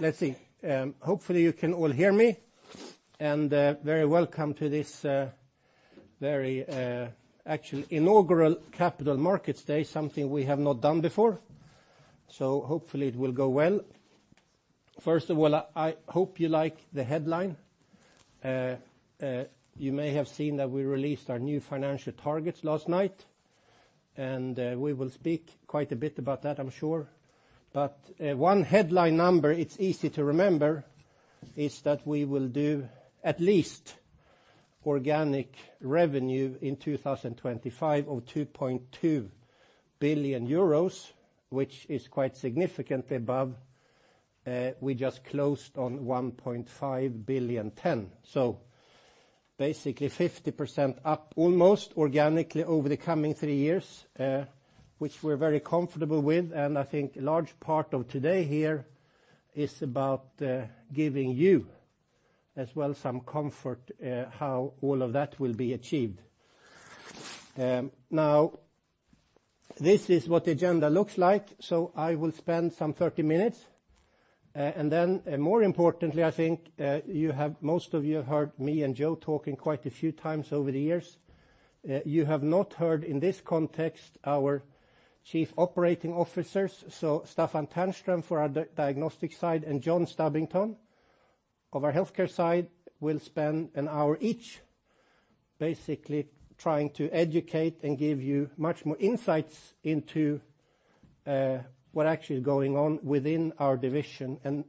Let's see. Hopefully you can all hear me, and very welcome to this very actual inaugural Capital Markets Day, something we have not done before. Hopefully it will go well. First of all, I hope you like the headline. You may have seen that we released our new financial targets last night, and we will speak quite a bit about that, I'm sure. One headline number it's easy to remember is that we will do at least organic revenue in 2025 of 2.2 billion euros, which is quite significantly above, we just closed on 1.5 billion ten. Basically 50% up almost organically over the coming three years, which we're very comfortable with. I think a large part of today here is about giving you as well some comfort how all of that will be achieved. Now this is what the agenda looks like. I will spend some 30 minutes. More importantly, I think, most of you have heard me and Joe talking quite a few times over the years. You have not heard in this context our Chief Operating Officers, Staffan Ternström for our Diagnostic side and John Stubbington of our healthcare side will spend 1 hour each basically trying to educate and give you much more insights into what actually is going on within our divisions and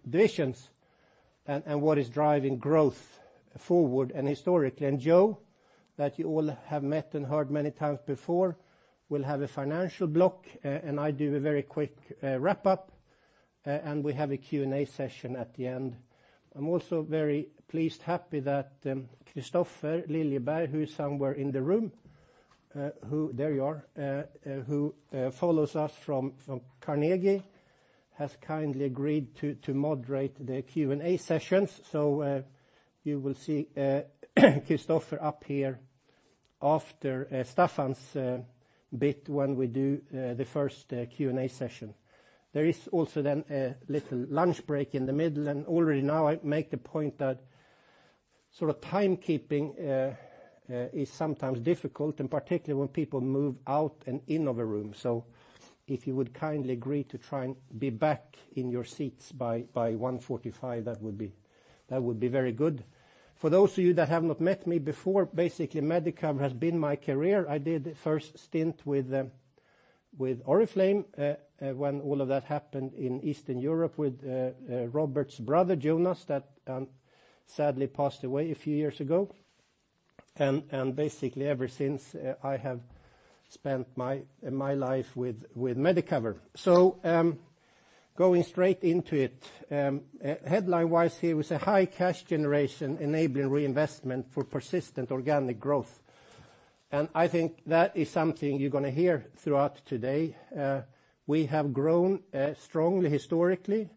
what is driving growth forward and historically. Joe, that you all have met and heard many times before, will have a financial block, and I do a very quick wrap-up, and we have a Q&A session at the end. I'm also very pleased, happy that Kristofer Liljeberg, who is somewhere in the room. There you are. Who follows us from Carnegie, has kindly agreed to moderate the Q&A sessions. You will see Kristofer up here after Staffan's bit when we do the first Q&A session. There is also then a little lunch break in the middle. Already now I make the point that sort of timekeeping is sometimes difficult and particularly when people move out and in of a room. If you would kindly agree to try and be back in your seats by 1:45 P.M., that would be very good. For those of you that have not met me before, basically, Medicover has been my career. I did first stint with Oriflame, when all of that happened in Eastern Europe with Robert's brother, Jonas, that sadly passed away a few years ago. Basically ever since, I have spent my life with Medicover. Going straight into it, headline-wise here was a high cash generation enabling reinvestment for persistent organic growth. I think that is something you're gonna hear throughout today. We have grown strongly historically.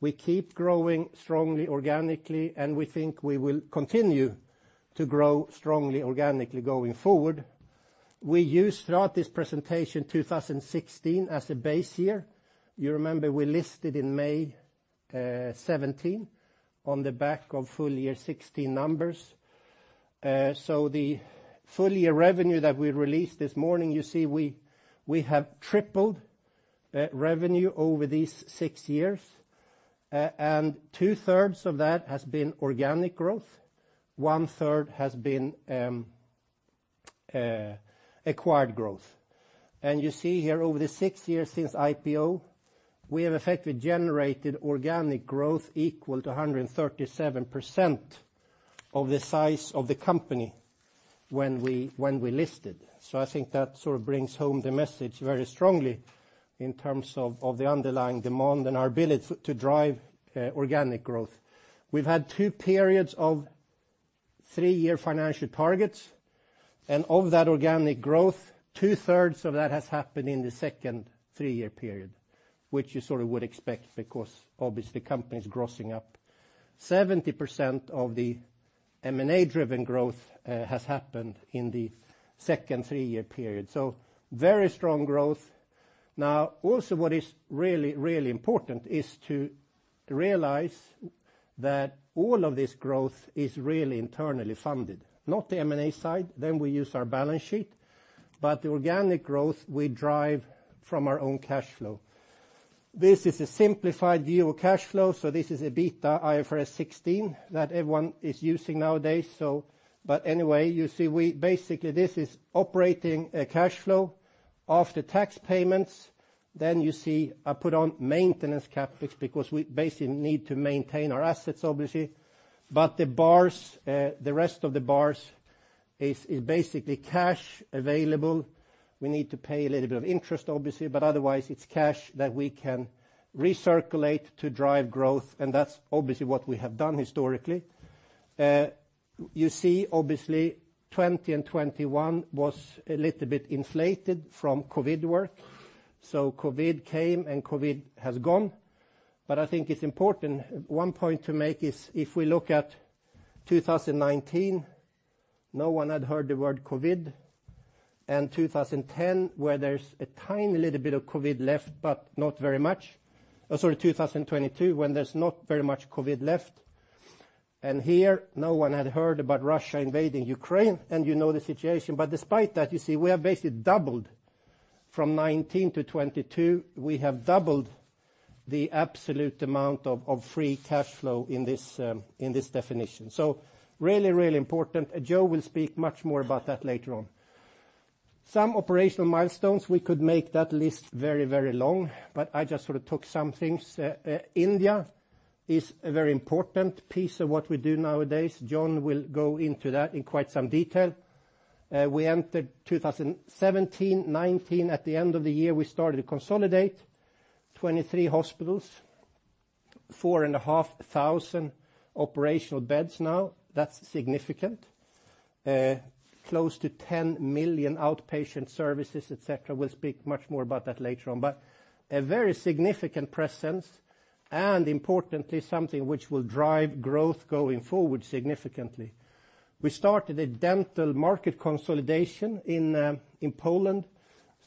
We keep growing strongly organically, and we think we will continue to grow strongly organically going forward. We use throughout this presentation 2016 as a base year. You remember we listed in May 2017 on the back of full year 2016 numbers. The full year revenue that we released this morning, you see we have tripled revenue over these six years. 2/3 of that has been organic growth. 1/3 has been acquired growth. You see here over the six years since IPO, we have effectively generated organic growth equal to 137% of the size of the company when we listed. I think that sort of brings home the message very strongly in terms of the underlying demand and our ability to drive organic growth. We've had two periods of three-year financial targets. Of that organic growth, two-thirds of that has happened in the second three-year period, which you sort of would expect because obviously the company is grossing up. 70% of the M&A-driven growth has happened in the second three-year period. Very strong growth. Now, also what is really, really important is to realize that all of this growth is really internally funded. Not the M&A side, then we use our balance sheet, but the organic growth we drive from our own cash flow. This is a simplified view of cash flow. This is EBITA IFRS 16 that everyone is using nowadays. Anyway, you see basically this is operating cash flow. After tax payments, you see I put on maintenance CapEx because we basically need to maintain our assets, obviously. The bars, the rest of the bars is basically cash available. We need to pay a little bit of interest, obviously, but otherwise it's cash that we can recirculate to drive growth, and that's obviously what we have done historically. You see, obviously, 20 and 21 was a little bit inflated from COVID work. COVID came and COVID has gone. I think it's important, one point to make is if we look at 2019, no one had heard the word COVID. And 2010, where there's a tiny little bit of COVID left, but not very much. Sorry, 2022 when there's not very much COVID left. Here, no one had heard about Russia invading Ukraine, and you know the situation. Despite that, you see we have basically doubled from 2019-2022, we have doubled the absolute amount of free cash flow in this definition. Really, really important. Joe will speak much more about that later on. Some operational milestones. We could make that list very, very long, but I just sort of took some things. India is a very important piece of what we do nowadays. John will go into that in quite some detail. We entered 2017. 2019, at the end of the year, we started to consolidate 23 hospitals, 4,500 operational beds now. That's significant. Close to 10 million outpatient services, etc. We'll speak much more about that later on. A very significant presence, and importantly, something which will drive growth going forward significantly. We started a dental market consolidation in Poland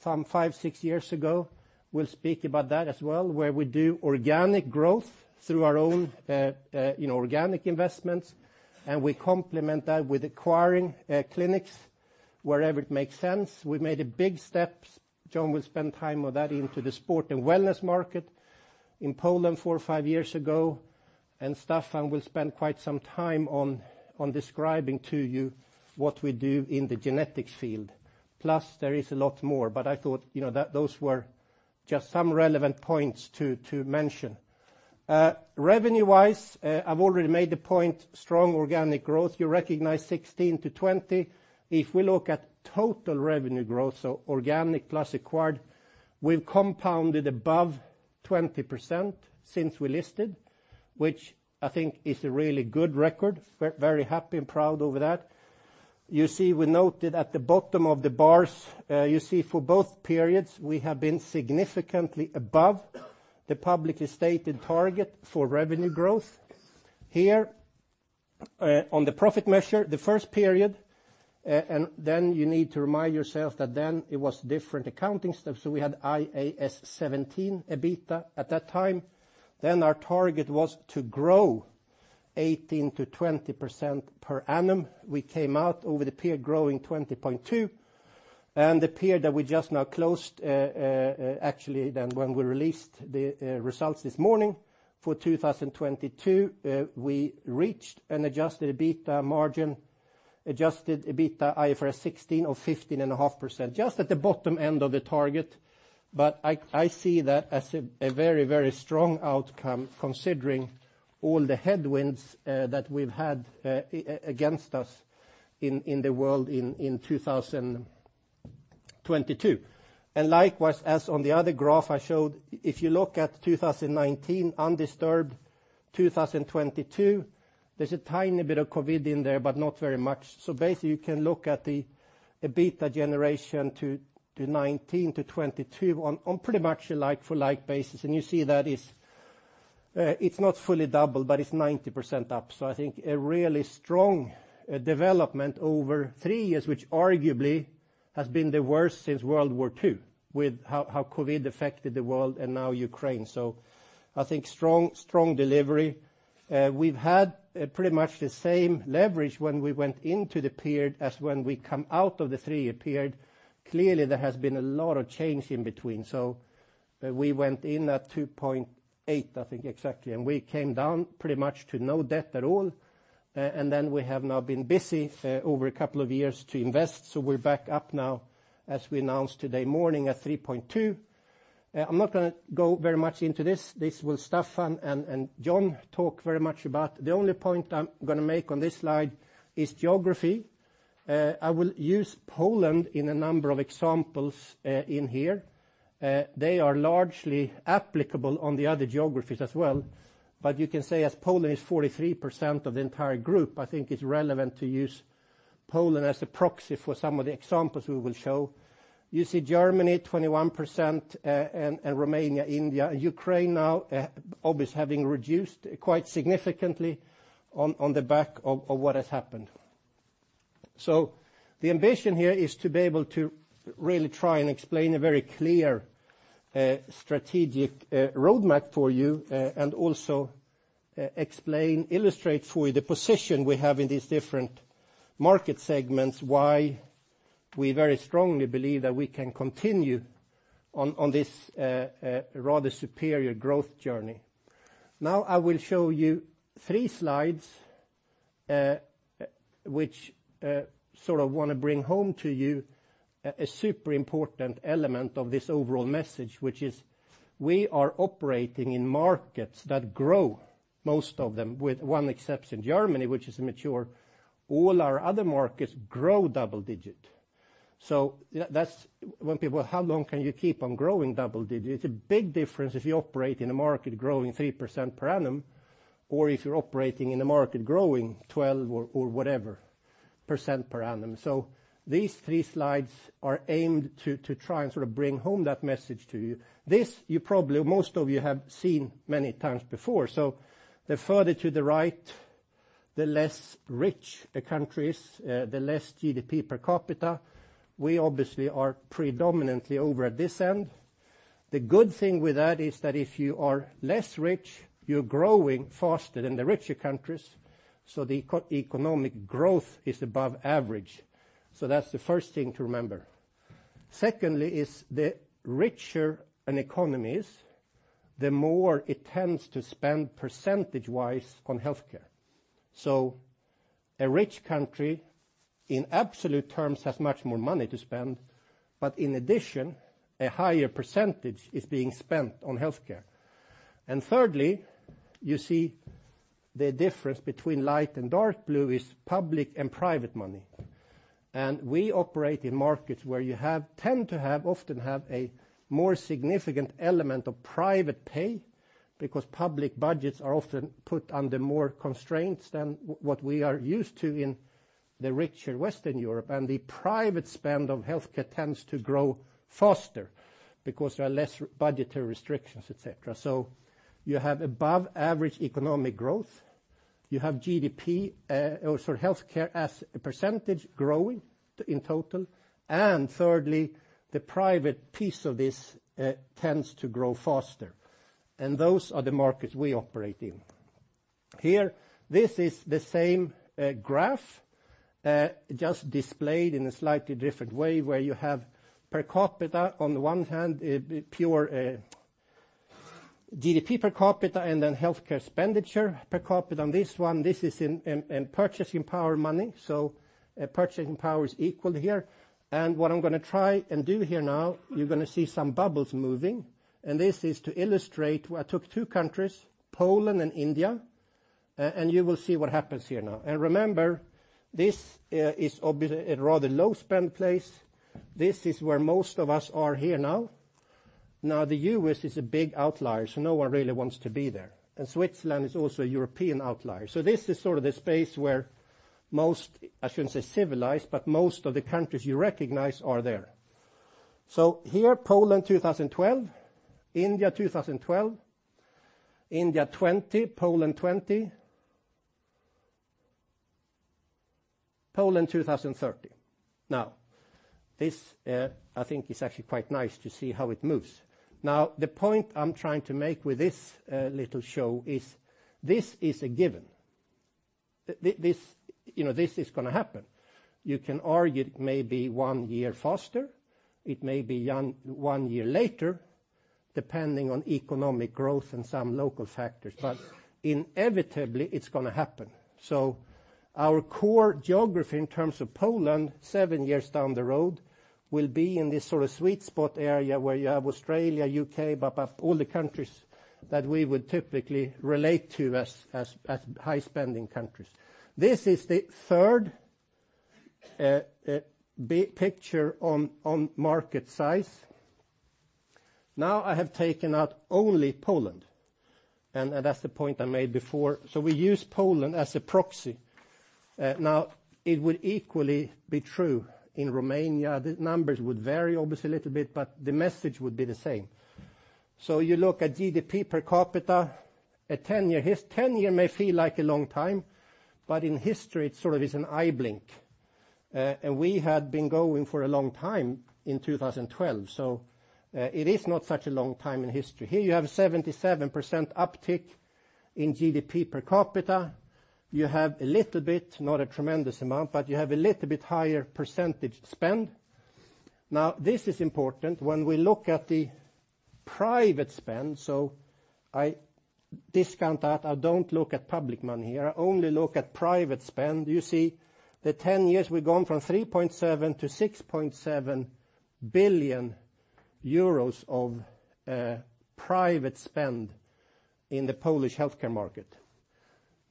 some 5, 6 years ago. We'll speak about that as well, where we do organic growth through our own, you know, organic investments, and we complement that with acquiring clinics wherever it makes sense. We made big steps, John will spend time on that, into the sport and wellness market in Poland 4 or 5 years ago. Staffan will spend quite some time on describing to you what we do in the genetics field. Plus, there is a lot more, but I thought, you know, those were just some relevant points to mention. Revenue-wise, I've already made the point, strong organic growth. You recognize 16-20. If we look at total revenue growth, so organic plus acquired, we've compounded above 20% since we listed, which I think is a really good record. Very happy and proud over that. You see we noted at the bottom of the bars, you see for both periods, we have been significantly above the publicly stated target for revenue growth. Here, on the profit measure, the first period, you need to remind yourself that then it was different accounting stuff, so we had IAS 17 EBITA at that time. Our target was to grow 18%-20% per annum. We came out over the period growing 20.2%. The period that we just now closed, actually then when we released the results this morning for 2022, we reached an adjusted EBITA margin, adjusted EBITA IFRS 16 of 15.5%. Just at the bottom end of the target, but I see that as a very strong outcome considering all the headwinds that we've had against us in the world in 2022. Likewise, as on the other graph I showed, if you look at 2019 undisturbed, 2022, there's a tiny bit of COVID in there, but not very much. Basically, you can look at the EBITA generation to 19-22 on pretty much a like for like basis, and you see that is, it's not fully double, but it's 90% up. I think a really strong development over 3 years, which arguably has been the worst since World War II with how COVID affected the world and now Ukraine. I think strong delivery. We've had pretty much the same leverage when we went into the period as when we come out of the 3-year period. Clearly, there has been a lot of change in between. We went in at 2.8, I think, exactly, and we came down pretty much to no debt at all. We have now been busy over a couple of years to invest, so we're back up now as we announced today morning at 3.2. I'm not gonna go very much into this. This will Staffan and John talk very much about. The only point I'm gonna make on this slide is geography. I will use Poland in a number of examples in here. They are largely applicable on the other geographies as well. You can say as Poland is 43% of the entire group, I think it's relevant to use Poland as a proxy for some of the examples we will show. You see Germany, 21%, and Romania, India, and Ukraine now, obvious having reduced quite significantly on the back of what has happened. The ambition here is to be able to really try and explain a very clear, strategic roadmap for you, and also explain, illustrate for you the position we have in these different market segments, why we very strongly believe that we can continue on this rather superior growth journey. Now I will show you three slides, which sort of wanna bring home to you a super important element of this overall message, which is we are operating in markets that grow, most of them, with one exception, Germany, which is mature. All our other markets grow double digit. That's when people, "How long can you keep on growing double digit?" It's a big difference if you operate in a market growing 3% per annum or if you're operating in a market growing 12% or whatever percent per annum. These three slides are aimed to try and sort of bring home that message to you. This, you probably or most of you have seen many times before. The further to the right. The less rich the country is, the less GDP per capita, we obviously are predominantly over at this end. The good thing with that is that if you are less rich, you're growing faster than the richer countries, so the eco-economic growth is above average. That's the first thing to remember. Secondly is the richer an economy is, the more it tends to spend percentage-wise on healthcare. A rich country, in absolute terms, has much more money to spend, but in addition, a higher % is being spent on healthcare. Thirdly, you see the difference between light and dark blue is public and private money. We operate in markets where you tend to have, often have a more significant element of private pay because public budgets are often put under more constraints than what we are used to in the richer Western Europe. The private spend of healthcare tends to grow faster because there are less budgetary restrictions, etc. You have above-average economic growth, you have GDP, or sorry, healthcare as a % growing in total, and thirdly, the private piece of this tends to grow faster. Those are the markets we operate in. Here, this is the same graph, just displayed in a slightly different way where you have per capita on the one hand, pure GDP per capita and then healthcare expenditure per capita on this one. This is in purchasing power money, so purchasing power is equal here. What I'm gonna try and do here now, you're gonna see some bubbles moving, and this is to illustrate where I took two countries, Poland and India, and you will see what happens here now. Remember, this a rather low spend place. This is where most of us are here now. The U.S. is a big outlier, so no one really wants to be there. Switzerland is also a European outlier. This is sort of the space where most, I shouldn't say civilized, but most of the countries you recognize are there. Here, Poland, 2012, India, 2012, India, 20, Poland, 20, Poland, 2030. This, I think is actually quite nice to see how it moves. The point I'm trying to make with this little show is this is a given. This, you know, this is gonna happen. You can argue it may be one year faster, it may be one year later, depending on economic growth and some local factors, but inevitably, it's gonna happen. Our core geography in terms of Poland 7 years down the road will be in this sort of sweet spot area where you have Australia, UK, all the countries that we would typically relate to as high-spending countries. This is the third big picture on market size. I have taken out only Poland, and that's the point I made before. We use Poland as a proxy. It would equally be true in Romania. The numbers would vary obviously a little bit, but the message would be the same. You look at GDP per capita. 10 year may feel like a long time, but in history, it sort of is an eye blink. We had been going for a long time in 2012, it is not such a long time in history. Here you have 77% uptick in GDP per capita. You have a little bit, not a tremendous amount, but you have a little bit higher percentage spend. This is important when we look at the private spend. I discount that. I don't look at public money here. I only look at private spend. You see the 10 years we've gone from 3.7 billion-6.7 billion euros of private spend in the Polish healthcare market.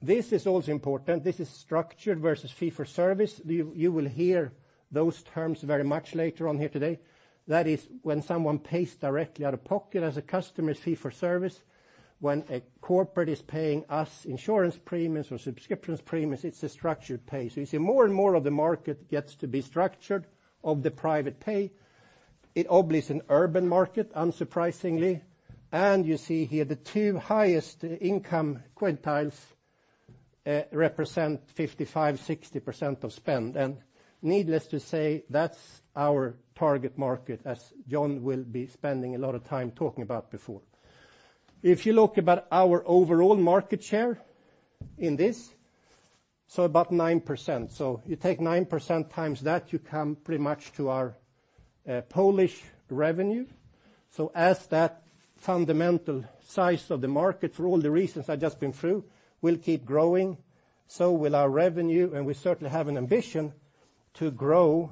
This is also important. This is structured versus fee-for-service. You will hear those terms very much later on here today. That is when someone pays directly out-of-pocket as a customer's fee-for-service. When a corporate is paying us insurance premiums or subscriptions premiums, it's a structured pay. You see more and more of the market gets to be structured of the private pay. It obviously is an urban market, unsurprisingly. You see here the two highest income quintiles represent 55%-60% of spend. Needless to say, that's our target market, as John will be spending a lot of time talking about before. If you look about our overall market share in this, about 9%. You take 9% times that, you come pretty much to our Polish revenue. As that fundamental size of the market, for all the reasons I've just been through, will keep growing. Will our revenue, and we certainly have an ambition to grow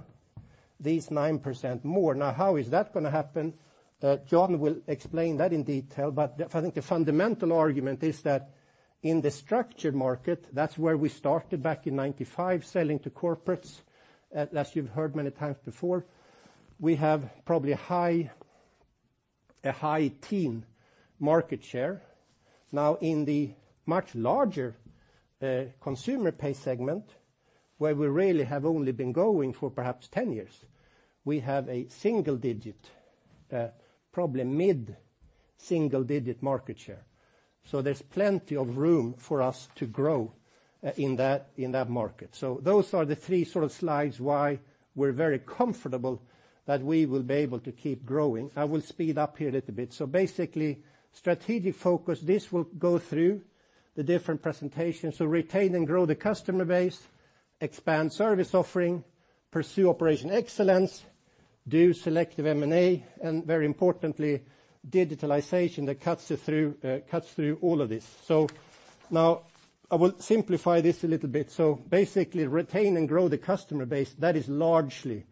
these 9% more. How is that gonna happen? John will explain that in detail. I think the fundamental argument is that in the structured market, that's where we started back in 95, selling to corporates. As you've heard many times before, we have probably a high-teen market share. In the much larger consumer pay segment, where we really have only been going for perhaps 10 years, we have a single-digit, probably mid-single-digit market share. There's plenty of room for us to grow in that market. Those are the three sort of slides why we're very comfortable that we will be able to keep growing. I will speed up here a little bit. Basically, strategic focus. This will go through the different presentations. Retain and grow the customer base, expand service offering, pursue operational excellence, do selective M&A, and very importantly, digitalization that cuts through all of this. Now I will simplify this a little bit. Basically, retain and grow the customer base, that is largely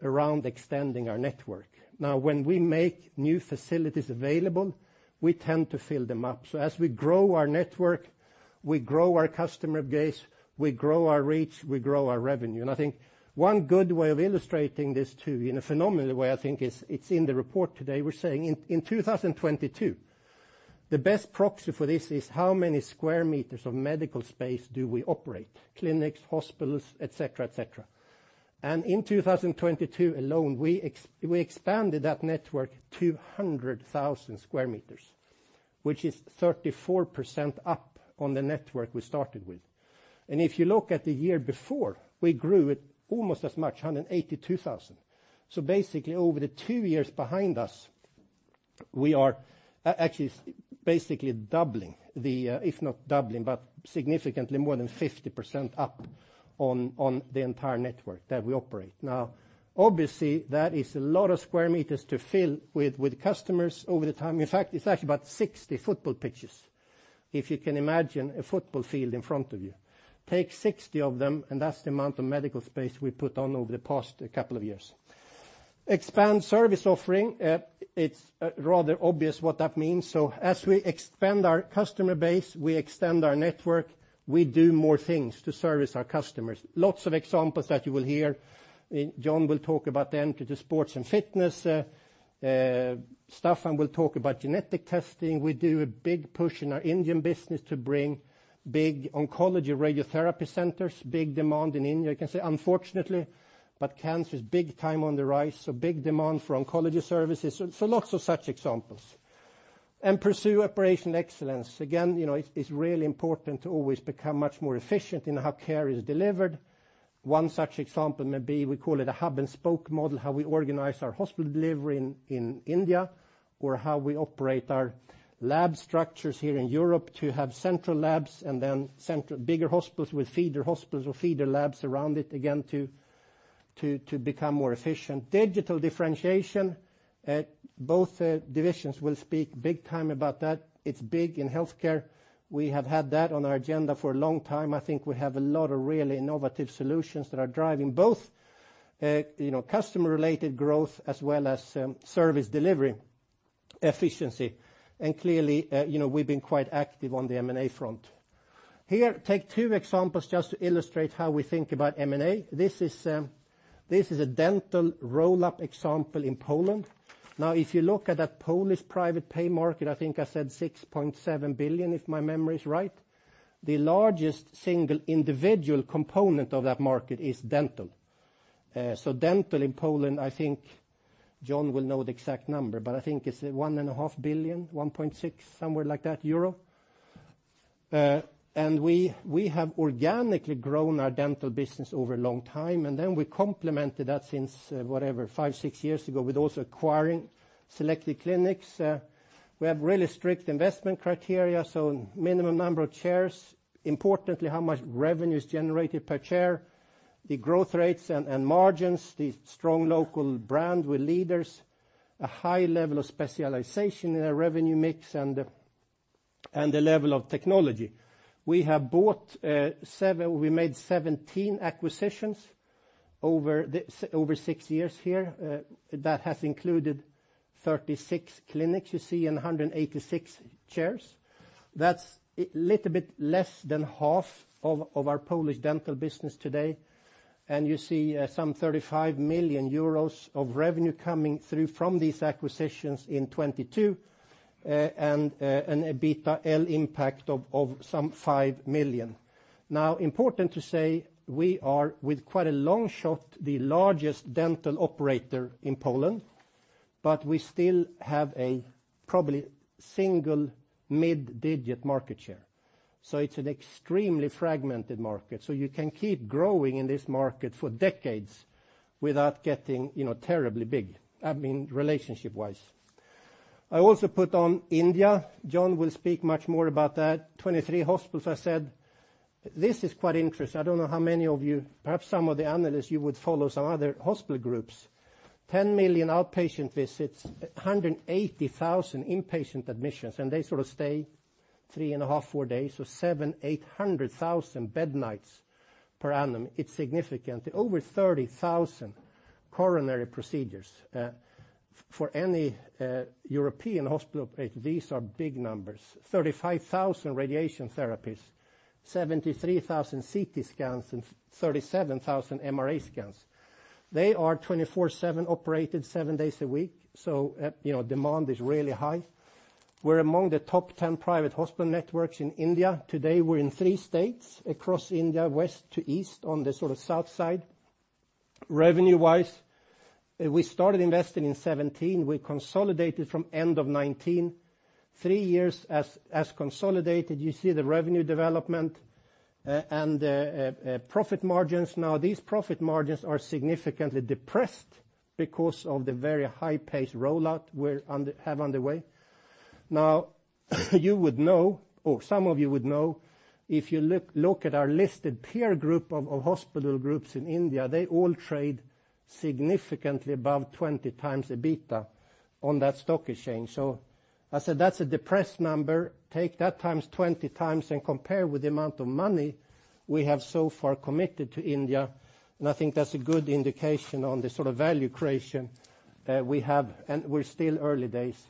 around extending our network. Now, when we make new facilities available, we tend to fill them up. As we grow our network, we grow our customer base, we grow our reach, we grow our revenue. I think one good way of illustrating this too, in a phenomenal way, I think is, it's in the report today. We're saying in 2022, the best proxy for this is how many sq m of medical space do we operate, clinics, hospitals, etc. In 2022 alone, we expanded that network 200,000 sq m, which is 34% up on the network we started with. If you look at the year before, we grew it almost as much, 182,000. Basically, over the two years behind us, we are actually, basically doubling the, if not doubling, but significantly more than 50% up on the entire network that we operate. Obviously, that is a lot of sq m to fill with customers over the time. In fact, it's actually about 60 football pitches. If you can imagine a football field in front of you, take 60 of them, and that's the amount of medical space we put on over the past couple of years. Expand service offering. It's rather obvious what that means. As we expand our customer base, we extend our network, we do more things to service our customers. Lots of examples that you will hear. John will talk about the entry to sports and fitness stuff, and we'll talk about genetic testing. We do a big push in our Indian business to bring big oncology radiotherapy centers, big demand in India. I can say, unfortunately, but cancer is big time on the rise, so big demand for oncology services. Lots of such examples. Pursue operational excellence. You know, it's really important to always become much more efficient in how care is delivered. One such example may be we call it a hub-and-spoke model, how we organize our hospital delivery in India or how we operate our lab structures here in Europe to have central labs and then bigger hospitals with feeder hospitals or feeder labs around it, to become more efficient. Digital differentiation, both divisions will speak big time about that. It's big in healthcare. We have had that on our agenda for a long time. I think we have a lot of really innovative solutions that are driving both, you know, customer-related growth as well as service delivery efficiency. Clearly, you know, we've been quite active on the M&A front. Here, take two examples just to illustrate how we think about M&A. This is a dental roll-up example in Poland. Now, if you look at that Polish private pay market, I think I said 6.7 billion, if my memory is right. The largest single individual component of that market is dental. Dental in Poland, I think John will know the exact number, but I think it's 1.5 billion, 1.6, somewhere like that. We, we have organically grown our dental business over a long time. We complemented that since, whatever, 5, 6 years ago with also acquiring selected clinics. We have really strict investment criteria, so minimum number of chairs, importantly how much revenue is generated per chair, the growth rates and margins, the strong local brand with leaders, a high level of specialization in our revenue mix, and the level of technology. We have bought, we made 17 acquisitions over 6 years here. That has included 36 clinics, you see, and 186 chairs. That's a little bit less than half of our Polish dental business today. You see, some 35 million euros of revenue coming through from these acquisitions in 2022, and an EBITDA impact of some 5 million. Important to say, we are, with quite a long shot, the largest dental operator in Poland, but we still have a probably single-mid-digit market share. It's an extremely fragmented market. You can keep growing in this market for decades without getting, you know, terribly big, I mean, relationship-wise. I also put on India. John will speak much more about that. 23 hospitals, I said. This is quite interesting. I don't know how many of you, perhaps some of the analysts, you would follow some other hospital groups. 10 million outpatient visits, 180,000 inpatient admissions, and they sort of stay three and a half, four days. 700,000-800,000 bed nights per annum. It's significant. Over 30,000 coronary procedures. For any European hospital, these are big numbers. 35,000 radiation therapies, 73,000 CT scans, and 37,000 MRA scans. They are 24/7 operated seven days a week, you know, demand is really high. We're among the top 10 private hospital networks in India. Today, we're in three states across India, west to east on the sort of south side. Revenue-wise, we started investing in 2017. We consolidated from end of 2019. Three years as consolidated, you see the revenue development and the profit margins. These profit margins are significantly depressed because of the very high-paced rollout we have underway. You would know, or some of you would know, if you look at our listed peer group of hospital groups in India, they all trade significantly above 20x the EBITDA on that stock exchange. I said that's a depressed number. Take that times 20x and compare with the amount of money we have so far committed to India, and I think that's a good indication on the sort of value creation that we have, and we're still early days.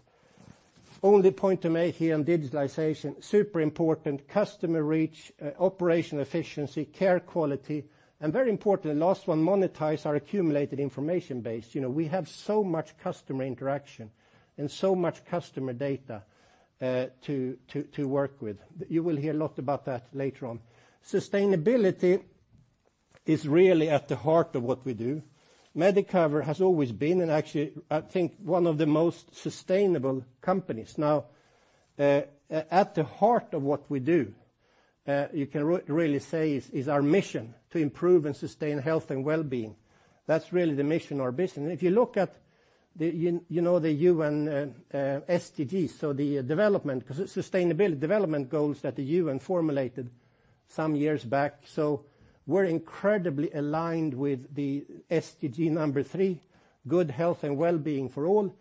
One point to make here on digitalization, super important, customer reach, operational efficiency, care quality, and very importantly, last one, monetize our accumulated information base. You know, we have so much customer interaction and so much customer data to work with. You will hear a lot about that later on. Sustainability is really at the heart of what we do. Medicover has always been and actually, I think one of the most sustainable companies. At the heart of what we do, you can really say is our mission to improve and sustain health and well-being. That's really the mission, our mission. If you look at the, you know, the UN SDG, the Sustainable Development Goals that the UN formulated some years back. We're incredibly aligned with the SDG number 3, good health and well-being for all.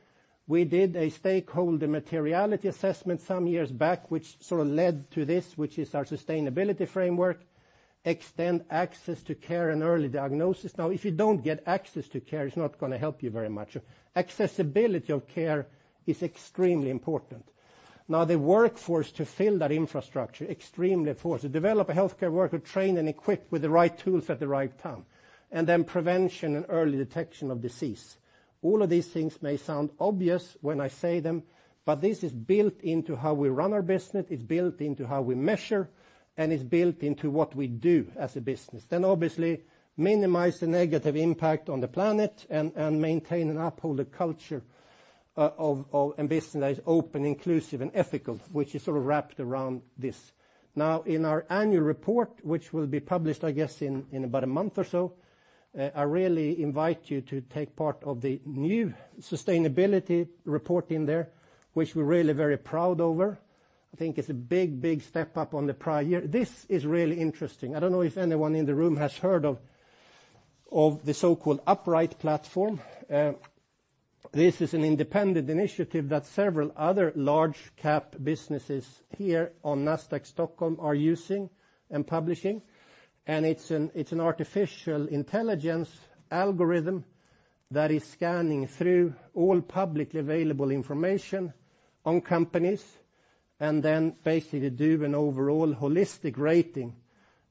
We did a stakeholder materiality assessment some years back, which sort of led to this, which is our sustainability framework, extend access to care and early diagnosis. If you don't get access to care, it's not gonna help you very much. Accessibility of care is extremely important. The workforce to fill that infrastructure, extremely important. To develop a healthcare worker, train and equip with the right tools at the right time, prevention and early detection of disease. All of these things may sound obvious when I say them, this is built into how we run our business, it's built into how we measure, and it's built into what we do as a business. Obviously minimize the negative impact on the planet and maintain and uphold a culture of ambition that is open, inclusive, and ethical, which is sort of wrapped around this. In our annual report, which will be published, I guess, in about a month or so, I really invite you to take part of the new sustainability report in there, which we're really very proud over. I think it's a big, big step up on the prior year. This is really interesting. I don't know if anyone in the room has heard of the so-called Upright platform. This is an independent initiative that several other large cap businesses here on Nasdaq Stockholm are using and publishing. It's an artificial intelligence algorithm that is scanning through all publicly available information on companies and then basically do an overall holistic rating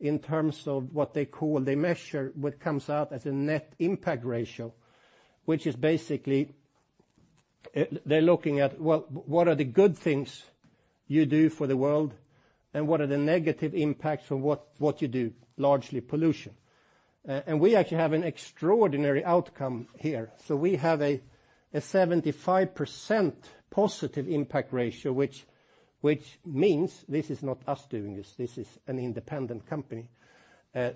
in terms of what they call, they measure what comes out as a net impact ratio, which is basically, they're looking at, well, what are the good things you do for the world and what are the negative impacts of what you do, largely pollution. We actually have an extraordinary outcome here. We have a 75% positive impact ratio, which means this is not us doing this. This is an independent company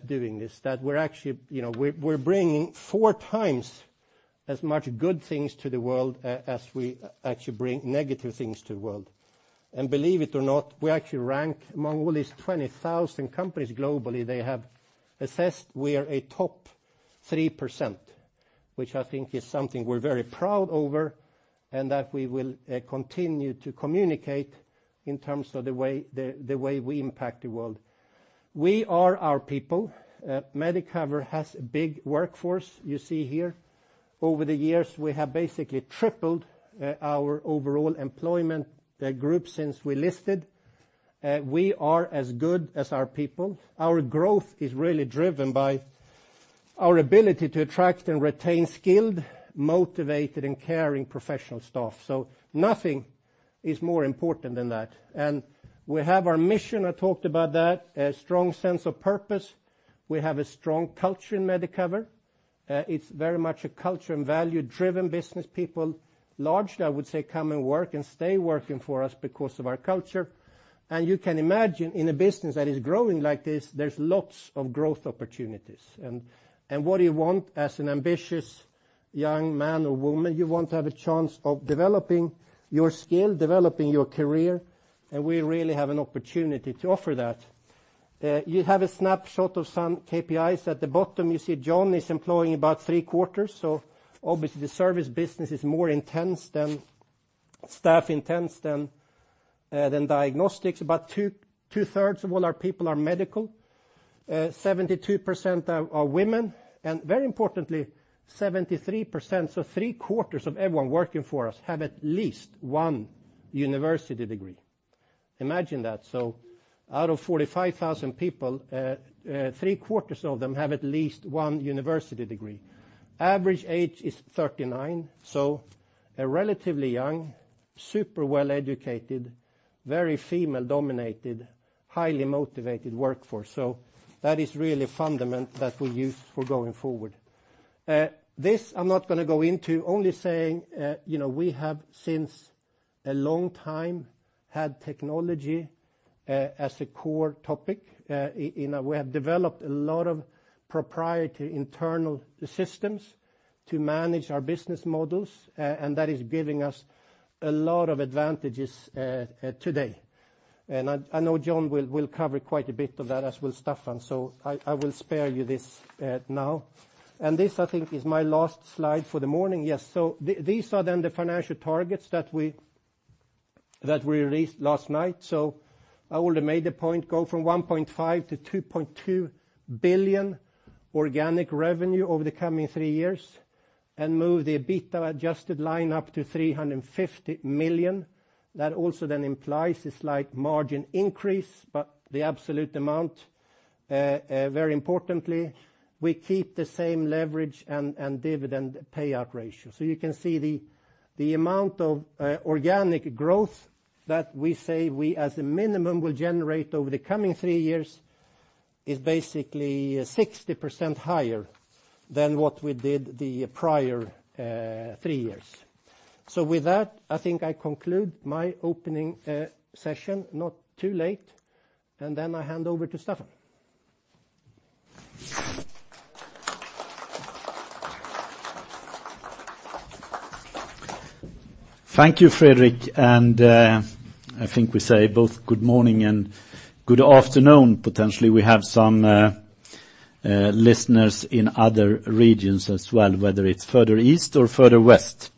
doing this, that we're actually, you know, we're bringing 4x as much good things to the world as we actually bring negative things to the world. Believe it or not, we actually rank among all these 20,000 companies globally they have assessed we are a top 3%, which I think is something we're very proud over and that we will continue to communicate in terms of the way we impact the world. We are our people. Medicover has a big workforce you see here. Over the years, we have basically tripled our overall employment group since we listed. We are as good as our people. Our growth is really driven by our ability to attract and retain skilled, motivated, and caring professional staff. Nothing is more important than that. We have our mission, I talked about that, a strong sense of purpose. We have a strong culture in Medicover. It's very much a culture and value-driven business. People largely, I would say, come and work and stay working for us because of our culture. You can imagine in a business that is growing like this, there's lots of growth opportunities. What do you want as an ambitious young man or woman? You want to have a chance of developing your skill, developing your career, and we really have an opportunity to offer that. You have a snapshot of some KPIs. At the bottom, you see John is employing about three quarters. obviously the service business is more staff intense than diagnostics. About two-thirds of all our people are medical, 72% are women, and very importantly, 73%, so three quarters of everyone working for us have at least one university degree. Imagine that. Out of 45,000 people, three quarters of them have at least one university degree. Average age is 39, so a relatively young, super well-educated, very female dominated, highly motivated workforce. That is really a fundament that we use for going forward. This I'm not gonna go into, only saying, you know, we have since a long time had technology as a core topic. And we have developed a lot of proprietary internal systems to manage our business models, and that is giving us a lot of advantages today. I know John will cover quite a bit of that, as will Staffan. I will spare you this now. This, I think, is my last slide for the morning. Yes. These are then the financial targets that we released last night. I would have made the point go from 1.5 billion-2.2 billion organic revenue over the coming three years and move the EBITDA adjusted line up to 350 million. That also then implies a slight margin increase, but the absolute amount, very importantly, we keep the same leverage and dividend payout ratio. You can see the amount of organic growth that we say we as a minimum will generate over the coming 3 years is basically 60% higher than what we did the prior 3 years. With that, I think I conclude my opening session, not too late, and then I hand over to Staffan. Thank you, Fredrik. I think we say both good morning and good afternoon. Potentially we have some listeners in other regions as well, whether it's further east or further west.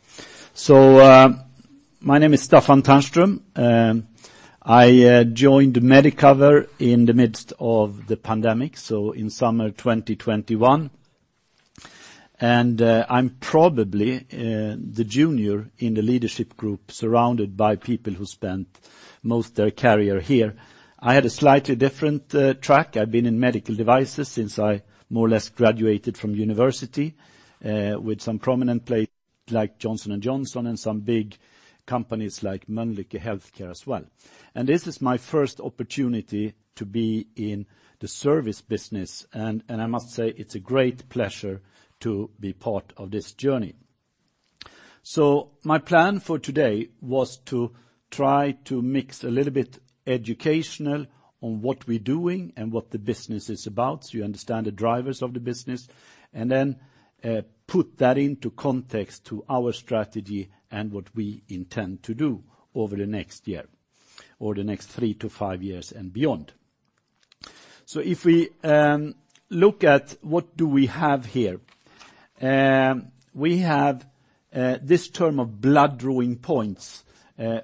My name is Staffan Ternström. I joined Medicover in the midst of the pandemic, so in summer 2021. I'm probably the junior in the leadership group surrounded by people who spent most their career here. I had a slightly different track. I've been in medical devices since I more or less graduated from university, with some prominent places like Johnson & Johnson and some big companies like Mölnlycke Health Care as well. This is my first opportunity to be in the service business. I must say it's a great pleasure to be part of this journey. My plan for today was to try to mix a little bit educational on what we're doing and what the business is about, so you understand the drivers of the business, and then put that into context to our strategy and what we intend to do over the next year or the next 3-5 years and beyond. If we look at what do we have here, we have this term of blood drawing points,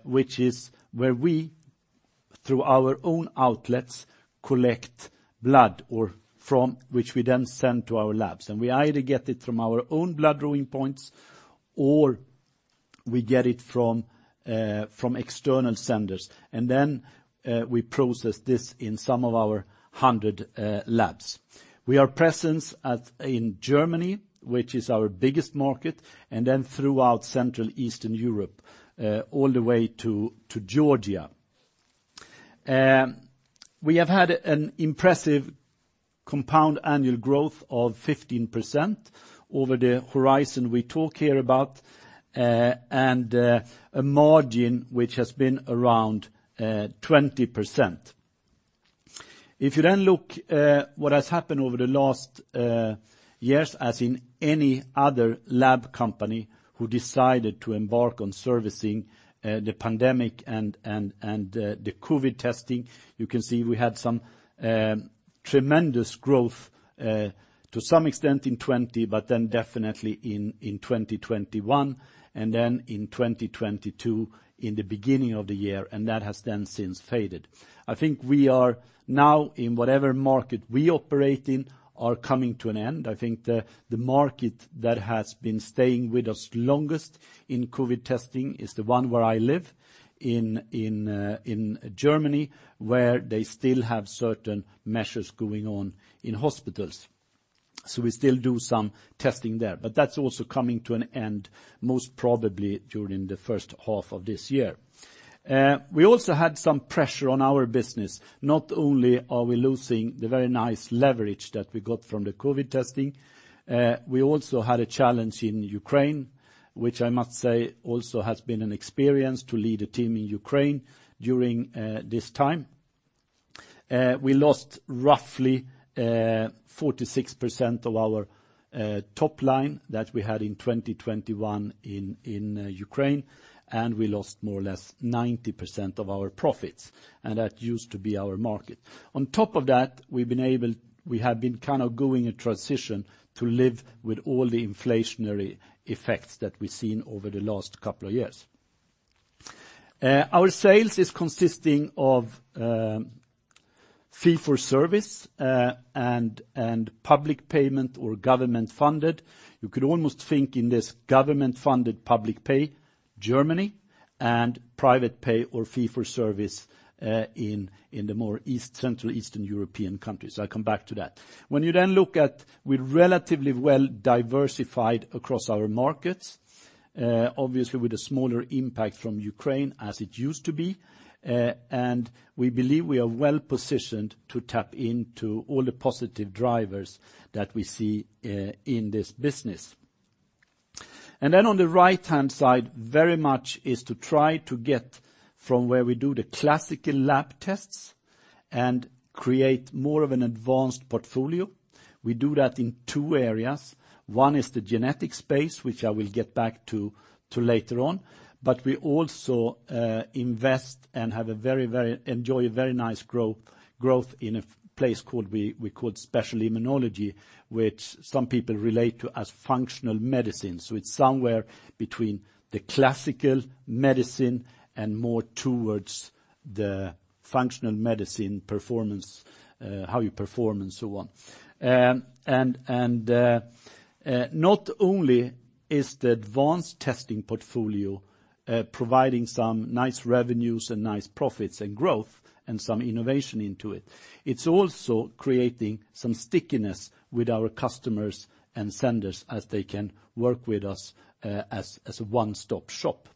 which is where we, through our own outlets, collect blood or from which we then send to our labs. We either get it from our own blood drawing points or we get it from external senders. Then we process this in some of our 100 labs. We are present in Germany, which is our biggest market, throughout Central Eastern Europe, all the way to Georgia. We have had an impressive compound annual growth of 15% over the horizon we talk here about, and a margin which has been around 20%. If you then look, what has happened over the last years, as in any other lab company who decided to embark on servicing the pandemic and the COVID testing, you can see we had some tremendous growth to some extent in 2020, definitely in 2021, in 2022, in the beginning of the year, that has then since faded. I think we are now, in whatever market we operate in, are coming to an end. I think the market that has been staying with us longest in COVID testing is the one where I live in Germany, where they still have certain measures going on in hospitals. We still do some testing there, but that's also coming to an end, most probably during the first half of this year. We also had some pressure on our business. Not only are we losing the very nice leverage that we got from the COVID testing, we also had a challenge in Ukraine, which I must say also has been an experience to lead a team in Ukraine during this time. We lost roughly 46% of our top line that we had in 2021 in Ukraine, we lost more or less 90% of our profits, that used to be our market. On top of that, we have been kind of going a transition to live with all the inflationary effects that we've seen over the last couple of years. Our sales is consisting of fee-for-service and public payment or government-funded. You could almost think in this government-funded public pay, Germany and private pay or fee-for-service in the more east, Central Eastern European countries. I come back to that. When you then look at we're relatively well diversified across our markets, obviously with a smaller impact from Ukraine as it used to be. We believe we are well-positioned to tap into all the positive drivers that we see in this business. On the right-hand side, very much is to try to get from where we do the classical lab tests and create more of an advanced portfolio. We do that in 2 areas. One is the genetic space, which I will get back to later on. We also invest and enjoy a very nice growth in a place we call special immunology, which some people relate to as functional medicine. It's somewhere between the classical medicine and more towards the functional medicine performance, how you perform and so on. Not only is the advanced testing portfolio providing some nice revenues and nice profits and growth and some innovation into it's also creating some stickiness with our customers and senders as they can work with us as a one-stop shop.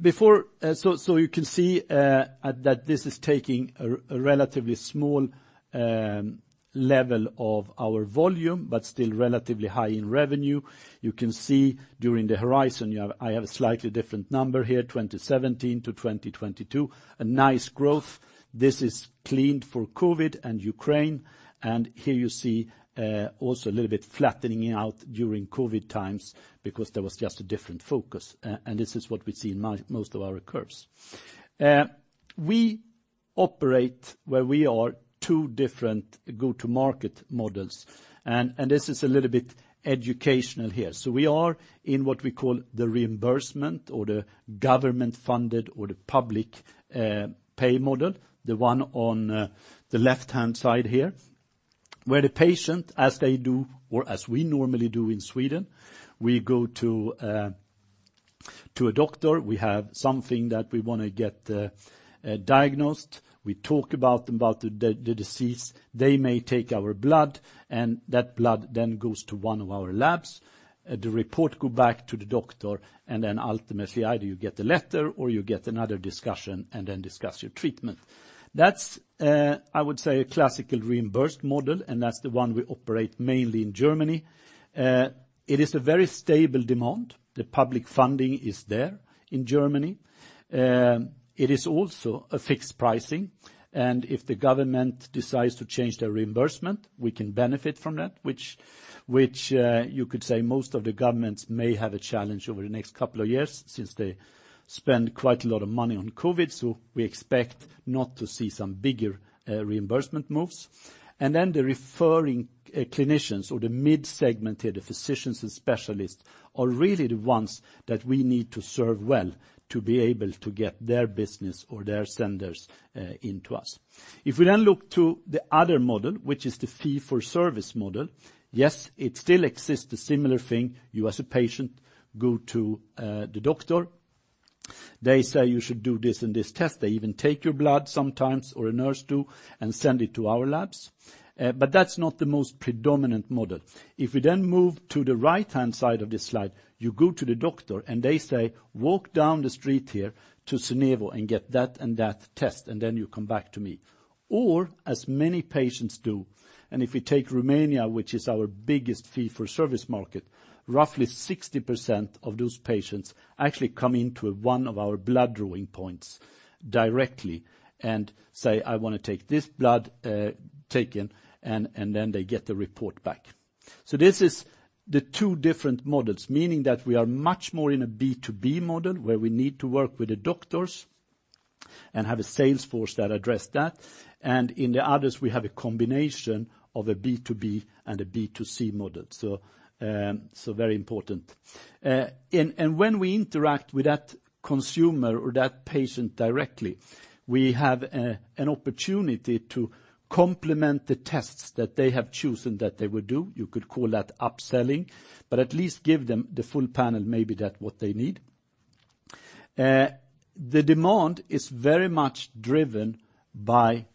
Before you can see that this is taking a relatively small level of our volume, but still relatively high in revenue. You can see during the horizon, I have a slightly different number here, 2017-2022, a nice growth. This is cleaned for COVID and Ukraine, here you see also a little bit flattening out during COVID times because there was just a different focus. This is what we see in most of our curves. We operate where we are two different go-to market models, and this is a little bit educational here. We are in what we call the reimbursement or the government-funded or the public pay model, the one on the left-hand side here, where the patient, as they do or as we normally do in Sweden, we go to a doctor. We have something that we wanna get diagnosed. We talk about the disease. They may take our blood, and that blood then goes to one of our labs. The report go back to the doctor, and then ultimately either you get a letter or you get another discussion and then discuss your treatment. That's, I would say, a classical reimbursed model, and that's the one we operate mainly in Germany. It is a very stable demand. The public funding is there in Germany. It is also a fixed pricing, and if the government decides to change their reimbursement, we can benefit from that, which you could say most of the governments may have a challenge over the next couple of years since they spend quite a lot of money on COVID. We expect not to see some bigger reimbursement moves. The referring clinicians or the mid segment here, the physicians and specialists, are really the ones that we need to serve well to be able to get their business or their senders into us. If we then look to the other model, which is the fee-for-service model, yes, it still exists, the similar thing. You as a patient go to the doctor. They say, "You should do this and this test." They even take your blood sometimes or a nurse do and send it to our labs. That's not the most predominant model. We then move to the right-hand side of this slide, you go to the doctor and they say, "Walk down the street here to Synevo and get that and that test, and then you come back to me." As many patients do, and if we take Romania, which is our biggest fee-for-service market, roughly 60% of those patients actually come into one of our blood drawing points directly and say, "I wanna take this blood taken," and then they get the report back. This is the two different models, meaning that we are much more in a B2B model where we need to work with the doctors and have a sales force that address that. In the others, we have a combination of a B2B and a B2C model. Very important. When we interact with that consumer or that patient directly, we have an opportunity to complement the tests that they have chosen that they would do. You could call that upselling, but at least give them the full panel, maybe that what they need. The demand is very much driven by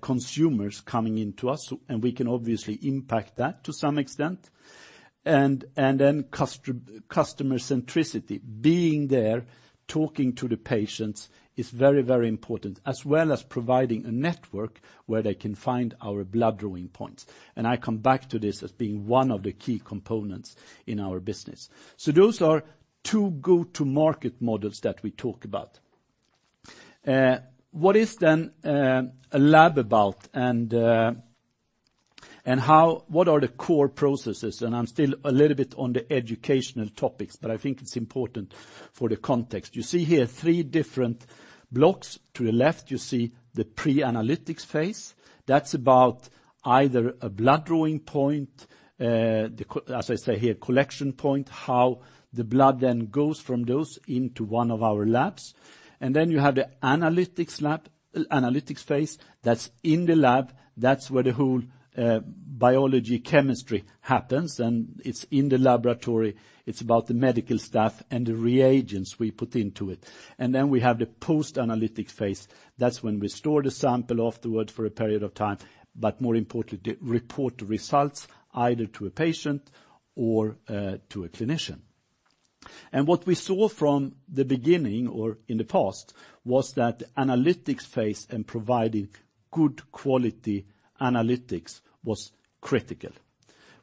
consumers coming into us, and we can obviously impact that to some extent. Then customer centricity, being there, talking to the patients is very, very important, as well as providing a network where they can find our blood drawing points. I come back to this as being one of the key components in our business. Those are two go-to market models that we talk about. What is then a lab about, and what are the core processes? I'm still a little bit on the educational topics, but I think it's important for the context. You see here three different blocks. To the left, you see the pre-analytics phase. That's about either a blood drawing point. As I say here, collection point, how the blood then goes from those into one of our labs. Then you have the analytics lab, analytics phase that's in the lab. That's where the whole biology, chemistry happens, and it's in the laboratory. It's about the medical staff and the reagents we put into it. Then we have the post-analytic phase. That's when we store the sample afterward for a period of time, but more importantly, to report the results either to a patient or to a clinician. What we saw from the beginning or in the past was that analytics phase and providing good quality analytics was critical.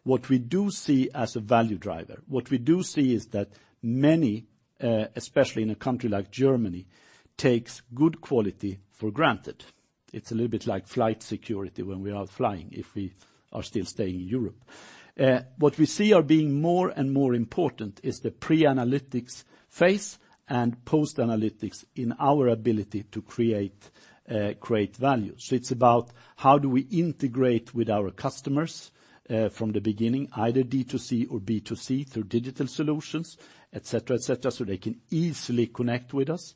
What we do see as a value driver, what we do see is that many, especially in a country like Germany, takes good quality for granted. It's a little bit like flight security when we are flying, if we are still staying in Europe. What we see are being more and more important is the pre-analytics phase and post-analytics in our ability to create value. It's about how do we integrate with our customers, from the beginning, either D2C or B2C through digital solutions, etc., etc., so they can easily connect with us.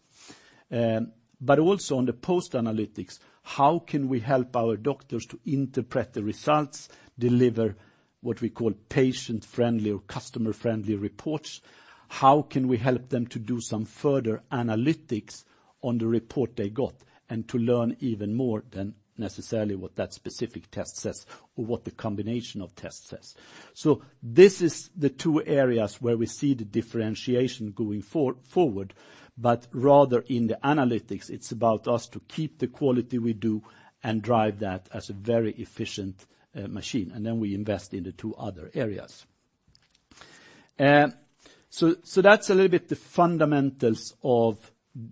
Also on the post-analytics, how can we help our doctors to interpret the results, deliver what we call patient-friendly or customer-friendly reports? How can we help them to do some further analytics on the report they got and to learn even more than necessarily what that specific test says or what the combination of test says? This is the two areas where we see the differentiation going forward, but rather in the analytics, it's about us to keep the quality we do and drive that as a very efficient machine, and then we invest in the two other areas. That's a little bit the fundamentals of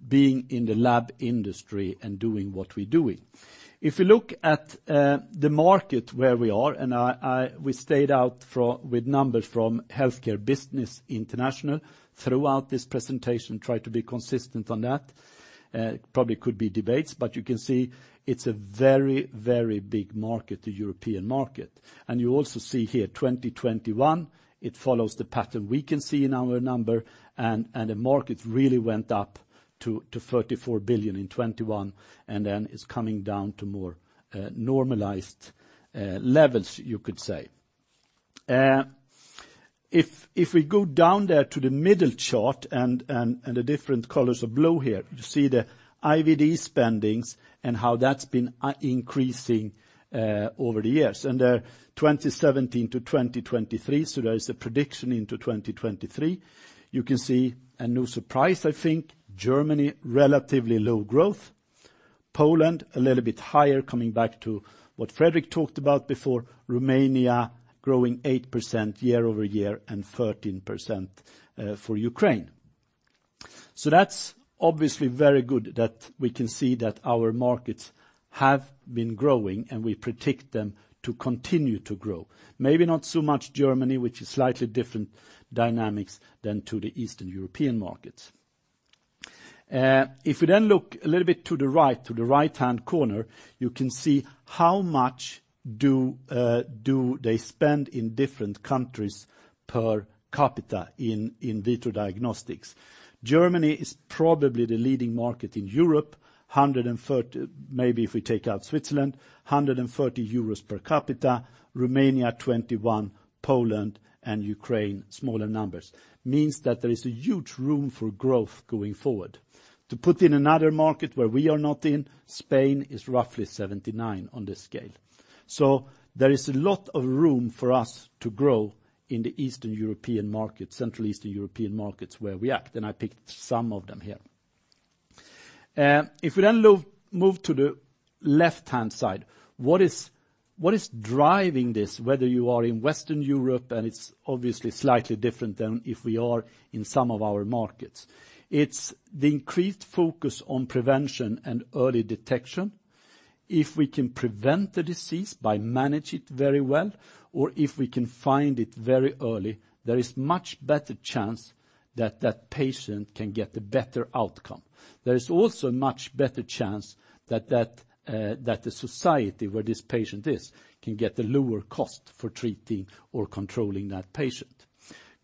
being in the lab industry and doing what we're doing. If you look at the market where we are, and we stayed out with numbers from Healthcare Business International throughout this presentation, try to be consistent on that. Probably could be debates. You can see it's a very, very big market, the European market. You also see here, 2021, it follows the pattern we can see in our number, the market really went up to 34 billion in 2021, and then it's coming down to more normalized levels, you could say. If we go down there to the middle chart and the different colors of blue here, you see the IVD spendings and how that's been increasing over the years. 2017-2023, so there is a prediction into 2023. You can see, and no surprise, I think, Germany, relatively low growth. Poland, a little bit higher, coming back to what Fredrik talked about before. Romania growing 8% year-over-year and 13% for Ukraine. That's obviously very good that we can see that our markets have been growing, and we predict them to continue to grow. Maybe not so much Germany, which is slightly different dynamics than to the Eastern European markets. If we then look a little bit to the right, to the right-hand corner, you can see how much do they spend in different countries per capita in vitro diagnostics. Germany is probably the leading market in Europe. Maybe if we take out Switzerland, 140 euros per capita. Romania, 21. Poland and Ukraine, smaller numbers. Means that there is a huge room for growth going forward. To put in another market where we are not in, Spain is roughly 79 on this scale. There is a lot of room for us to grow in the Eastern European market, Central Eastern European markets where we act. I picked some of them here. If we then move to the left-hand side, what is driving this, whether you are in Western Europe, and it's obviously slightly different than if we are in some of our markets. It's the increased focus on prevention and early detection. If we can prevent the disease by manage it very well, or if we can find it very early, there is much better chance that patient can get a better outcome. There is also a much better chance that the society where this patient is can get a lower cost for treating or controlling that patient.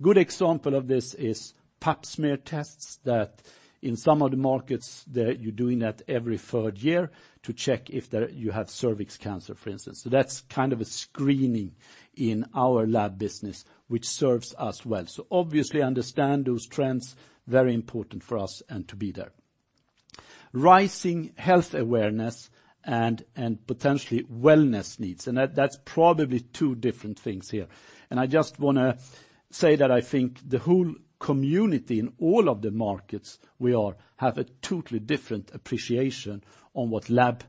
Good example of this is Pap smear tests that in some of the markets that you're doing that every third year to check if there, you have cervical cancer, for instance. That's kind of a screening in our lab business, which serves us well. Obviously understand those trends, very important for us and to be there. Rising health awareness and potentially wellness needs, and that's probably two different things here. I just wanna say that I think the whole community in all of the markets we are have a totally different appreciation on what lab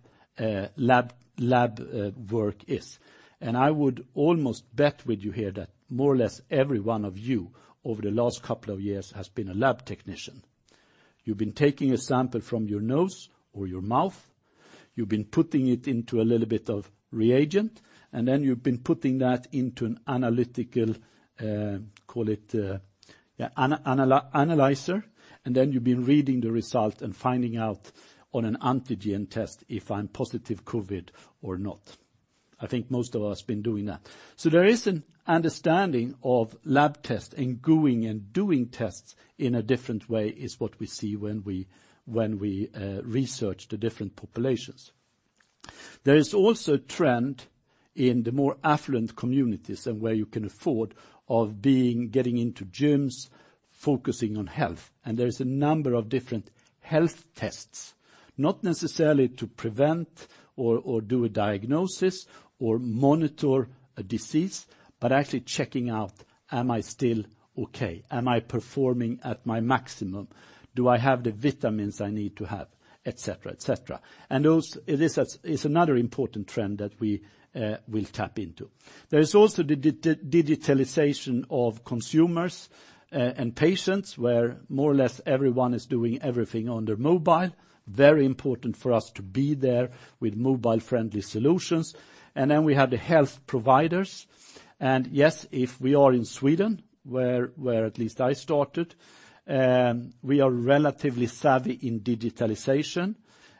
work is. I would almost bet with you here that more or less every one of you over the last couple of years has been a lab technician. You've been taking a sample from your nose or your mouth, you've been putting it into a little bit of reagent, and then you've been putting that into an analytical, call it, yeah, analyzer, and then you've been reading the result and finding out on an antigen test if I'm positive COVID or not. I think most of us been doing that. There is an understanding of lab tests and going and doing tests in a different way is what we see when we, when we, research the different populations. There is also a trend in the more affluent communities and where you can afford getting into gyms, focusing on health. There is a number of different health tests, not necessarily to prevent or do a diagnosis or monitor a disease, but actually checking out, am I still okay? Am I performing at my maximum? Do I have the vitamins I need to have, etc, etc. That is another important trend that we will tap into. There is also the digitalization of consumers and patients, where more or less everyone is doing everything on their mobile. Very important for us to be there with mobile-friendly solutions. Then we have the health providers, and yes, if we are in Sweden, where at least I started, we are relatively savvy in digitalization.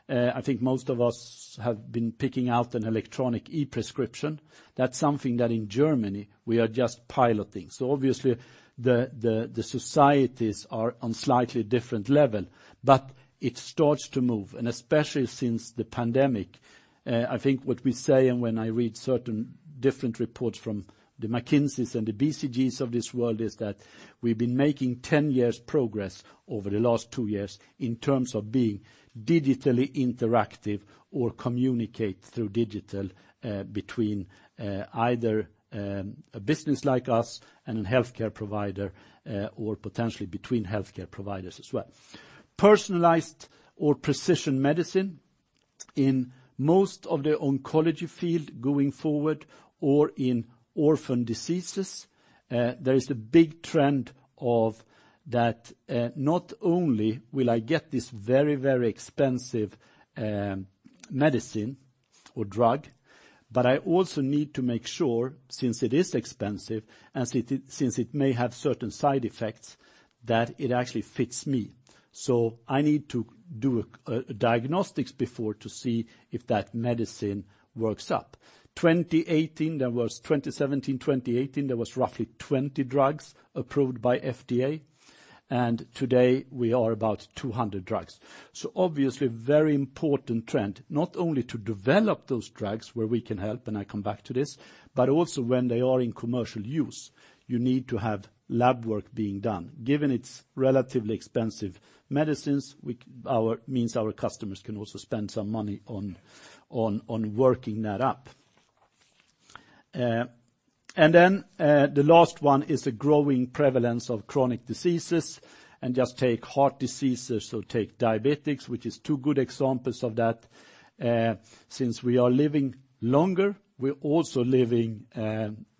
I think most of us have been picking out an electronic e-prescription. That's something that in Germany we are just piloting. Obviously the societies are on slightly different level, but it starts to move. Especially since the pandemic, I think what we say and when I read certain different reports from the McKinseys and the BCGs of this world is that we've been making 10 years progress over the last 2 years in terms of being digitally interactive or communicate through digital, between either a business like us and a healthcare provider, or potentially between healthcare providers as well. Personalized or precision medicine in most of the oncology field going forward or in orphan diseases, there is a big trend of that not only will I get this very, very expensive medicine or drug, but I also need to make sure, since it is expensive and since it may have certain side effects, that it actually fits me. I need to do a diagnostics before to see if that medicine works up. 2018, 2017, 2018, there was roughly 20 drugs approved by FDA. Obviously, very important trend, not only to develop those drugs where we can help, and I come back to this, but also when they are in commercial use, you need to have lab work being done. Given it's relatively expensive medicines, our customers can also spend some money on working that up. Then, the last one is the growing prevalence of chronic diseases and just take heart diseases or take diabetics, which is 2 good examples of that. Since we are living longer, we're also living,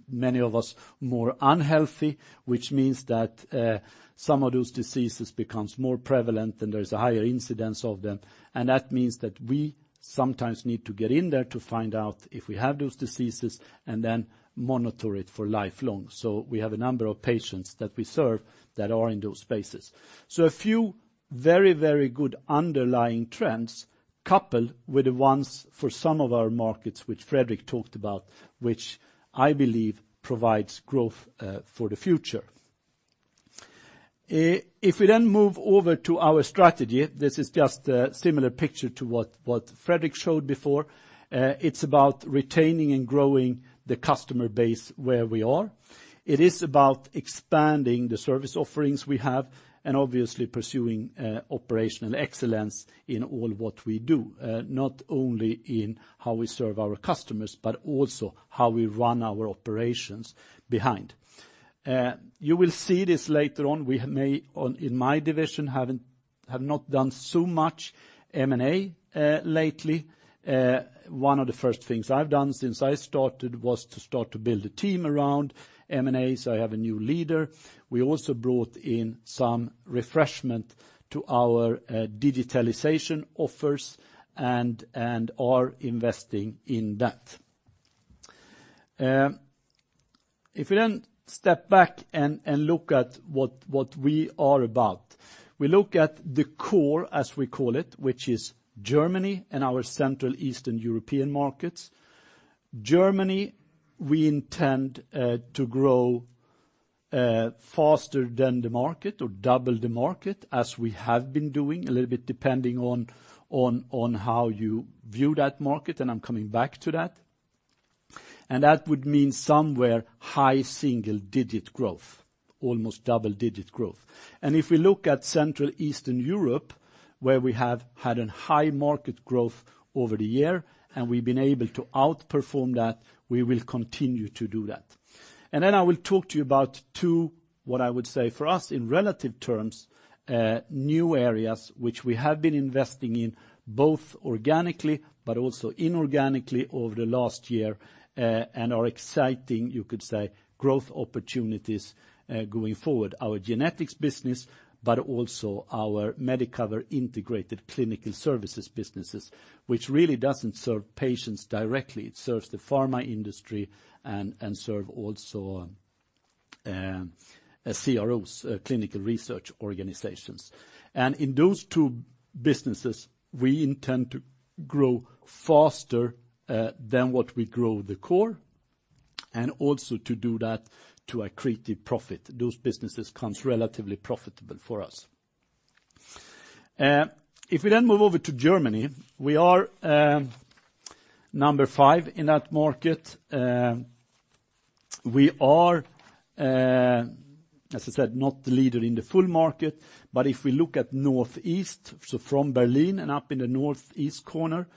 many of us more unhealthy, which means that, some of those diseases becomes more prevalent, and there's a higher incidence of them. That means that we sometimes need to get in there to find out if we have those diseases and then monitor it for lifelong. We have a number of patients that we serve that are in those spaces. A few very, very good underlying trends coupled with the ones for some of our markets, which Fredrik talked about, which I believe provides growth for the future. If we move over to our strategy, this is just a similar picture to what Fredrik showed before. It's about retaining and growing the customer base where we are. It is about expanding the service offerings we have and obviously pursuing operational excellence in all what we do, not only in how we serve our customers, but also how we run our operations behind. You will see this later on. In my division, have not done so much M&A lately. One of the first things I've done since I started was to start to build a team around M&A, so I have a new leader. We also brought in some refreshment to our digitalization offers and are investing in that. If you then step back and look at what we are about, we look at the core, as we call it, which is Germany and our Central Eastern European markets. Germany, we intend to grow faster than the market or double the market as we have been doing, a little bit depending on how you view that market, and I'm coming back to that. That would mean somewhere high single-digit growth, almost double-digit growth. If we look at Central Eastern Europe, where we have had a high market growth over the year, and we've been able to outperform that, we will continue to do that. Then I will talk to you about two, what I would say for us in relative terms, new areas which we have been investing in, both organically but also inorganically over the last year, and are exciting, you could say growth opportunities, going forward. Our genetics business, but also our Medicover Integrated Clinical Services businesses, which really doesn't serve patients directly. It serves the pharma industry and also as CROs, clinical research organizations. In those two businesses, we intend to grow faster, than what we grow the core and also to do that to accretive profit. Those businesses comes relatively profitable for us. If we then move over to Germany, we are number 5 in that market. We are, as I said, not the leader in the full market, but if we look at northeast, so from Berlin and up in the northeast corner,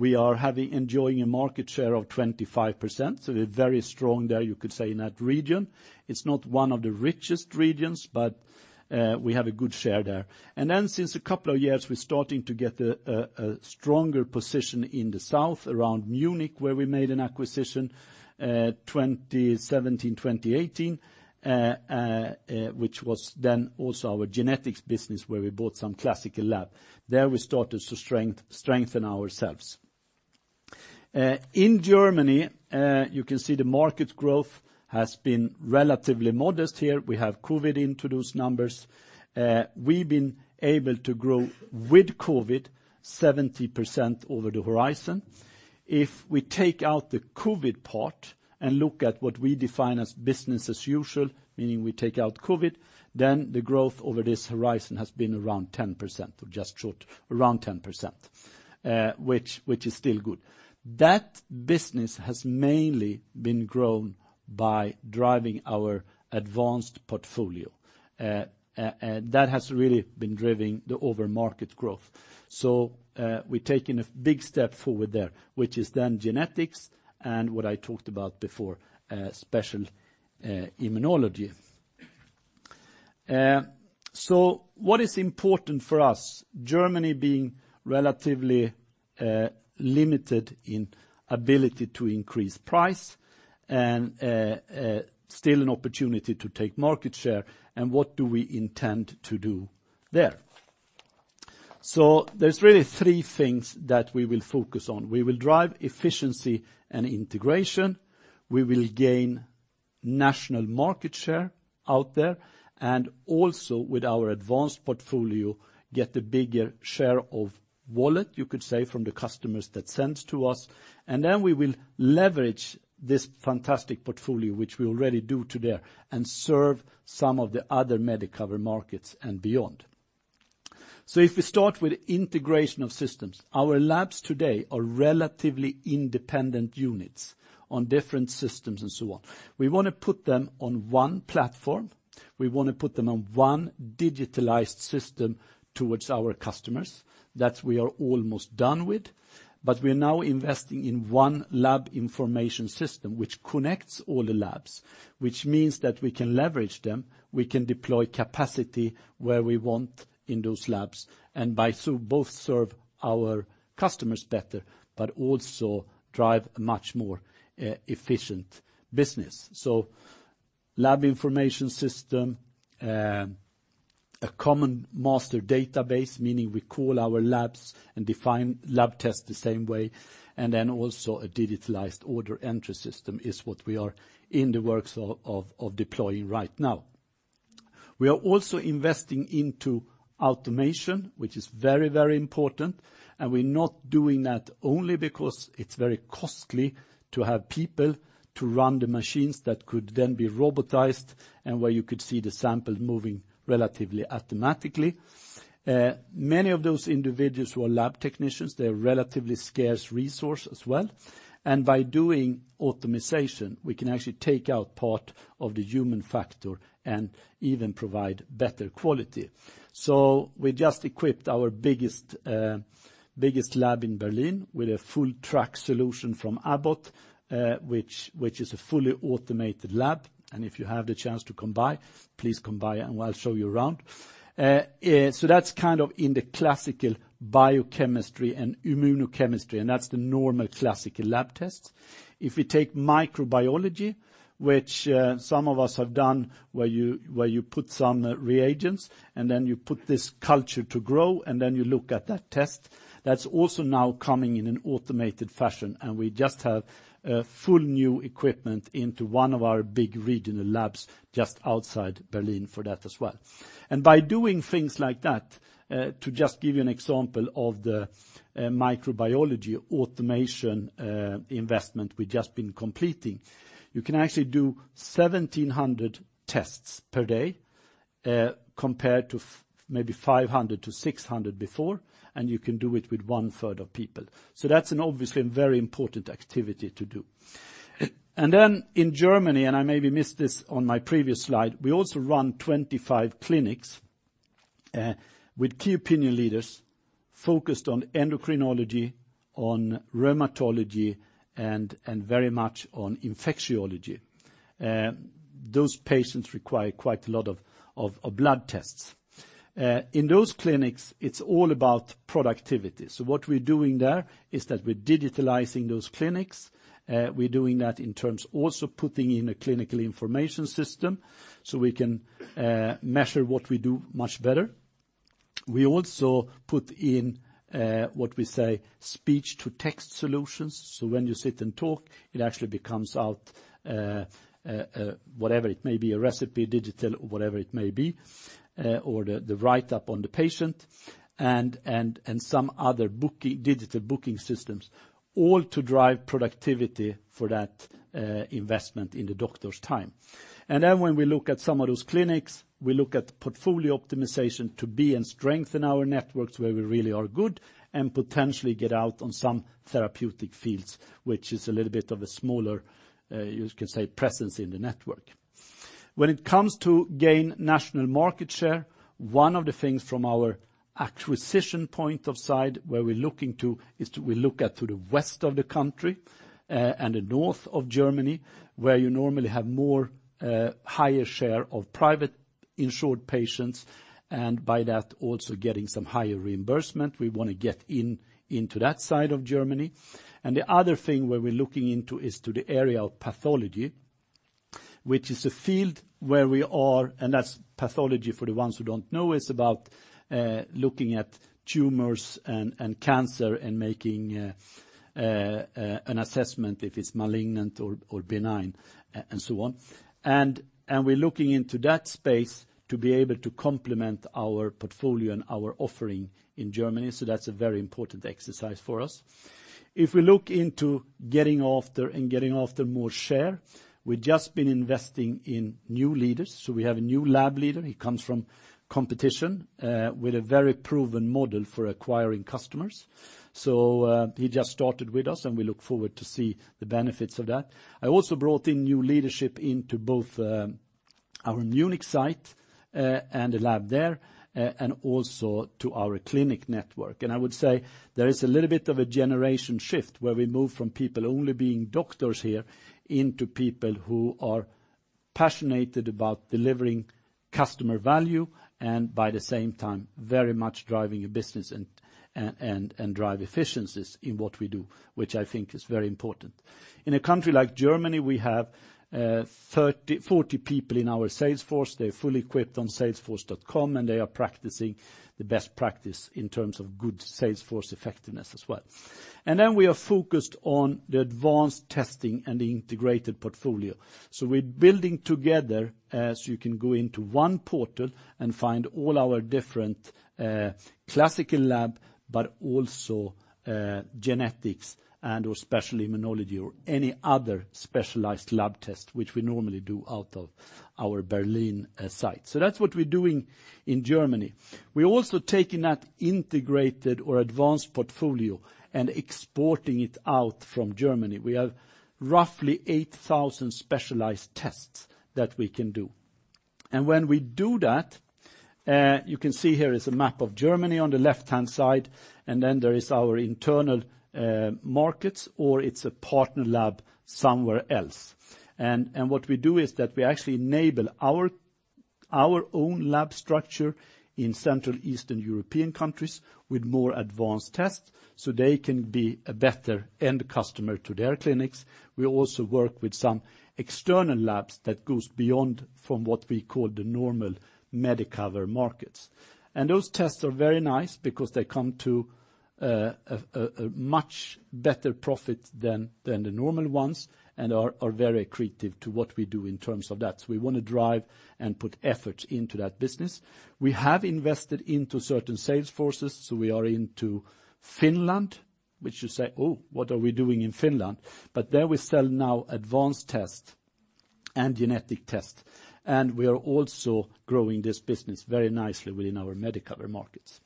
we are enjoying a market share of 25%. We're very strong there, you could say, in that region. It's not one of the richest regions, but we have a good share there. Since a couple of years, we're starting to get a stronger position in the south around Munich, where we made an acquisition, 2017, 2018, which was then also our genetics business, where we bought some classical lab. There, we started to strengthen ourselves. In Germany, you can see the market growth has been relatively modest here. We have COVID into those numbers. We've been able to grow with COVID 70% over the horizon. If we take out the COVID part and look at what we define as business as usual, meaning we take out COVID, then the growth over this horizon has been around 10% or just short, around 10%, which is still good. That business has mainly been grown by driving our advanced portfolio. And that has really been driving the over market growth. We've taken a big step forward there, which is then genetics and what I talked about before, special immunology. What is important for us, Germany being relatively limited in ability to increase price and still an opportunity to take market share, and what do we intend to do there? There's really three things that we will focus on. We will drive efficiency and integration, we will gain national market share out there, and also with our advanced portfolio, get a bigger share of wallet, you could say, from the customers that sends to us. Then we will leverage this fantastic portfolio, which we already do today, and serve some of the other Medicover markets and beyond. If we start with integration of systems, our labs today are relatively independent units on different systems and so on. We wanna put them on one platform. We wanna put them on one digitalized system towards our customers. That we are almost done with. We are now investing in one lab information system which connects all the labs, which means that we can leverage them, we can deploy capacity where we want in those labs, and by so both serve our customers better, but also drive a much more efficient business. Lab information system, a common master database, meaning we call our labs and define lab tests the same way, and then also a digitalized order entry system is what we are in the works of deploying right now. We are also investing into automation, which is very, very important, and we're not doing that only because it's very costly to have people to run the machines that could then be robotized and where you could see the sample moving relatively automatically. Many of those individuals who are lab technicians, they're a relatively scarce resource as well, and by doing automation, we can actually take out part of the human factor and even provide better quality. We just equipped our biggest lab in Berlin with a full-track solution from Abbott, which is a fully automated lab. If you have the chance to come by, please come by and I'll show you around. That's kind of in the classical biochemistry and immunochemistry, and that's the normal classical lab tests. If we take microbiology, which some of us have done, where you put some reagents, and then you put this culture to grow, and then you look at that test, that's also now coming in an automated fashion. We just have full new equipment into one of our big regional labs just outside Berlin for that as well. By doing things like that, to just give you an example of the microbiology automation investment we've just been completing, you can actually do 1,700 tests per day, compared to maybe 500-600 before, and you can do it with one third of people. That's an obviously a very important activity to do. In Germany, and I maybe missed this on my previous slide, we also run 25 clinics with key opinion leaders focused on endocrinology, on rheumatology, and very much on infectiology. Those patients require quite a lot of blood tests. In those clinics, it's all about productivity. What we're doing there is that we're digitalizing those clinics. We're doing that in terms also putting in a clinical information system, so we can measure what we do much better. We also put in what we say speech to text solutions. So when you sit and talk, it actually becomes out whatever it may be, a recipe, digital, whatever it may be, or the write up on the patient and some other digital booking systems, all to drive productivity for that investment in the doctor's time. When we look at some of those clinics, we look at portfolio optimization to be and strengthen our networks where we really are good and potentially get out on some therapeutic fields, which is a little bit of a smaller, you could say, presence in the network. When it comes to gain national market share, one of the things from our acquisition point of side, where we're looking to, we look at to the west of the country and the north of Germany, where you normally have more, higher share of private insured patients, and by that, also getting some higher reimbursement. We wanna get into that side of Germany. The other thing where we're looking into is to the area of pathology, which is a field where we are. That's pathology, for the ones who don't know, is about looking at tumors and cancer and making an assessment if it's malignant or benign and so on. We're looking into that space to be able to complement our portfolio and our offering in Germany. That's a very important exercise for us. If we look into getting after and getting after more share, we've just been investing in new leaders. We have a new lab leader. He comes from competition, with a very proven model for acquiring customers. He just started with us, and we look forward to see the benefits of that. I also brought in new leadership into both, our Munich site, and the lab there, and also to our clinic network. I would say there is a little bit of a generation shift, where we move from people only being doctors here into people who are passionated about delivering customer value and by the same time, very much driving a business and drive efficiencies in what we do, which I think is very important. In a country like Germany, we have 40 people in our sales force. They're fully equipped on Salesforce.com, and they are practicing the best practice in terms of good salesforce effectiveness as well. We are focused on the advanced testing and the integrated portfolio. We're building together as you can go into one portal and find all our different, classical lab, but also genetics and or special immunology or any other specialized lab test, which we normally do out of our Berlin site. That's what we're doing in Germany. We're also taking that integrated or advanced portfolio and exporting it out from Germany. We have roughly 8,000 specialized tests that we can do. When we do that, you can see here is a map of Germany on the left-hand side, and then there is our internal markets, or it's a partner lab somewhere else. What we do is that we actually enable our own lab structure in Central Eastern European countries with more advanced tests, so they can be a better end customer to their clinics. We also work with some external labs that goes beyond from what we call the normal Medicover markets. Those tests are very nice because they come to a much better profit than the normal ones and are very accretive to what we do in terms of that. We wanna drive and put effort into that business. We have invested into certain sales forces, so we are into Finland, which you say, "Oh, what are we doing in Finland?" There we sell now advanced test and genetic test, and we are also growing this business very nicely within our Medicover markets.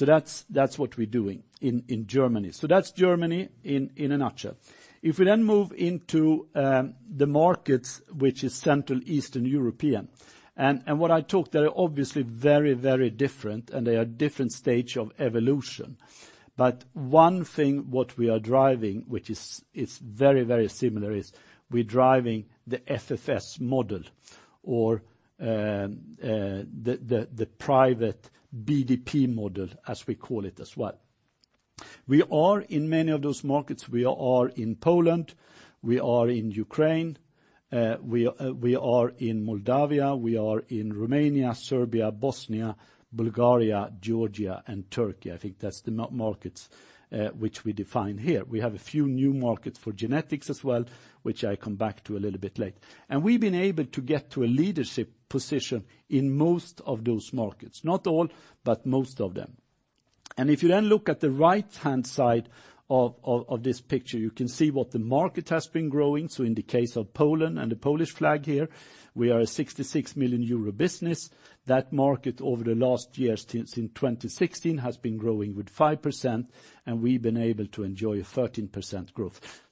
That's what we're doing in Germany. That's Germany in a nutshell. If we move into the markets which is central Eastern European, and what I talk, they're obviously very, very different, and they are different stage of evolution. 1 thing what we are driving, which is very, very similar, is we're driving the FFS model or the private BDP model, as we call it as well. We are in many of those markets. We are in Poland, we are in Ukraine, we are in Moldova, we are in Romania, Serbia, Bosnia, Bulgaria, Georgia, and Turkey. I think that's the markets which we define here. We have a few new markets for genetics as well, which I come back to a little bit later. We've been able to get to a leadership position in most of those markets. Not all, but most of them. If you then look at the right-hand side of this picture, you can see what the market has been growing. In the case of Poland and the Polish flag here, we are a 66 million euro business. That market, over the last year, since in 2016, has been growing with 5%, and we've been able to enjoy a 13% growth.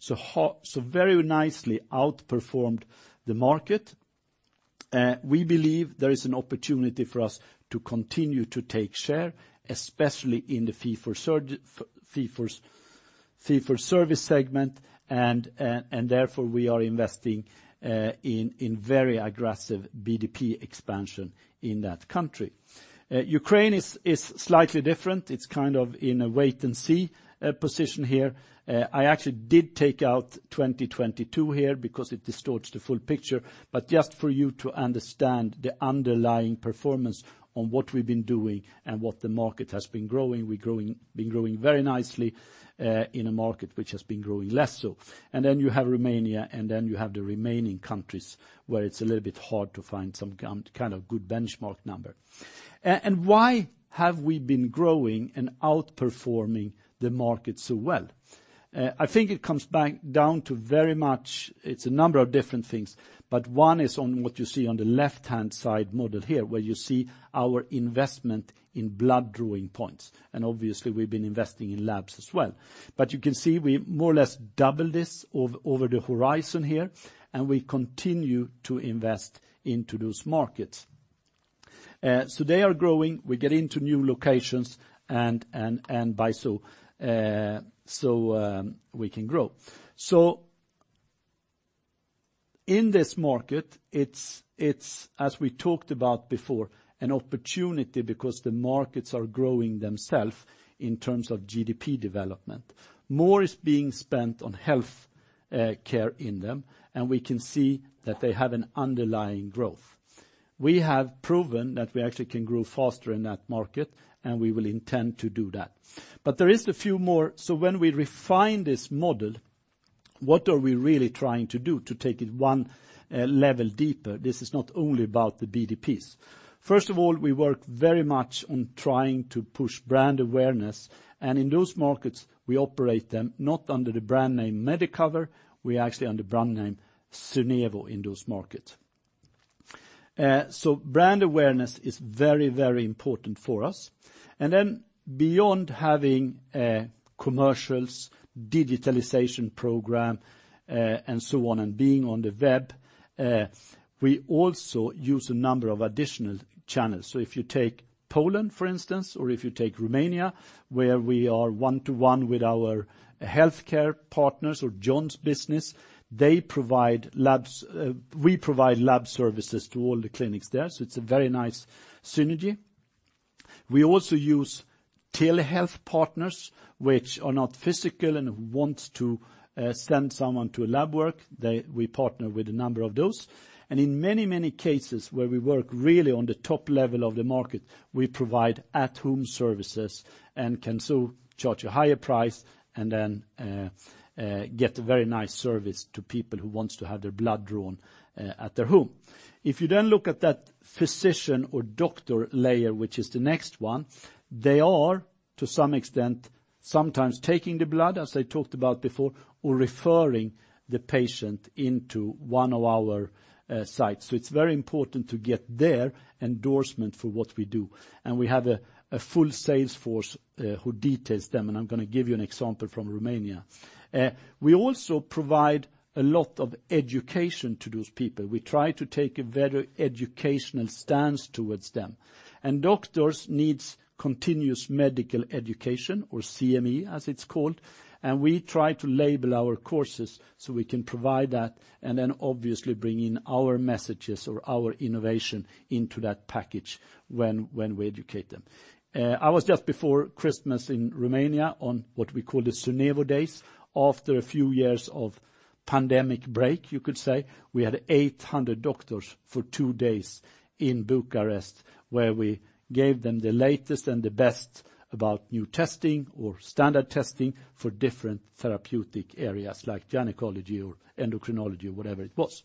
Very nicely outperformed the market. We believe there is an opportunity for us to continue to take share, especially in the fee-for-service segment and therefore, we are investing in very aggressive BDP expansion in that country. Ukraine is slightly different. It's kind of in a wait and see position here. I actually did take out 2022 here because it distorts the full picture. Just for you to understand the underlying performance on what we've been doing and what the market has been growing, we been growing very nicely in a market which has been growing less so. Then you have Romania, then you have the remaining countries where it's a little bit hard to find some kind of good benchmark number. Why have we been growing and outperforming the market so well? I think it comes back down to very much. It's a number of different things, but one is on what you see on the left-hand side model here, where you see our investment in blood drawing points, and obviously, we've been investing in labs as well. You can see we more or less double this over the horizon here, and we continue to invest into those markets. They are growing. We get into new locations and by so, we can grow. In this market, it's as we talked about before, an opportunity because the markets are growing themself in terms of GDP development. More is being spent on health care in them, and we can see that they have an underlying growth. We have proven that we actually can grow faster in that market, and we will intend to do that. There is a few more. When we refine this model, what are we really trying to do to take it one level deeper? This is not only about the BDPs. First of all, we work very much on trying to push brand awareness, and in those markets, we operate them not under the brand name Medicover. We're actually under brand name Synevo in those markets. So brand awareness is very, very important for us. Beyond having commercials, digitalization program, and so on, and being on the web, we also use a number of additional channels. If you take Poland, for instance, or if you take Romania, where we are one-to-one with our healthcare partners or John's business, they provide labs. We provide lab services to all the clinics there, so it's a very nice synergy. We also use telehealth partners which are not physical and wants to send someone to a lab work. We partner with a number of those. In many cases, where we work really on the top level of the market, we provide at home services and can so charge a higher price and then get a very nice service to people who wants to have their blood drawn at their home. If you look at that physician or doctor layer, which is the next one, they are, to some extent, sometimes taking the blood, as I talked about before, or referring the patient into one of our sites. It's very important to get their endorsement for what we do. We have a full sales force who details them, and I'm gonna give you an example from Romania. We also provide a lot of education to those people. We try to take a very educational stance towards them. Doctors needs continuous medical education or CME, as it's called, and we try to label our courses so we can provide that and then, obviously, bring in our messages or our innovation into that package when we educate them. I was just before Christmas in Romania on what we call the Synevo Days. After a few years of pandemic break, you could say, we had 800 doctors for 2 days in Bucharest, where we gave them the latest and the best about new testing or standard testing for different therapeutic areas like gynecology or endocrinology or whatever it was.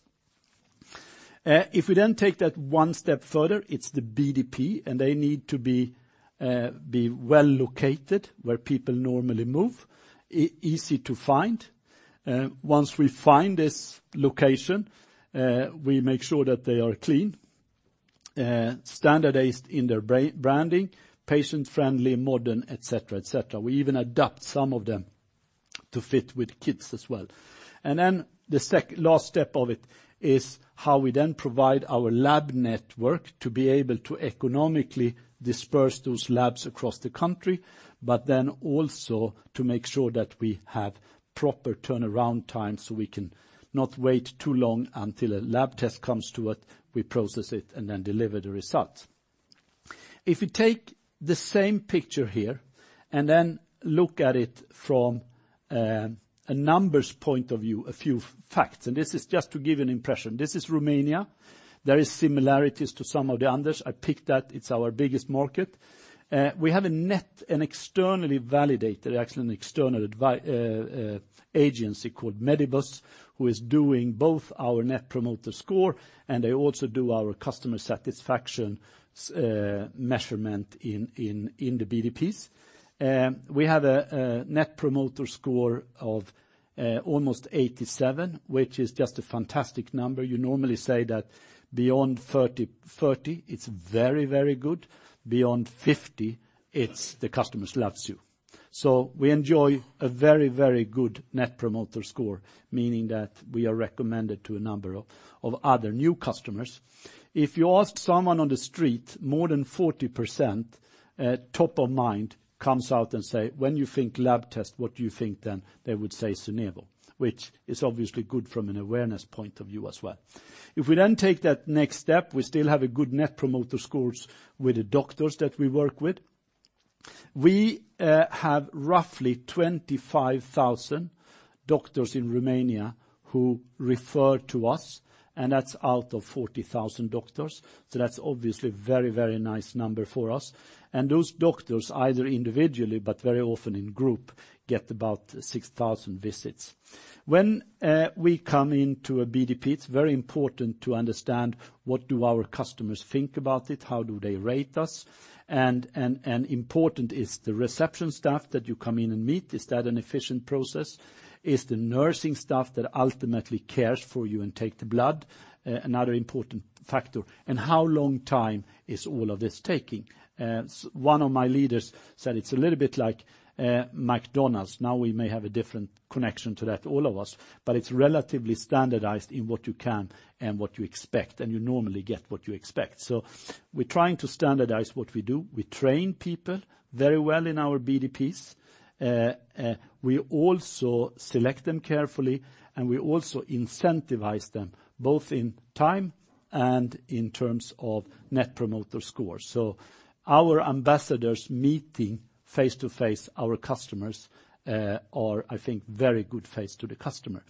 If we then take that one step further, it's the BDP, and they need to be well-located, where people normally move, easy to find. Once we find this location, we make sure that they are clean, standardized in their branding, patient-friendly, modern, etc, etc. We even adapt some of them to fit with kids as well. The last step of it is how we then provide our lab network to be able to economically disperse those labs across the country, but then also to make sure that we cannot wait too long until a lab test comes to it. We process it and then deliver the results. If you take the same picture here and then look at it from a numbers point of view, a few facts, this is just to give you an impression. This is Romania. There is similarities to some of the others. I picked that. It's our biggest market. We have a net and externally validated, actually an external agency called Medibus, who is doing both our Net Promoter Score, and they also do our customer satisfaction measurement in the BDPS. We have a Net Promoter Score of almost 87, which is just a fantastic number. You normally say that beyond 30, it's very good. Beyond 50, it's the customers loves you. We enjoy a very good Net Promoter Score, meaning that we are recommended to a number of other new customers. If you ask someone on the street, more than 40%, top of mind comes out and say, "When you think lab test, what do you think then?" They would say, "Synevo," which is obviously good from an awareness point of view as well. We still have a good Net Promoter Score with the doctors that we work with. We have roughly 25,000 doctors in Romania who refer to us, that's out of 40,000 doctors. That's obviously very, very nice number for us. Those doctors, either individually but very often in group, get about 6,000 visits. When we come into a BDP, it's very important to understand what do our customers think about it, how do they rate us, and important is the reception staff that you come in and meet, is that an efficient process? Is the nursing staff that ultimately cares for you and take the blood another important factor? How long time is all of this taking? One of my leaders said it's a little bit like McDonald's. We may have a different connection to that, all of us, but it's relatively standardized in what you can and what you expect, and you normally get what you expect. We're trying to standardize what we do. We train people very well in our BDPs. We also select them carefully, and we also incentivize them, both in time and in terms of Net Promoter Scores. Our ambassadors meeting face-to-face our customers are, I think, very good face to the customer.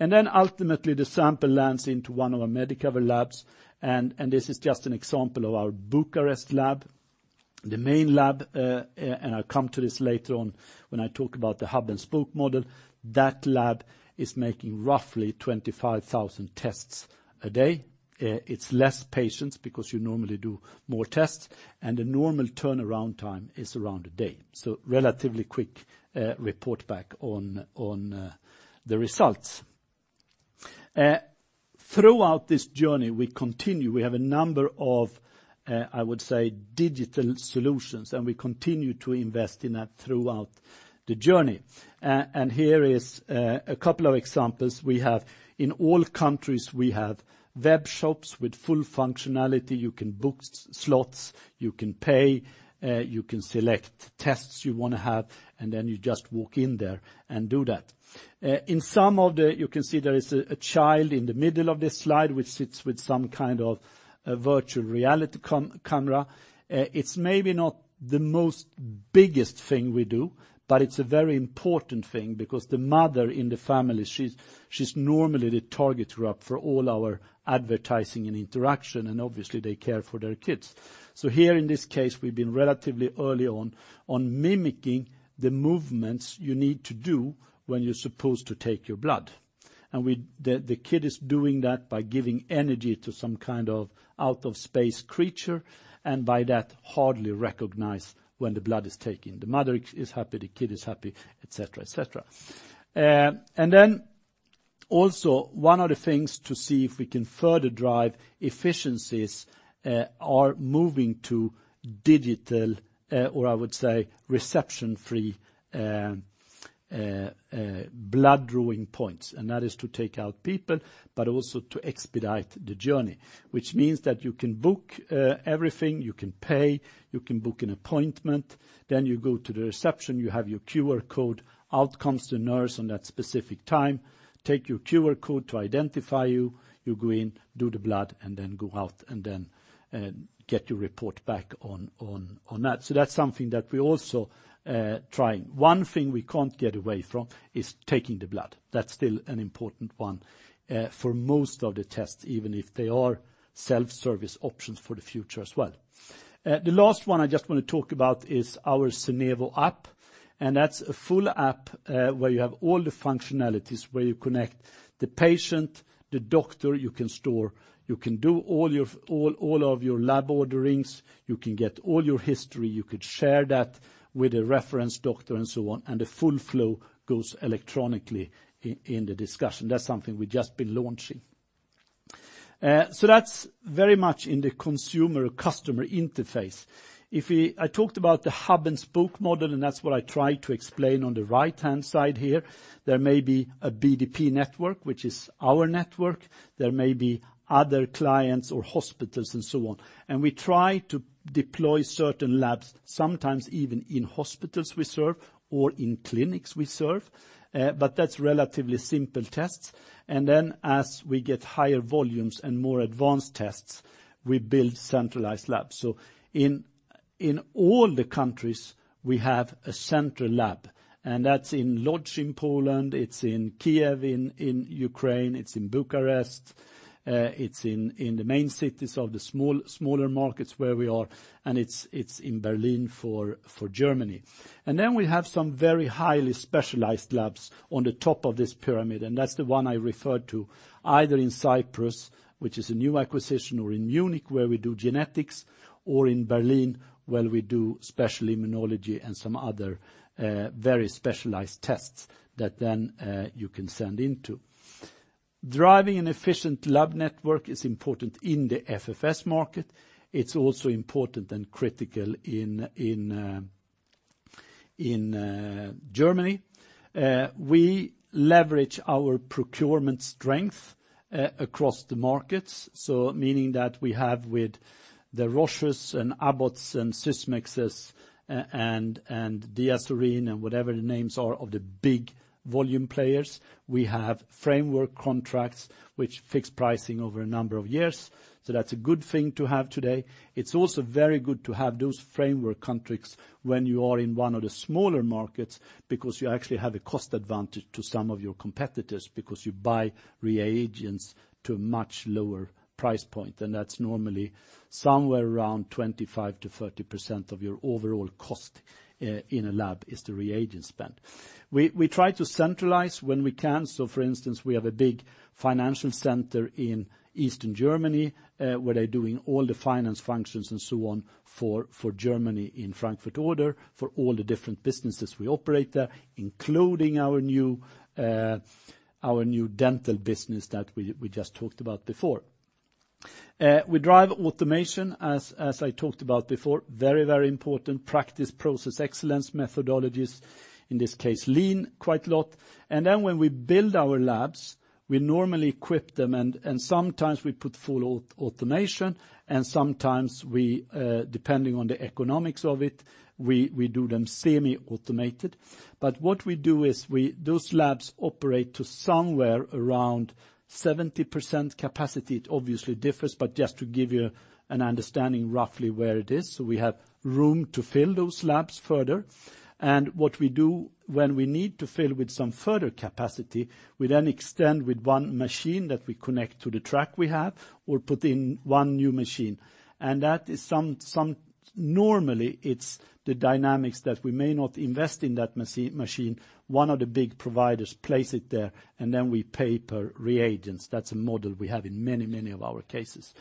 Ultimately, the sample lands into one of our Medicover labs, and this is just an example of our Bucharest lab, the main lab, and I'll come to this later on when I talk about the hub-and-spoke model. That lab is making roughly 25,000 tests a day. It's less patients because you normally do more tests, and the normal turnaround time is around a day. Relatively quick, report back on the results. Throughout this journey, we continue. We have a number of, I would say, digital solutions, and we continue to invest in that throughout the journey. Here is a couple of examples. We have. In all countries, we have web shops with full functionality. You can book slots, you can pay, you can select tests you wanna have, and then you just walk in there and do that. In some of the. You can see there is a child in the middle of this slide which sits with some kind of a virtual reality camera. It's maybe not the most biggest thing we do, but it's a very important thing because the mother in the family, she's normally the target group for all our advertising and interaction, and obviously they care for their kids. Here in this case, we've been relatively early on mimicking the movements you need to do when you're supposed to take your blood. The kid is doing that by giving energy to some kind of out of space creature, and by that, hardly recognize when the blood is taken. The mother is happy, the kid is happy, etc, etc. Then also one of the things to see if we can further drive efficiencies, are moving to digital, or I would say reception-free, blood drawing points. That is to take out people, but also to expedite the journey, which means that you can book everything, you can pay, you can book an appointment, then you go to the reception, you have your QR code, out comes the nurse on that specific time, take your QR code to identify you go in, do the blood, and then go out, and then get your report back on, on that. That's something that we're also trying. One thing we can't get away from is taking the blood. That's still an important one for most of the tests, even if they are self-service options for the future as well. The last one I just wanna talk about is our Synevo app, and that's a full app where you have all the functionalities, where you connect the patient, the doctor. You can do all of your lab orderings, you can get all your history, you could share that with a reference doctor, and so on, and the full flow goes electronically in the discussion. That's something we've just been launching. So that's very much in the consumer-customer interface. I talked about the hub-and-spoke model, and that's what I try to explain on the right-hand side here. There may be a BDP network, which is our network. There may be other clients or hospitals and so on. We try to deploy certain labs, sometimes even in hospitals we serve or in clinics we serve, but that's relatively simple tests. As we get higher volumes and more advanced tests, we build centralized labs. In all the countries, we have a central lab, that's in Lodz in Poland, it's in Kiev in Ukraine, it's in Bucharest, it's in the main cities of the smaller markets where we are, and it's in Berlin for Germany. We have some very highly specialized labs on the top of this pyramid, and that's the one I referred to, either in Cyprus, which is a new acquisition, or in Munich, where we do genetics, or in Berlin, where we do special immunology and some other very specialized tests that then you can send into. Driving an efficient lab network is important in the FFS market. It's also important and critical in Germany. We leverage our procurement strength across the markets, meaning that we have with the Roche and Abbott and Sysmex and DiaSorin and whatever the names are of the big volume players. We have framework contracts which fix pricing over a number of years. That's a good thing to have today. It's also very good to have those framework contracts when you are in one of the smaller markets, because you actually have a cost advantage to some of your competitors because you buy reagents to a much lower price point, and that's normally somewhere around 25%-30% of your overall cost in a lab is the reagent spend. We try to centralize when we can. For instance, we have a big financial center in Eastern Germany, where they're doing all the finance functions and so on for Germany in Frankfurt (Oder) for all the different businesses we operate there, including our new dental business that we just talked about before. We drive automation, as I talked about before. Very, very important practice process excellence methodologies, in this case, lean quite a lot. When we build our labs, we normally equip them and sometimes we put full automation, and sometimes we, depending on the economics of it, we do them semi-automated. What we do is those labs operate to somewhere around 70% capacity. It obviously differs, but just to give you an understanding roughly where it is, so we have room to fill those labs further. What we do when we need to fill with some further capacity, we then extend with one machine that we connect to the track we have or put in one new machine. That is some... Normally, it's the dynamics that we may not invest in that machine. One of the big providers place it there, and then we pay per reagents. That's a model we have in many, many of our cases.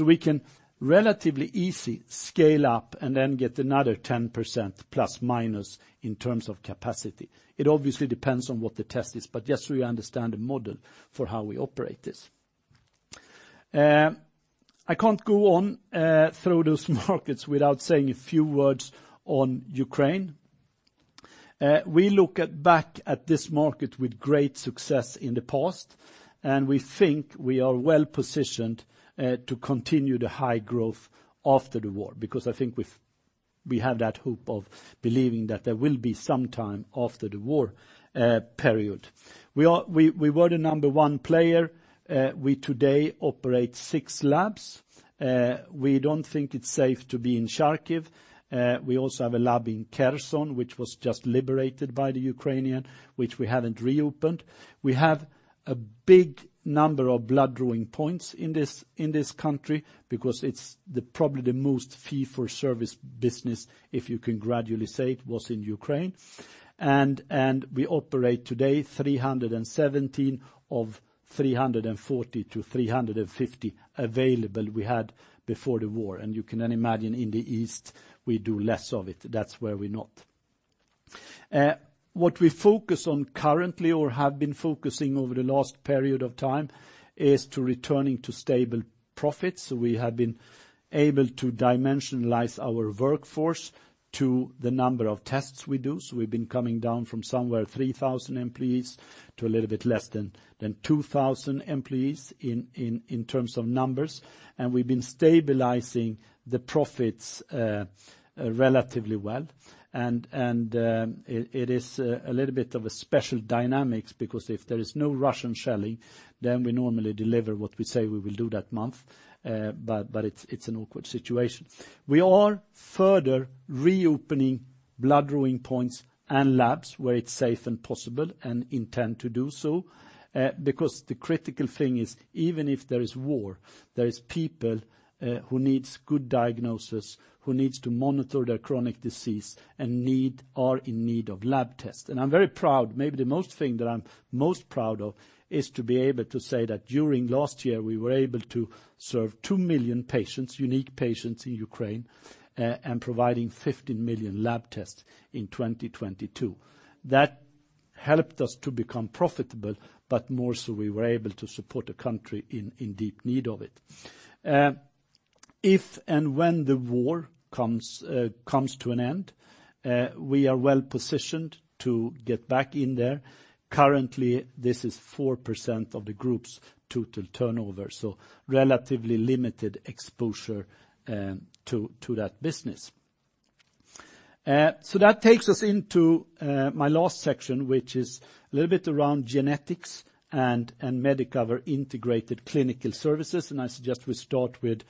We can relatively easy scale up and then get another 10% plus, minus in terms of capacity. It obviously depends on what the test is, but just so you understand the model for how we operate this. I can't go on through those markets without saying a few words on Ukraine. We look at back at this market with great success in the past, and we think we are well-positioned to continue the high growth after the war, because I think we've, we have that hope of believing that there will be some time after the war period. We were the number one player. We today operate six labs. We don't think it's safe to be in Kharkiv. We also have a lab in Kherson, which was just liberated by the Ukrainian, which we haven't reopened. We have a big number of blood drawing points in this country because it's probably the most fee-for-service business, if you can gradually say it, was in Ukraine. We operate today 317 of 340-350 available we had before the war. You can then imagine in the east, we do less of it. That's where we're not. What we focus on currently or have been focusing over the last period of time is to returning to stable profits. We have been able to dimensionalize our workforce to the number of tests we do. We've been coming down from somewhere 3,000 employees to a little bit less than 2,000 employees in terms of numbers. We've been stabilizing the profits relatively well. It is a little bit of a special dynamics because if there is no Russian shelling, then we normally deliver what we say we will do that month. It's an awkward situation. We are further reopening blood drawing points and labs where it's safe and possible and intend to do so. Because the critical thing is even if there is war, there is people who needs good diagnosis, who needs to monitor their chronic disease and need or in need of lab tests. I'm very proud. Maybe the most thing that I'm most proud of is to be able to say that during last year, we were able to serve 2 million patients, unique patients in Ukraine, and providing 15 million lab tests in 2022. That helped us to become profitable, but more so we were able to support the country in deep need of it. If and when the war comes to an end, we are well-positioned to get back in there. Currently, this is 4% of the group's total turnover, so relatively limited exposure to that business. That takes us into my last section, which is a little bit around genetics and Medicover Integrated Clinical Services. I suggest we start with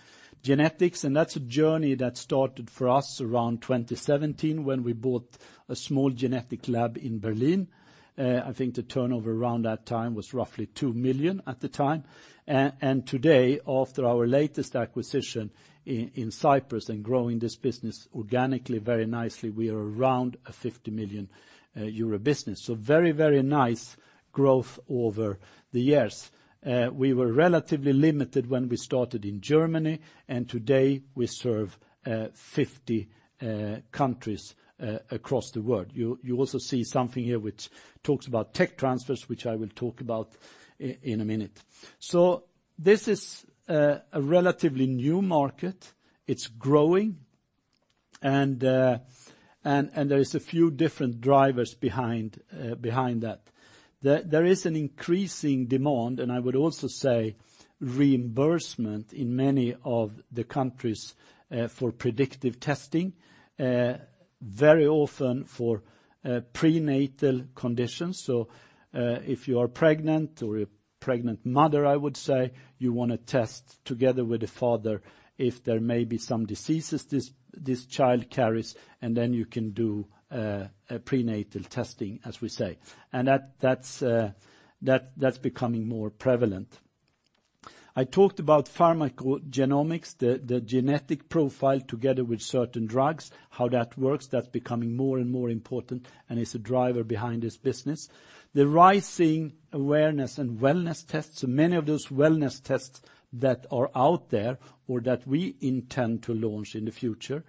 genetics, and that's a journey that started for us around 2017 when we bought a small genetic lab in Berlin. I think the turnover around that time was roughly 2 million at the time. Today, after our latest acquisition in Cyprus and growing this business organically very nicely, we are around a 50 million euro business. Very nice growth over the years. We were relatively limited when we started in Germany, and today we serve 50 countries across the world. You also see something here which talks about tech transfers, which I will talk about in a minute. This is a relatively new market. It's growing. There is a few different drivers behind that. There is an increasing demand, and I would also say reimbursement in many of the countries for predictive testing, very often for prenatal conditions. If you are pregnant or a pregnant mother, I would say, you wanna test together with the father if there may be some diseases this child carries, and then you can do a prenatal testing, as we say. That's becoming more prevalent. I talked about pharmacogenomics, the genetic profile together with certain drugs, how that works. That's becoming more and more important and is a driver behind this business. The rising awareness and wellness tests. Many of those wellness tests that are out there or that we intend to launch in the future,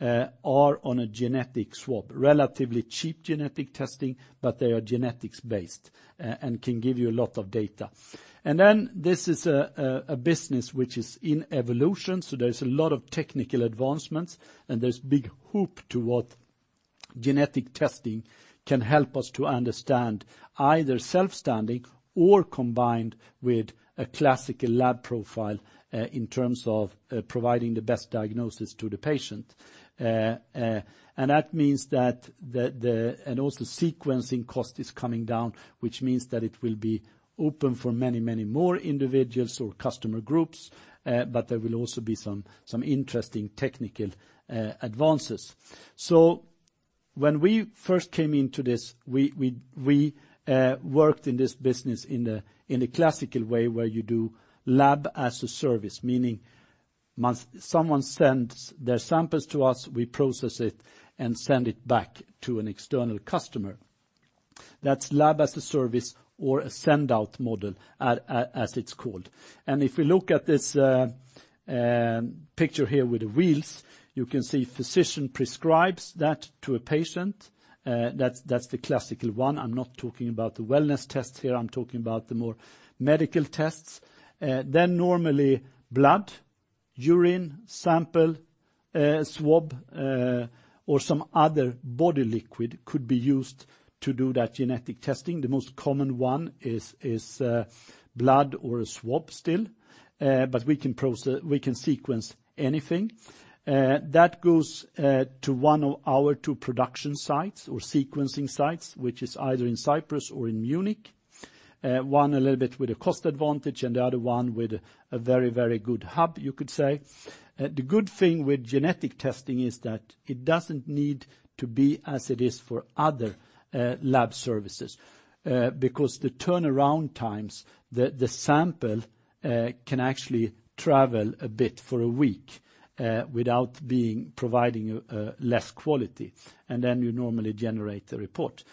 are on a genetic swab. Relatively cheap genetic testing, but they are genetics-based, and can give you a lot of data. This is a business which is in evolution, so there's a lot of technical advancements, and there's big hope to what genetic testing can help us to understand either self-standing or combined with a classical lab profile, in terms of, providing the best diagnosis to the patient. That means that Also sequencing cost is coming down, which means that it will be open for many, many more individuals or customer groups, but there will also be some interesting technical advances. When we first came into this, we worked in this business in the classical way where you do lab as a service, meaning once someone sends their samples to us, we process it and send it back to an external customer. That's lab as a service or a send-out model as it's called. If we look at this picture here with the wheels, you can see physician prescribes that to a patient. That's the classical one. I'm not talking about the wellness tests here. I'm talking about the more medical tests. Normally blood, urine sample, swab, or some other body liquid could be used to do that genetic testing. The most common one is blood or a swab still, but we can sequence anything. That goes to one of our two production sites or sequencing sites, which is either in Cyprus or in Munich, one a little bit with a cost advantage and the other one with a very, very good hub, you could say. The good thing with genetic testing is that it doesn't need to be as it is for other lab services, because the turnaround times, the sample can actually travel a bit for a week without providing less quality, you normally generate the report.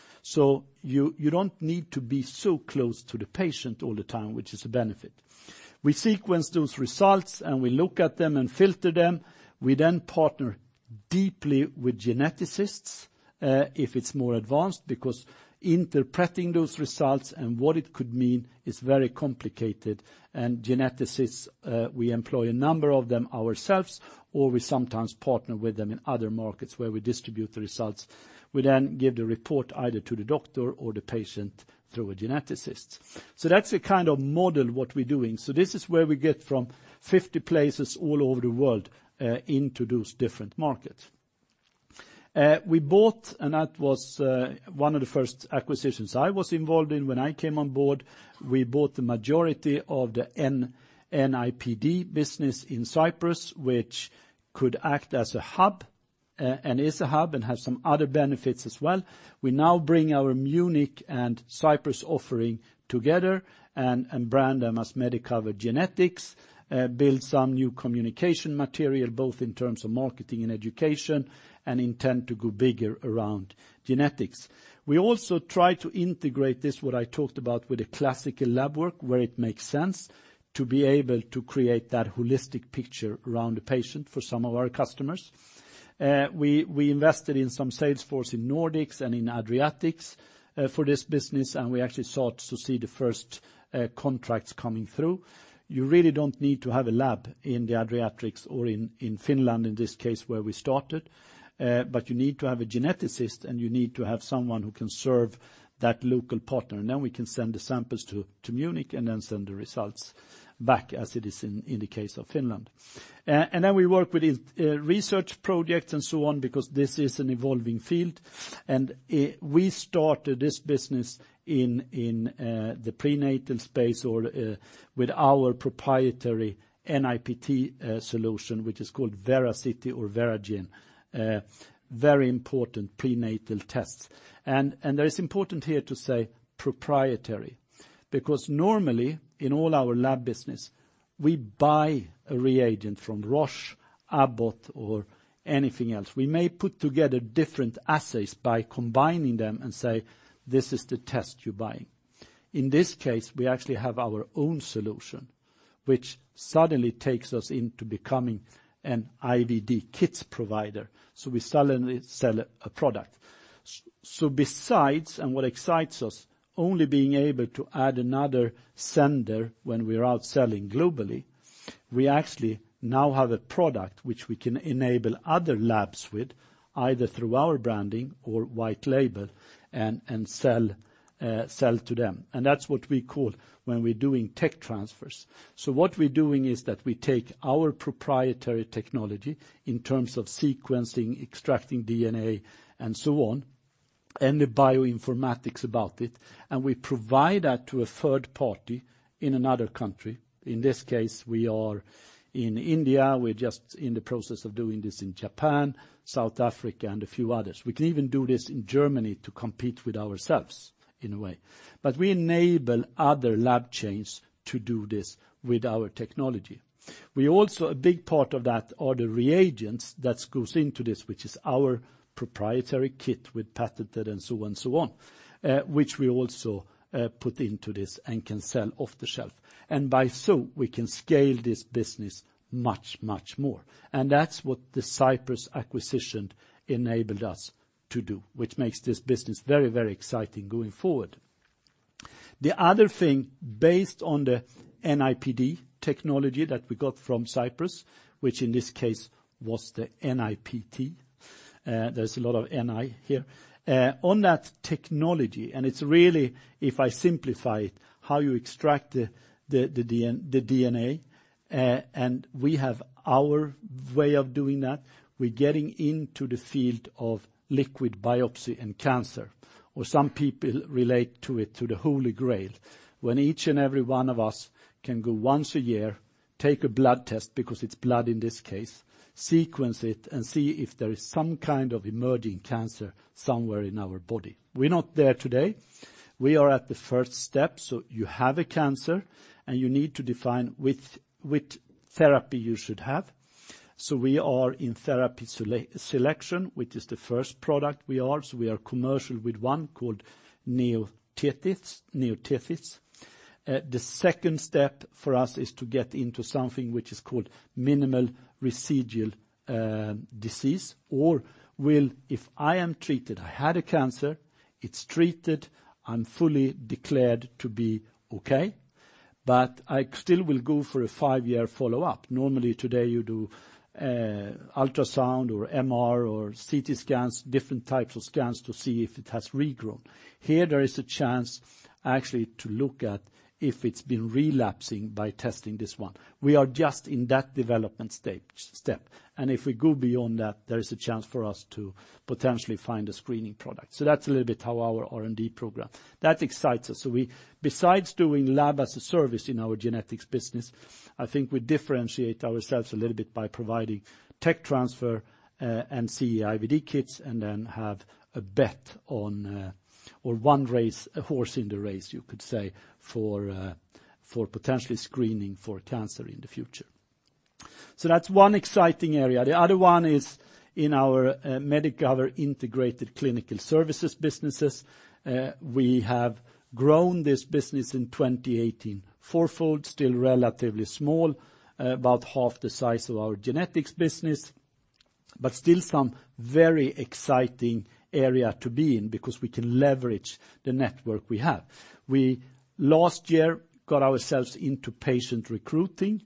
You don't need to be so close to the patient all the time, which is a benefit. We sequence those results, we look at them and filter them. We then partner deeply with geneticists, if it's more advanced, because interpreting those results and what it could mean is very complicated. Geneticists, we employ a number of them ourselves, or we sometimes partner with them in other markets where we distribute the results. We then give the report either to the doctor or the patient through a geneticist. That's the kind of model what we're doing. This is where we get from 50 places all over the world, into those different markets. We bought, and that was, one of the first acquisitions I was involved in when I came on board, we bought the majority of the NIPD business in Cyprus, which could act as a hub, and is a hub and has some other benefits as well. We now bring our Munich and Cyprus offering together and brand them as Medicover Genetics, build some new communication material, both in terms of marketing and education, and intend to go bigger around genetics. We also try to integrate this, what I talked about, with the classical lab work, where it makes sense to be able to create that holistic picture around the patient for some of our customers. We invested in some sales force in Nordics and in Adriatics for this business, and we actually start to see the first contracts coming through. You really don't need to have a lab in the Adriatics or in Finland, in this case, where we started, but you need to have a geneticist, and you need to have someone who can serve that local partner. Then we can send the samples to Munich and then send the results back as it is in the case of Finland. Then we work with these research projects and so on because this is an evolving field. We started this business in the prenatal space or with our proprietary NIPT solution, which is called VERACITY or VERAgene, very important prenatal tests. That is important here to say proprietary, because normally in all our lab business, we buy a reagent from Roche, Abbott or anything else. We may put together different assays by combining them and say, "This is the test you're buying." In this case, we actually have our own solution, which suddenly takes us into becoming an IVD kits provider, so we suddenly sell a product. Besides, and what excites us, only being able to add another sender when we're out selling globally, we actually now have a product which we can enable other labs with, either through our branding or white label, and sell to them. That's what we call when we're doing tech transfers. What we're doing is that we take our proprietary technology in terms of sequencing, extracting DNA, and so on, and the bioinformatics about it, and we provide that to a third party in another country. In this case, we are in India, we're just in the process of doing this in Japan, South Africa, and a few others. We can even do this in Germany to compete with ourselves in a way. We enable other lab chains to do this with our technology. A big part of that are the reagents that goes into this, which is our proprietary kit with patented and so on and so on, which we also put into this and can sell off the shelf. By so, we can scale this business much, much more. That's what the Cypress acquisition enabled us to do, which makes this business very, very exciting going forward. The other thing, based on the NIPD technology that we got from Cypress, which in this case was the NIPT, there's a lot of NI here. On that technology, and it's really, if I simplify it, how you extract the DNA, and we have our way of doing that. We're getting into the field of liquid biopsy and cancer, or some people relate to it to the Holy Grail, when each and every one of us can go once a year, take a blood test, because it's blood in this case, sequence it, and see if there is some kind of emerging cancer somewhere in our body. We're not there today. We are at the first step. You have a cancer, and you need to define which therapy you should have. We are in therapy selection, which is the first product we are. We are commercial with one called NeoThetys. The second step for us is to get into something which is called minimal residual disease. If I am treated, I had a cancer, it's treated, I'm fully declared to be okay, but I still will go for a 5-year follow-up. Normally, today, you do ultrasound or MR or CT scans, different types of scans to see if it has regrown. Here, there is a chance actually to look at if it's been relapsing by testing this one. We are just in that development stage, step. If we go beyond that, there is a chance for us to potentially find a screening product. That's a little bit how our R&D program. That excites us. We besides doing lab as a service in our genetics business, I think we differentiate ourselves a little bit by providing tech transfer and CE-IVD kits, and then have a bet on or one race, a horse in the race, you could say, for potentially screening for cancer in the future. That's one exciting area. The other one is in our Medicover Integrated Clinical Services businesses. We have grown this business in 2018 fourfold, still relatively small, about half the size of our genetics business, but still some very exciting area to be in because we can leverage the network we have. We last year got ourselves into patient recruiting.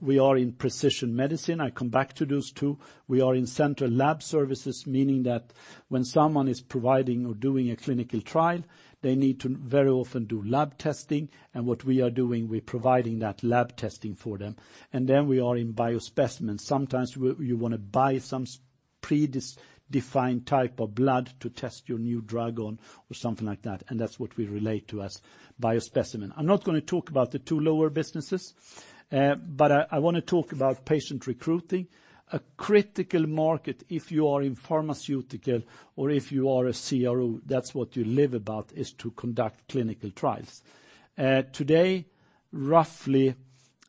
We are in precision medicine. I come back to those two. We are in central lab services, meaning that when someone is providing or doing a clinical trial, they need to very often do lab testing. What we are doing, we're providing that lab testing for them. We are in biospecimens. Sometimes you wanna buy some predefined type of blood to test your new drug on or something like that, and that's what we relate to as biospecimen. I'm not gonna talk about the two lower businesses, but I wanna talk about patient recruiting. A critical market, if you are in pharmaceutical or if you are a CRO, that's what you live about, is to conduct clinical trials. Today, roughly,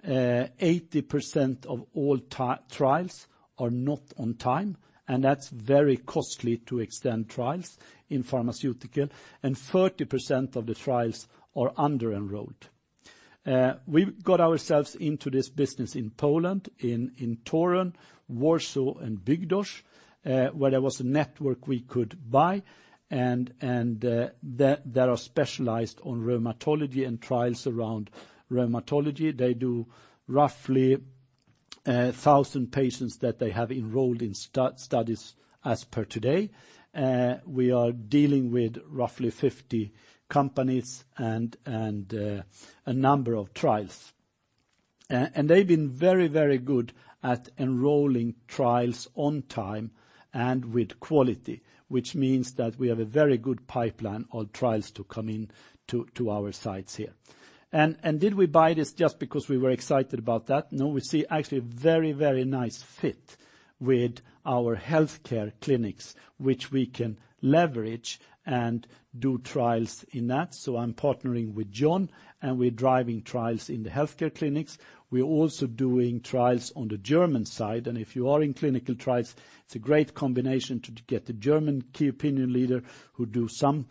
80% of all trials are not on time, and that's very costly to extend trials in pharmaceutical, and 30% of the trials are under-enrolled. We've got ourselves into this business in Poland, in Toruń, Warsaw, and Bydgoszcz, where there was a network we could buy and that are specialized on rheumatology and trials around rheumatology. They do roughly 1,000 patients that they have enrolled in studies as per today. We are dealing with roughly 50 companies and a number of trials. They've been very, very good at enrolling trials on time and with quality, which means that we have a very good pipeline of trials to come in to our sites here. Did we buy this just because we were excited about that? No. We see actually a very, very nice fit with our healthcare clinics, which we can leverage and do trials in that. I'm partnering with John, and we're driving trials in the healthcare clinics. We're also doing trials on the German side. If you are in clinical trials, it's a great combination to get a German key opinion leader who do some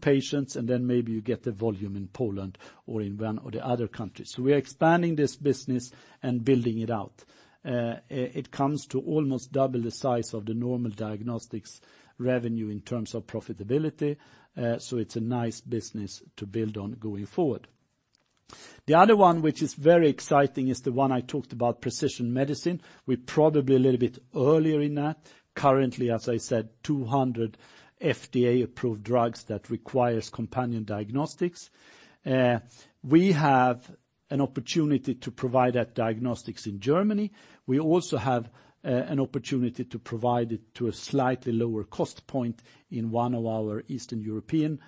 patients, and then maybe you get the volume in Poland or in one of the other countries. We are expanding this business and building it out. It comes to almost double the size of the normal diagnostics revenue in terms of profitability. It's a nice business to build on going forward. The other one, which is very exciting, is the one I talked about, precision medicine. We're probably a little bit earlier in that. Currently, as I said, 200 FDA-approved drugs that requires companion diagnostics. We have an opportunity to provide that diagnostics in Germany. We also have an opportunity to provide it to a slightly lower cost point in one of our Eastern European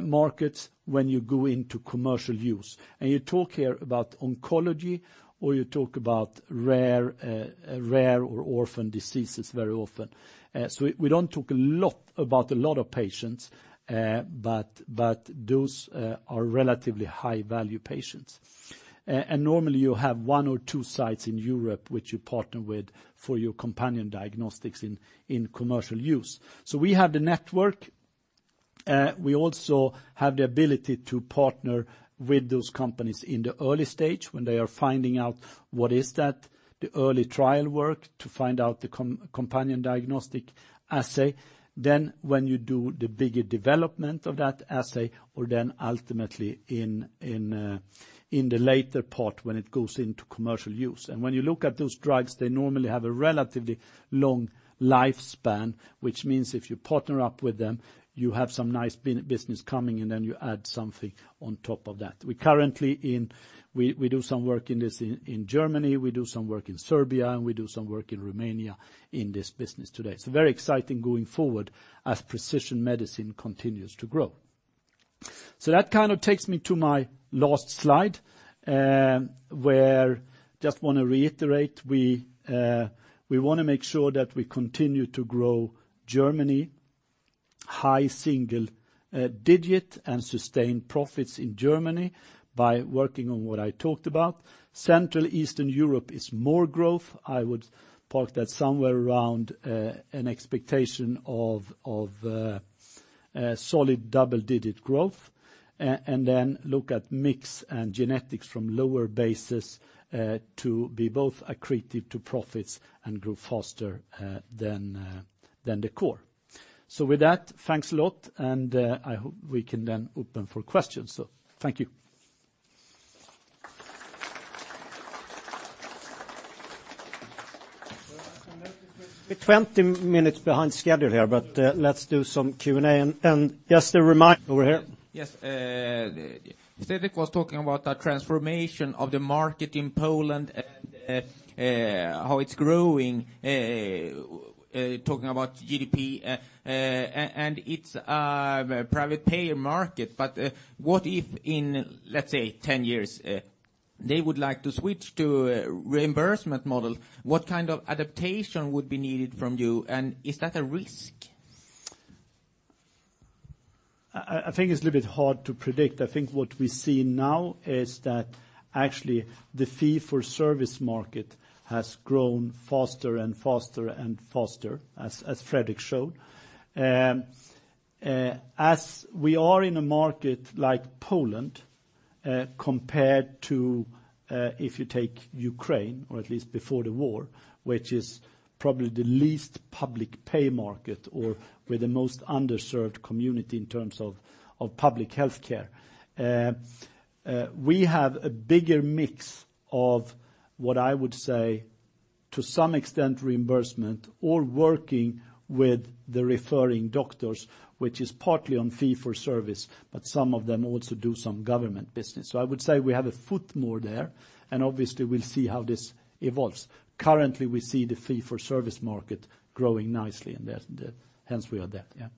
markets when you go into commercial use. You talk here about oncology, or you talk about rare or orphan diseases very often. We don't talk a lot about a lot of patients, but those are relatively high-value patients. Normally you have one or two sites in Europe which you partner with for your companion diagnostics in commercial use. We have the network. We also have the ability to partner with those companies in the early stage when they are finding out what is that, the early trial work to find out the companion diagnostic assay. When you do the bigger development of that assay, or ultimately in the later part when it goes into commercial use. When you look at those drugs, they normally have a relatively long lifespan, which means if you partner up with them, you have some nice business coming, and then you add something on top of that. We currently do some work in this in Germany, we do some work in Serbia, and we do some work in Romania in this business today. It's very exciting going forward as precision medicine continues to grow. That kind of takes me to my last slide, where just wanna reiterate, we wanna make sure that we continue to grow Germany high single digit and sustain profits in Germany by working on what I talked about. Central Eastern Europe is more growth. I would park that somewhere around an expectation of solid double-digit growth, and then look at mix and genetics from lower bases, to be both accretive to profits and grow faster, than the core. With that, thanks a lot, and I hope we can then open for questions. Thank you. We're 20 minutes behind schedule here, but let's do some Q&A. Just a reminder. Over here. Yes. Fredrik was talking about the transformation of the market in Poland and how it's growing, talking about GDP, and it's a private payer market. What if in, let's say, 10 years, they would like to switch to a reimbursement model? What kind of adaptation would be needed from you? Is that a risk? I think it's a little bit hard to predict. I think what we see now is that actually the fee-for-service market has grown faster and faster and faster, as Fredrik showed. As we are in a market like Poland, compared to if you take Ukraine, or at least before the war, which is probably the least public pay market or with the most underserved community in terms of public health care, we have a bigger mix of what I would say, to some extent, reimbursement or working with the referring doctors, which is partly on fee-for-service, but some of them also do some government business. I would say we have a foot more there, and obviously we'll see how this evolves. Currently, we see the fee-for-service market growing nicely, and the hence we are there. Yeah.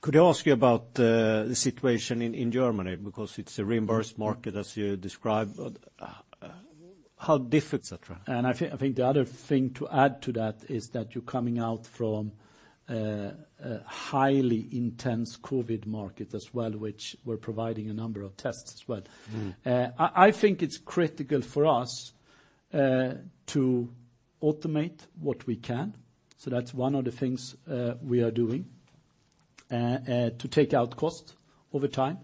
Could I ask you about the situation in Germany? It's a reimbursed market, as you described. How difficult etc. I think the other thing to add to that is that you're coming out from a highly intense COVID market as well, which we're providing a number of tests as well. I think it's critical for us to automate what we can. That's one of the things we are doing to take out cost over time.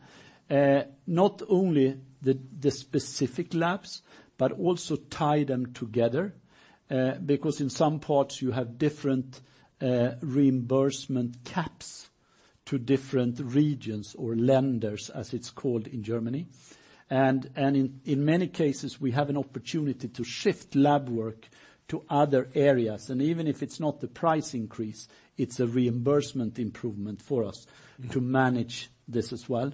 Not only the specific labs, but also tie them together because in some parts you have different reimbursement caps to different regions or Länder, as it's called in Germany. In many cases, we have an opportunity to shift lab work to other areas. Even if it's not the price increase, it's a reimbursement improvement for us to manage this as well.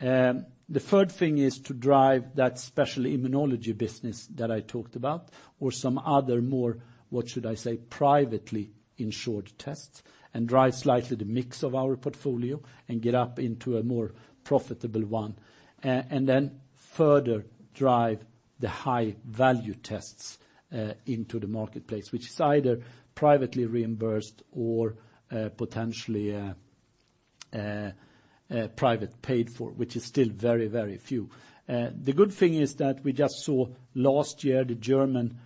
The third thing is to drive that special immunology business that I talked about or some other more, what should I say, privately insured tests and drive slightly the mix of our portfolio and get up into a more profitable one, and then further drive the high-value tests into the marketplace, which is either privately reimbursed or potentially private paid for, which is still very, very few. The good thing is that we just saw last year the German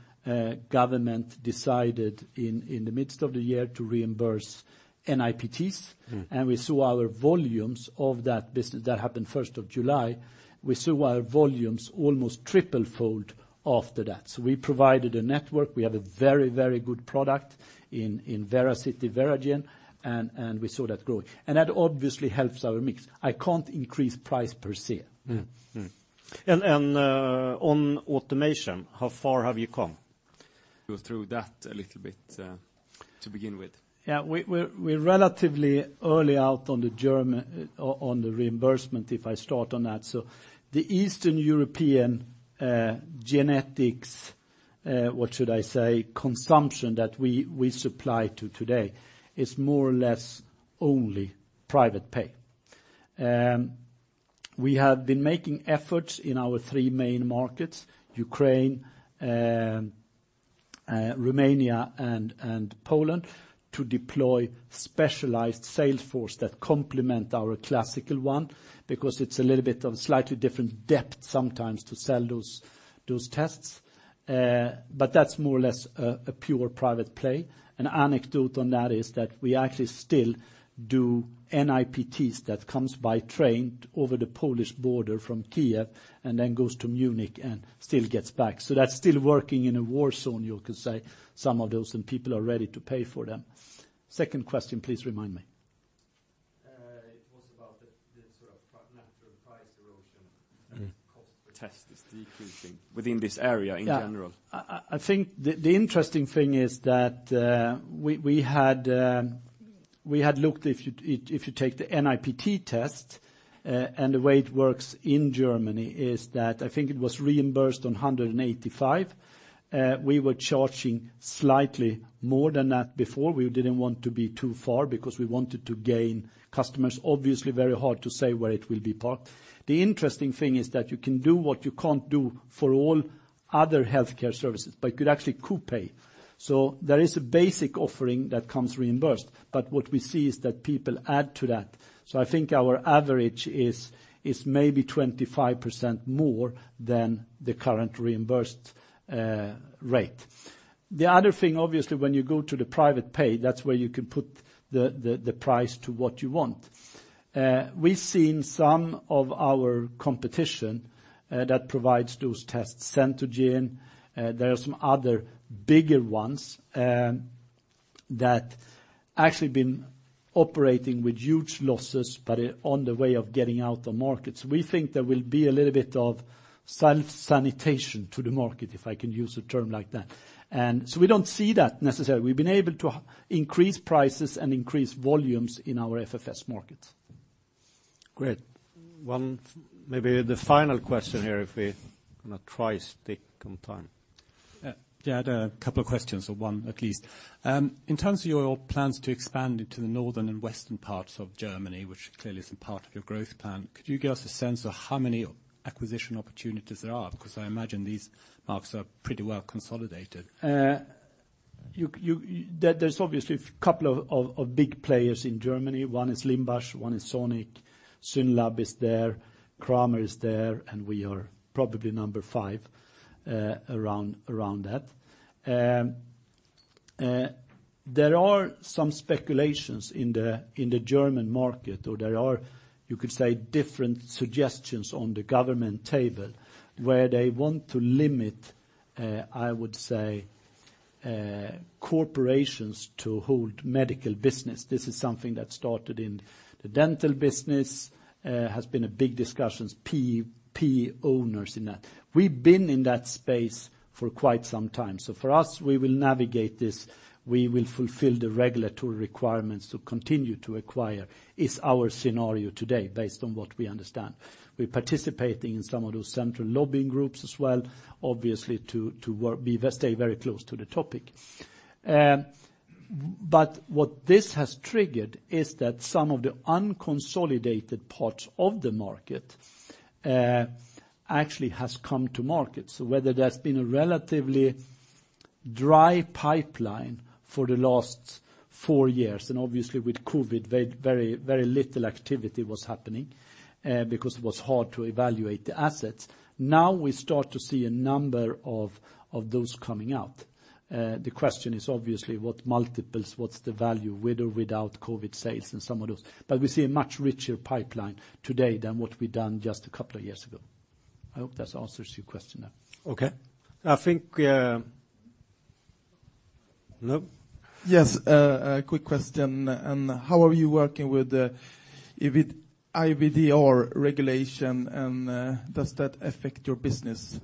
government decided in the midst of the year to reimburse NIPTs. We saw our volumes of that business. That happened 1st of July. We saw our volumes almost 3-fold after that. We provided a network. We have a very, very good product in VERACITY, VERAgene, and we saw that growing. That obviously helps our mix. I can't increase price per se. On automation, how far have you come? Go through that a little bit, to begin with. We're relatively early out on the German reimbursement, if I start on that. The Eastern European genetics consumption that we supply to today is more or less only private pay. We have been making efforts in our three main markets, Ukraine, Romania and Poland, to deploy specialized sales force that complement our classical one, because it's a little bit of slightly different depth sometimes to sell those tests. That's more or less a pure private play. An anecdote on that is that we actually still do NIPTs that comes by train over the Polish border from Kyiv and then goes to Munich and still gets back. That's still working in a war zone, you could say, some of those, and people are ready to pay for them. Second question, please remind me. It was about the sort of natural price erosion that cost per test is decreasing within this area in general. Yeah. I think the interesting thing is that we had looked. If you take the NIPT test, and the way it works in Germany is that I think it was reimbursed on 185. We were charging slightly more than that before. We didn't want to be too far because we wanted to gain customers. Obviously, very hard to say where it will be parked. The interesting thing is that you can do what you can't do for all other healthcare services, but you could actually co-pay. There is a basic offering that comes reimbursed, but what we see is that people add to that. I think our average is maybe 25% more than the current reimbursed rate. The other thing, obviously, when you go to the private pay, that's where you can put the price to what you want. We've seen some of our competition that provides those tests, Centogene, there are some other bigger ones that actually been operating with huge losses, but on the way of getting out the markets. We think there will be a little bit of self-sanitation to the market, if I can use a term like that. We don't see that necessarily. We've been able to increase prices and increase volumes in our FFS markets. Great. Maybe the final question here, if we gonna try stick on time. Yeah. I had a couple of questions, or one at least. In terms of your plans to expand into the northern and western parts of Germany, which clearly is a part of your growth plan, could you give us a sense of how many acquisition opportunities there are? I imagine these markets are pretty well consolidated. You... There's obviously a couple of big players in Germany. One is Limbach, one is Sonic, SYNLAB is there, Kramer is there, and we are probably number 5 around that. There are some speculations in the German market, or there are, you could say, different suggestions on the government table where they want to limit, I would say, corporations to hold medical business. This is something that started in the dental business, has been a big discussions, owners in that. We've been in that space for quite some time. For us, we will navigate this. We will fulfill the regulatory requirements to continue to acquire is our scenario today based on what we understand. We're participating in some of those central lobbying groups as well, obviously to work... we stay very close to the topic. What this has triggered is that some of the unconsolidated parts of the market actually has come to market. Whether there's been a relatively dry pipeline for the last 4 years, and obviously with COVID, very little activity was happening because it was hard to evaluate the assets. We start to see a number of those coming out. The question is obviously what multiples, what's the value with or without COVID sales and some of those. We see a much richer pipeline today than what we've done just a couple of years ago. I hope that answers your question now. Okay. I think... No? Yes. A quick question on how are you working with IVDR regulation, and does that affect your business?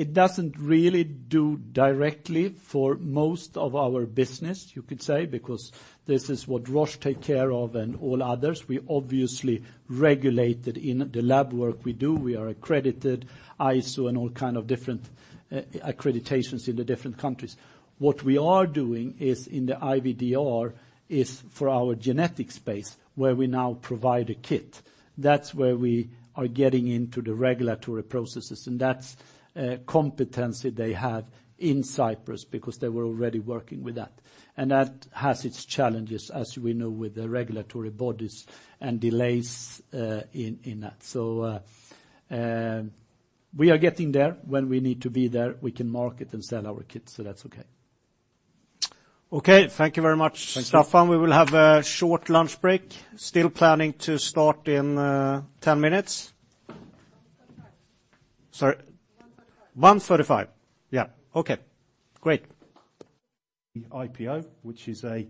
It doesn't really do directly for most of our business, you could say, because this is what Roche take care of and all others. We're obviously regulated in the lab work we do. We are accredited, ISO and all kind of different accreditations in the different countries. What we are doing is in the IVDR is for our genetic space, where we now provide a kit. That's where we are getting into the regulatory processes, and that's a competency they have in Cyprus because they were already working with that. That has its challenges, as we know, with the regulatory bodies and delays in that. We are getting there. When we need to be there, we can market and sell our kits, so that's okay. Okay, thank you very much, Staffan. Thank you. We will have a short lunch break. Still planning to start in 10 minutes. 1:35. Sorry? 1:35. 1:35. Yeah. Okay, great. The IPO, which is a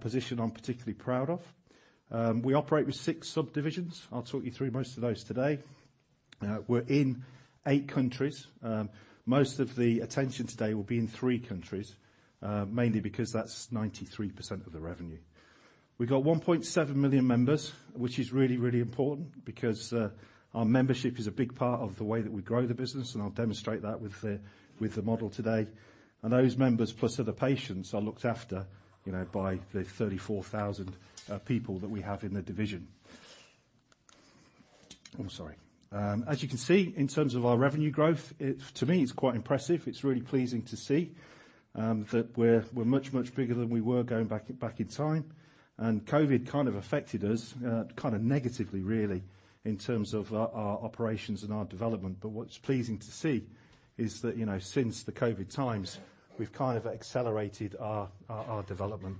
position I'm particularly proud of. We operate with 6 subdivisions. I'll talk you through most of those today. We're in 8 countries. Most of the attention today will be in 3 countries, mainly because that's 93% of the revenue. We've got 1.7 million members, which is really important because our membership is a big part of the way that we grow the business, and I'll demonstrate that with the model today. Those members, plus other patients, are looked after, you know, by the 34,000 people that we have in the division. I'm sorry. As you can see, in terms of our revenue growth, to me, it's quite impressive. It's really pleasing to see that we're much, much bigger than we were going back in time. COVID kind of affected us kind of negatively really, in terms of our operations and our development. What's pleasing to see is that, you know, since the COVID times, we've kind of accelerated our development.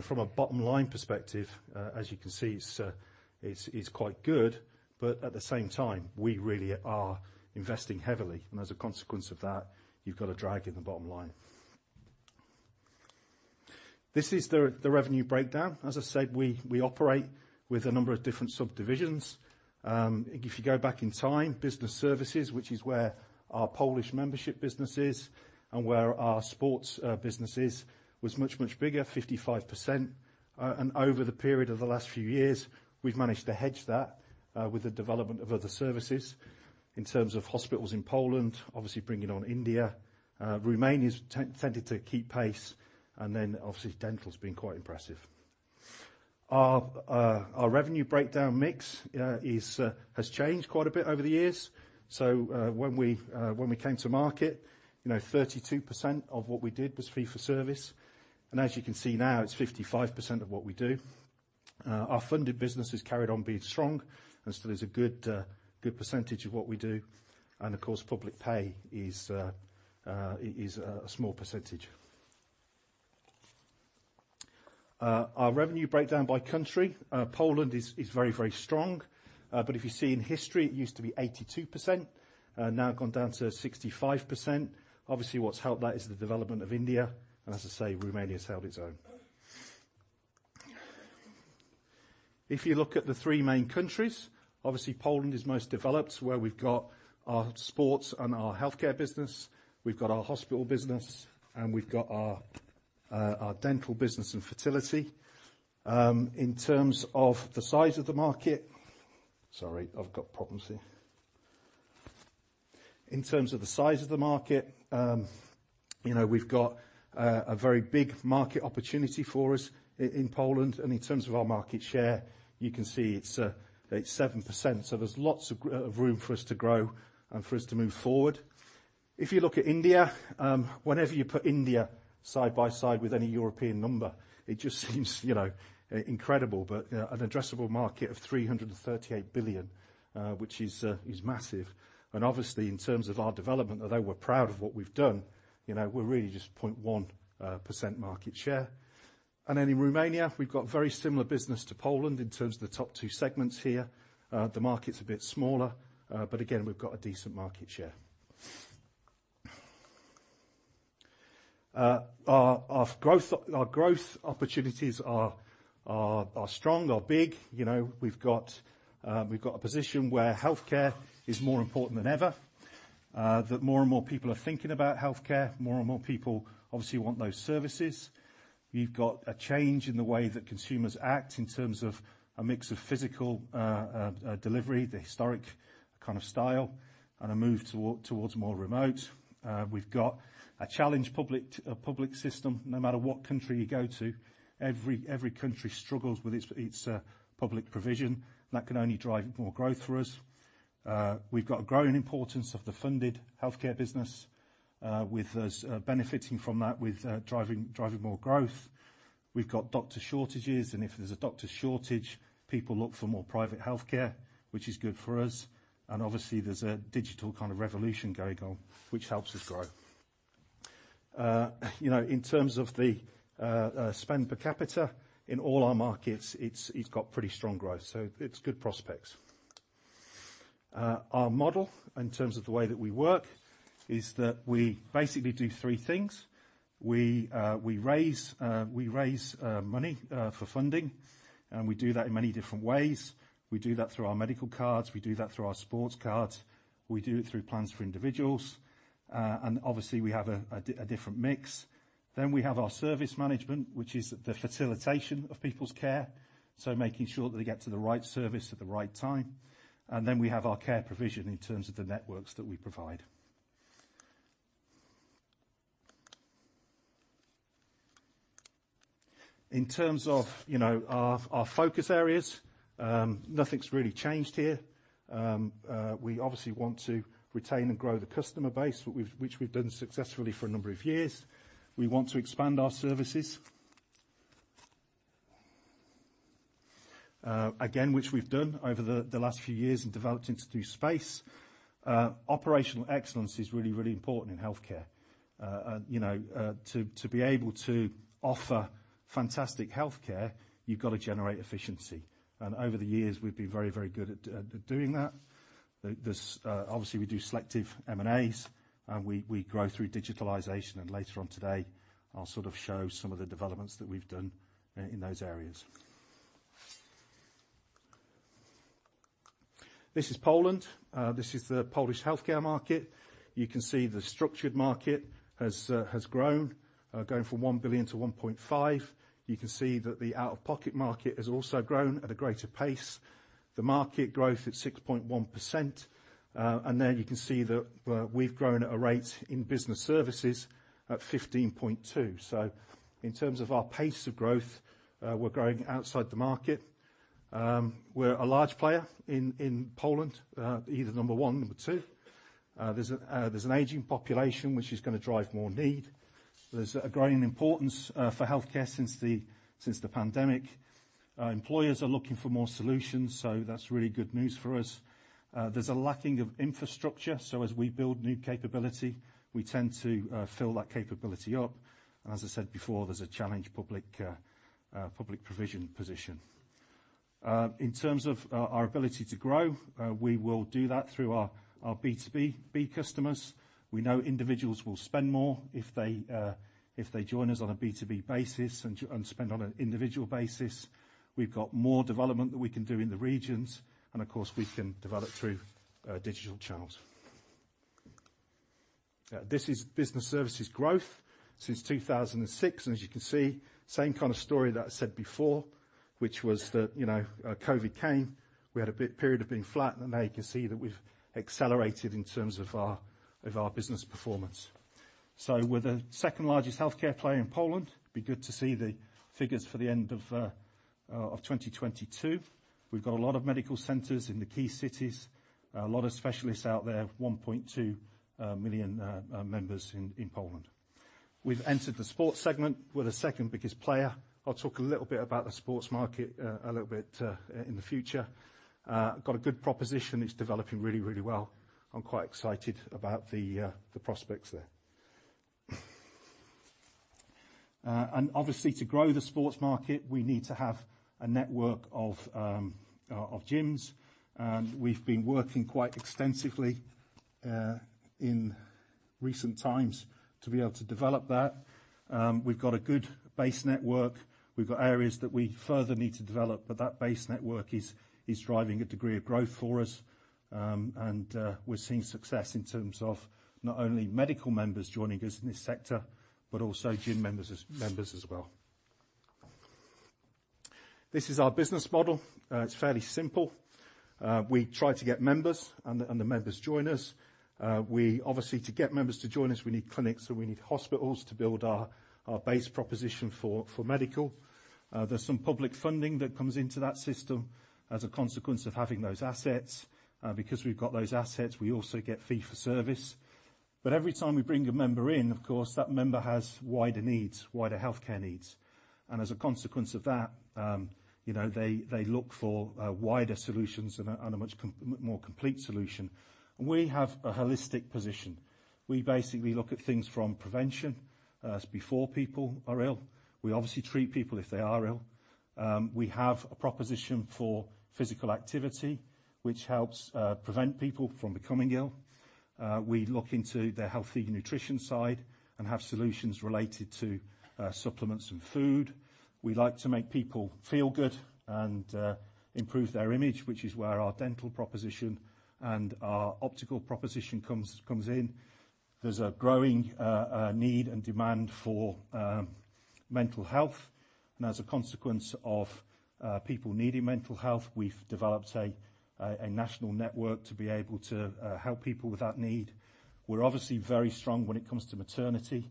From a bottom line perspective, as you can see, it's quite good, but at the same time, we really are investing heavily. As a consequence of that, you've got a drag in the bottom line. This is the revenue breakdown. As I said, we operate with a number of different subdivisions. If you go back in time, business services, which is where our Polish membership business is and where our sports business is, was much, much bigger, 55%. Over the period of the last few years, we've managed to hedge that with the development of other services in terms of hospitals in Poland, obviously bringing on India. Romania's tended to keep pace, then obviously dental's been quite impressive. Our revenue breakdown mix has changed quite a bit over the years. When we, when we came to market, you know, 32% of what we did was fee-for-service. As you can see now, it's 55% of what we do. Our funded business has carried on being strong and still is a good percentage of what we do. Of course, public pay is a small percentage. Our revenue breakdown by country, Poland is very, very strong. If you see in history, it used to be 82%, now gone down to 65%. Obviously, what's helped that is the development of India, and as I say, Romania's held its own. If you look at the 3 main countries, obviously Poland is most developed, where we've got our sports and our healthcare business. We've got our hospital business, and we've got our dental business and fertility. In terms of the size of the market. Sorry, I've got problems here. In terms of the size of the market, you know, we've got a very big market opportunity for us in Poland. In terms of our market share, you can see it's 7%. There's lots of room for us to grow and for us to move forward. If you look at India, whenever you put India side by side with any European number, it just seems, you know, incredible. An addressable market of 338 billion, which is massive. Obviously, in terms of our development, although we're proud of what we've done, you know, we're really just 0.1% market share. In Romania, we've got very similar business to Poland in terms of the top two segments here. The market's a bit smaller, but again, we've got a decent market share. Our growth opportunities are strong, are big. You know, we've got a position where healthcare is more important than ever, that more and more people are thinking about healthcare. More and more people obviously want those services. You've got a change in the way that consumers act in terms of a mix of physical, delivery, the historic kind of style, and a move towards more remote. We've got a challenged public system. No matter what country you go to, every country struggles with its public provision. That can only drive more growth for us. We've got a growing importance of the funded healthcare business, with us, benefiting from that with, driving more growth. We've got doctor shortages, and if there's a doctor shortage, people look for more private healthcare, which is good for us. Obviously, there's a digital kind of revolution going on, which helps us grow. You know, in terms of the spend per capita, in all our markets, it's got pretty strong growth. It's good prospects. Our model, in terms of the way that we work, is that we basically do three things. We raise money for funding, and we do that in many different ways. We do that through our medical cards. We do that through our sports cards. We do it through plans for individuals. Obviously we have a different mix. We have our service management, which is the facilitation of people's care. Making sure that they get to the right service at the right time. We have our care provision in terms of the networks that we provide. In terms of, you know, our focus areas, nothing's really changed here. We obviously want to retain and grow the customer base, which we've done successfully for a number of years. We want to expand our services. Again, which we've done over the last few years and developed into space. Operational excellence is really, really important in healthcare. You know, to be able to offer fantastic healthcare, you've gotta generate efficiency. Over the years, we've been very, very good at doing that. This, obviously we do selective M&As, and we grow through digitalization. Later on today, I'll sort of show some of the developments that we've done in those areas. This is Poland. This is the Polish healthcare market. You can see the structured market has grown going from 1 billion to 1.5 billion. You can see that the out-of-pocket market has also grown at a greater pace. The market growth at 6.1%. There you can see that we've grown at a rate in business services at 15.2%. In terms of our pace of growth, we're growing outside the market. We're a large player in Poland, either number one or number two. There's an aging population, which is gonna drive more need. There's a growing importance for healthcare since the pandemic. Employers are looking for more solutions, that's really good news for us. There's a lacking of infrastructure, so as we build new capability, we tend to fill that capability up. As I said before, there's a challenge public public provision position. In terms of our ability to grow, we will do that through our B2B customers. We know individuals will spend more if they join us on a B2B basis and spend on an individual basis. We've got more development that we can do in the regions, and of course, we can develop through digital channels. This is business services growth since 2006. As you can see, same kind of story that I said before, which was that, you know, COVID came. We had a period of being flat. Now you can see that we've accelerated in terms of our business performance. We're the second largest healthcare player in Poland. It'd be good to see the figures for the end of 2022. We've got a lot of medical centers in the key cities. A lot of specialists out there, 1.2 million members in Poland. We've entered the sports segment. We're the second biggest player. I'll talk a little bit about the sports market a little bit in the future. Got a good proposition. It's developing really, really well. I'm quite excited about the prospects there. Obviously, to grow the sports market, we need to have a network of gyms. We've been working quite extensively in recent times to be able to develop that. We've got a good base network. We've got areas that we further need to develop, but that base network is driving a degree of growth for us. We're seeing success in terms of not only medical members joining us in this sector, but also gym members as well. This is our business model. It's fairly simple. We try to get members, and the members join us. Obviously, to get members to join us, we need clinics, so we need hospitals to build our base proposition for medical. There's some public funding that comes into that system as a consequence of having those assets. Because we've got those assets, we also get fee-for-service. Every time we bring a member in, of course, that member has wider needs, wider healthcare needs. As a consequence of that, you know, they look for wider solutions and a much more complete solution. We have a holistic position. We basically look at things from prevention, so before people are ill. We obviously treat people if they are ill. We have a proposition for physical activity, which helps prevent people from becoming ill. We look into their healthy nutrition side and have solutions related to supplements and food. We like to make people feel good and improve their image, which is where our dental proposition and our optical proposition comes in. There's a growing need and demand for mental health. As a consequence of people needing mental health, we've developed a national network to be able to help people with that need. We're obviously very strong when it comes to maternity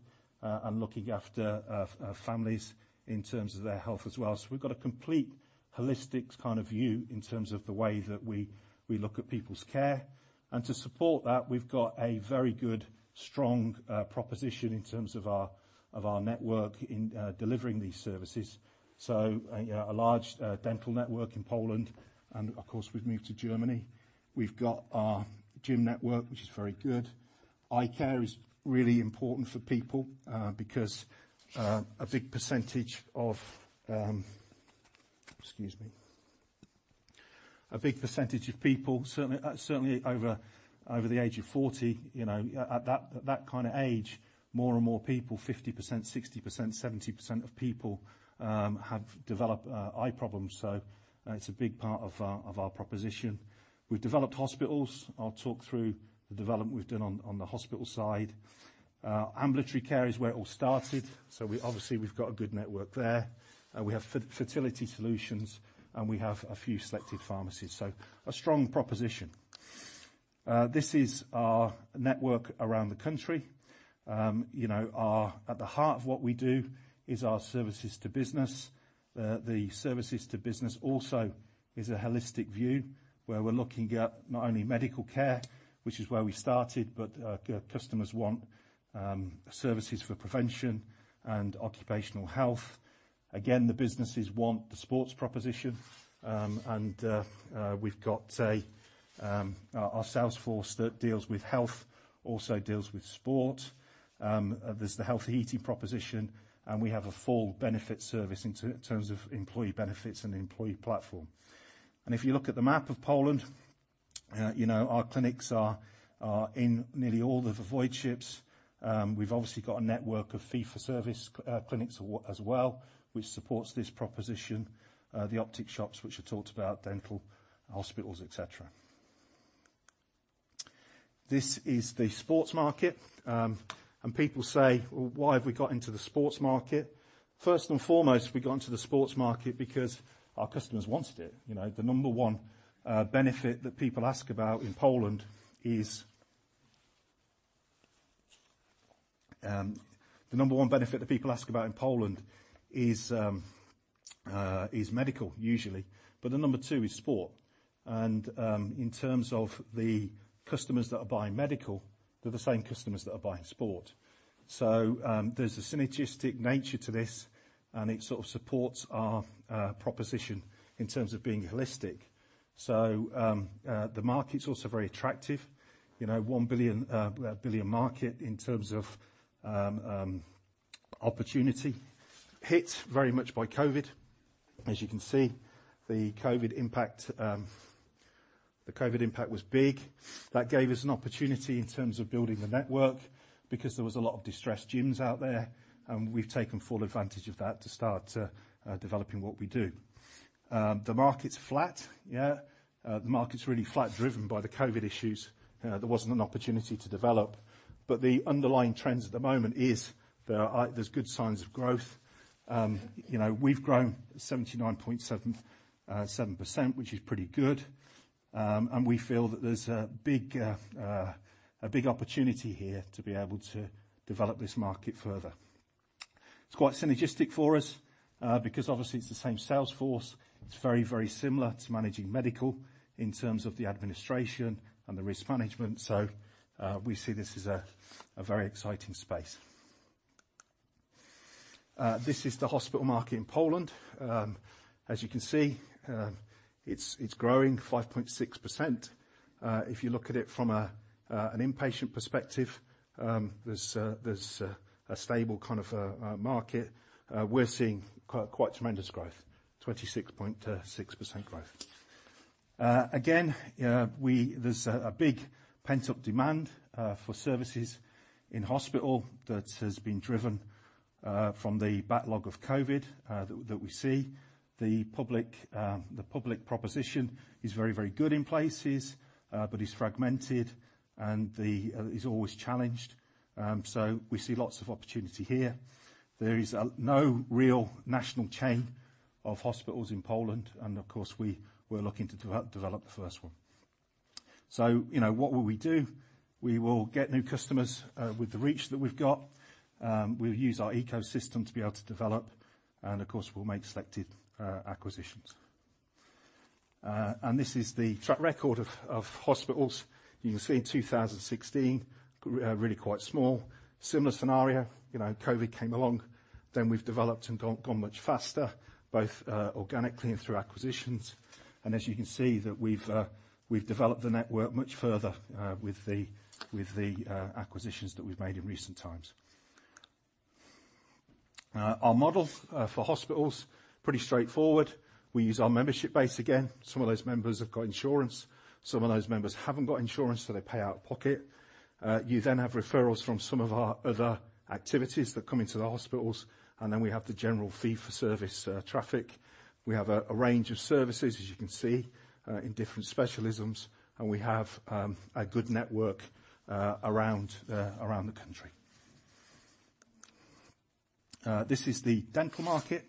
and looking after families in terms of their health as well. We've got a complete holistic kind of view in terms of the way that we look at people's care. To support that, we've got a very good, strong proposition in terms of our network in delivering these services. A large dental network in Poland, and of course, we've moved to Germany. We've got our gym network, which is very good. Eye care is really important for people because a big percentage of... Excuse me. A big percentage of people certainly over the age of 40, you know, at that kind of age, more and more people, 50%, 60%, 70% of people have developed eye problems. It's a big part of our proposition. We've developed hospitals. I'll talk through the development we've done on the hospital side. Ambulatory care is where it all started, we obviously we've got a good network there. We have fertility solutions, and we have a few selected pharmacies. A strong proposition. This is our network around the country. You know, at the heart of what we do is our services to business. The services to business also is a holistic view, where we're looking at not only medical care, which is where we started, but customers want services for prevention and occupational health. Again, the businesses want the sports proposition. We've got our sales force that deals with health, also deals with sport. There's the health heating proposition, and we have a full benefit service in terms of employee benefits and employee platform. If you look at the map of Poland, you know, our clinics are in nearly all of the voivodeships. We've obviously got a network of fee-for-service clinics as well, which supports this proposition. The optic shops which I talked about, dental, hospitals, etc. This is the sports market. People say, "Well, why have we got into the sports market?" First and foremost, we've got into the sports market because our customers wanted it. You know, the number 1 benefit that people ask about in Poland is medical usually, but the number 2 is sport. In terms of the customers that are buying medical, they're the same customers that are buying sport. There's a synergistic nature to this, and it sort of supports our proposition in terms of being holistic. The market's also very attractive. You know, 1 billion market in terms of opportunity. Hit very much by COVID. As you can see, the COVID impact was big. That gave us an opportunity in terms of building the network because there was a lot of distressed gyms out there, and we've taken full advantage of that to start developing what we do. The market's flat. Yeah, the market's really flat, driven by the COVID issues. There wasn't an opportunity to develop. The underlying trends at the moment is there's good signs of growth. You know, we've grown 79.77%, which is pretty good. We feel that there's a big, a big opportunity here to be able to develop this market further. It's quite synergistic for us because obviously it's the same sales force. It's very, very similar to managing medical in terms of the administration and the risk management. We see this as a very exciting space. This is the hospital market in Poland. As you can see, it's growing 5.6%. If you look at it from an inpatient perspective, there's a stable kind of market. We're seeing quite tremendous growth, 26.6% growth. Again, there's a big pent-up demand for services in hospital that has been driven from the backlog of COVID that we see. The public, the public proposition is very, very good in places, but is fragmented and is always challenged. We see lots of opportunity here. There is no real national chain of hospitals in Poland. Of course, we were looking to develop the first one. You know, what will we do? We will get new customers with the reach that we've got. We'll use our ecosystem to be able to develop, of course, we'll make selective acquisitions. This is the track record of hospitals. You can see in 2016, really quite small. Similar scenario, you know, COVID came along, we've developed and gone much faster, both organically and through acquisitions. As you can see that we've developed the network much further with the acquisitions that we've made in recent times. Our model for hospitals, pretty straightforward. We use our membership base again. Some of those members have got insurance, some of those members haven't got insurance, so they pay out-of-pocket. You then have referrals from some of our other activities that come into the hospitals, and then we have the general fee-for-service traffic. We have a range of services, as you can see in different specialisms, and we have a good network around the country. This is the dental market.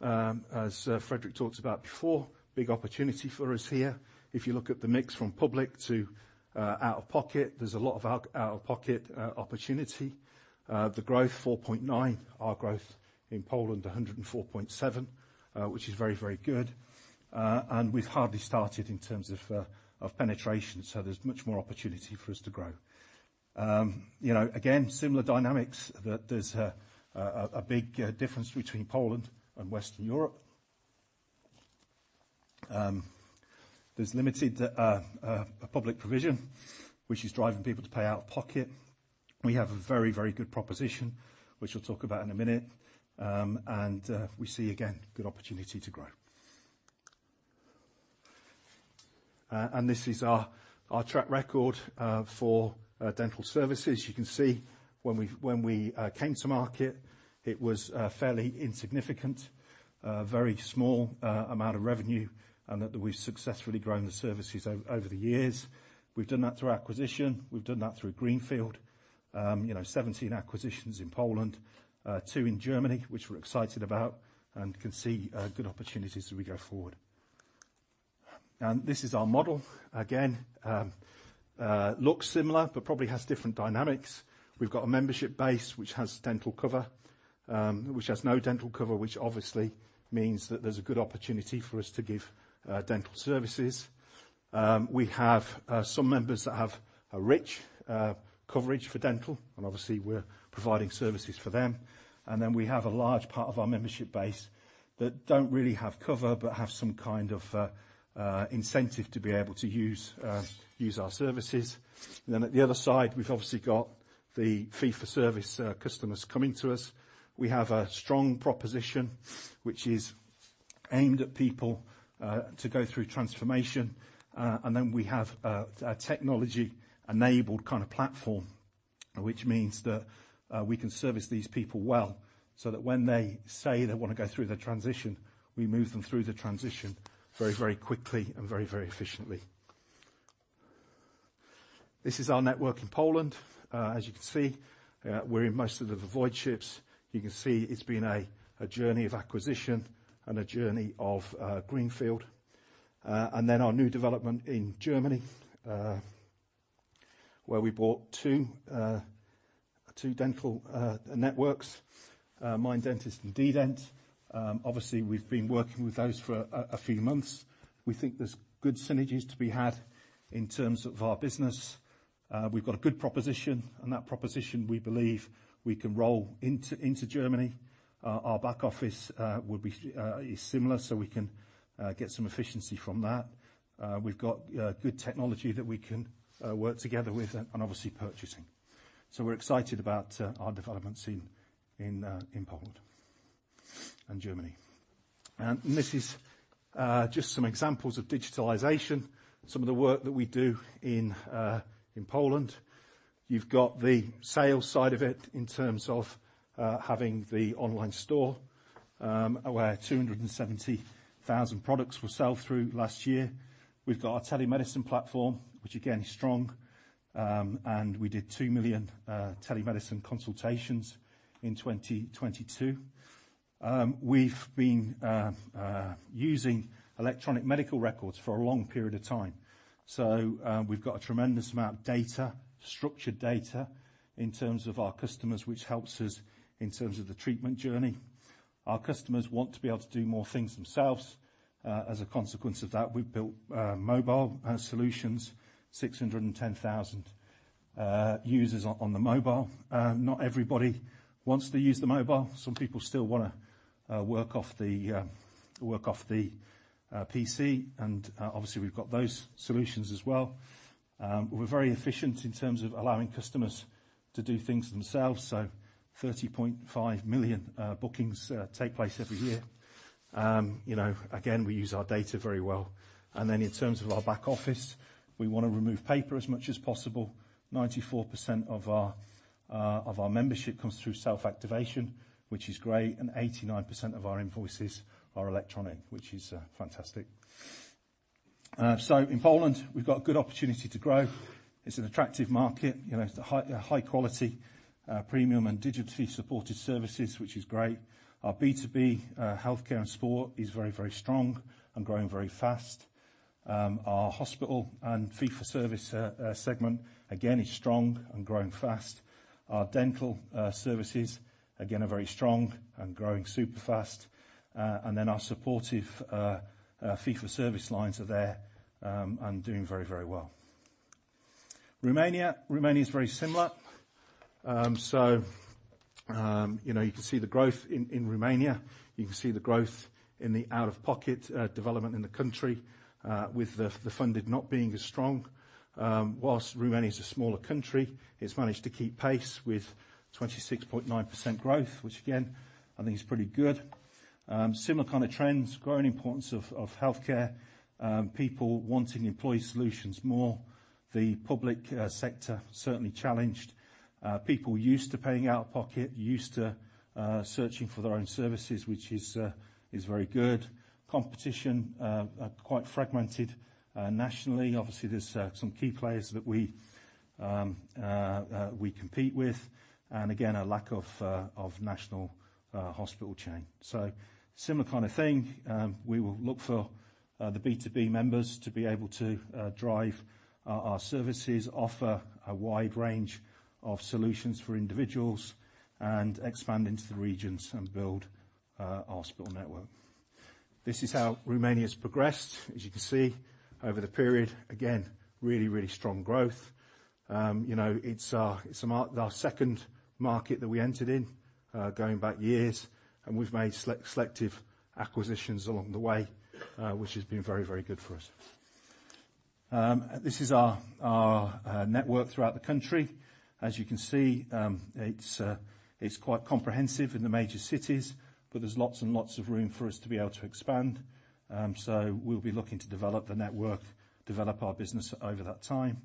As Fredrik talked about before, big opportunity for us here. If you look at the mix from public to out-of-pocket, there's a lot of out-of-pocket opportunity. The growth, 4.9%. Our growth in Poland, 104.7%, which is very, very good. We've hardly started in terms of penetration, so there's much more opportunity for us to grow. You know, again, similar dynamics that there's a big difference between Poland and Western Europe. There's limited public provision, which is driving people to pay out of pocket. We have a very, very good proposition, which we'll talk about in a minute. We see again good opportunity to grow. This is our track record for dental services. You can see when we, when we came to market, it was fairly insignificant. Very small amount of revenue, and that we've successfully grown the services over the years. We've done that through acquisition. We've done that through greenfield. You know, 17 acquisitions in Poland, 2 in Germany, which we're excited about and can see good opportunities as we go forward. This is our model. Again, looks similar, but probably has different dynamics. We've got a membership base which has dental cover, which has no dental cover, which obviously means that there's a good opportunity for us to give dental services. We have some members that have a rich coverage for dental, and obviously, we're providing services for them. We have a large part of our membership base that don't really have cover but have some kind of incentive to be able to use our services. At the other side, we've obviously got the fee-for-service customers coming to us. We have a strong proposition, which is aimed at people to go through transformation. Then we have a technology-enabled kind of platform, which means that we can service these people well, so that when they say they wanna go through the transition, we move them through the transition very, very quickly and very, very efficiently. This is our network in Poland. As you can see, we're in most of the voivodeships. You can see it's been a journey of acquisition and a journey of greenfield. Then our new development in Germany, where we bought 2 dental networks, Mein Zahnarzt and DDent. Obviously, we've been working with those for a few months. We think there's good synergies to be had in terms of our business. We've got a good proposition, and that proposition, we believe we can roll into Germany. Our back office will be similar, so we can get some efficiency from that. We've got good technology that we can work together with and obviously purchasing. We're excited about our developments in Poland and Germany. This is just some examples of digitalization, some of the work that we do in Poland. You've got the sales side of it in terms of having the online store, where 270,000 products were sold through last year. We've got our telemedicine platform, which again is strong, and we did 2 million telemedicine consultations in 2022. We've been using electronic medical records for a long period of time, so we've got a tremendous amount of data, structured data in terms of our customers, which helps us in terms of the treatment journey. Our customers want to be able to do more things themselves. As a consequence of that, we've built mobile solutions, 610,000 users on the mobile. Not everybody wants to use the mobile. Some people still wanna work off the PC, and obviously, we've got those solutions as well. We're very efficient in terms of allowing customers to do things themselves, so 30.5 million bookings take place every year. You know, again, we use our data very well. In terms of our back office, we wanna remove paper as much as possible. 94% of our of our membership comes through self-activation, which is great, and 89% of our invoices are electronic, which is fantastic. In Poland, we've got good opportunity to grow. It's an attractive market. You know, it's the high, high quality, premium and digitally supported services, which is great. Our B2B, healthcare and sport is very strong and growing very fast. Our hospital and fee-for-service segment again is strong and growing fast. Our dental services again are very strong and growing super fast. Our supportive fee-for-service lines are there and doing very well. Romania. Romania is very similar. You know, you can see the growth in Romania. You can see the growth in the out-of-pocket development in the country, with the funded not being as strong. Whilst Romania is a smaller country, it's managed to keep pace with 26.9% growth, which again I think is pretty good. Similar kind of trends, growing importance of healthcare, people wanting employee solutions more. The public sector certainly challenged. People used to paying out-of-pocket, used to searching for their own services, which is very good. Competition quite fragmented nationally. Obviously, there's some key players that we compete with, and again, a lack of national hospital chain. Similar kind of thing. We will look for the B2B members to be able to drive our services, offer a wide range of solutions for individuals, and expand into the regions and build our hospital network. This is how Romania's progressed, as you can see, over the period. Really strong growth. You know, it's our second market that we entered in going back years, and we've made selective acquisitions along the way, which has been very, very good for us. This is our network throughout the country. As you can see, it's quite comprehensive in the major cities, but there's lots of room for us to be able to expand. We'll be looking to develop the network, develop our business over that time.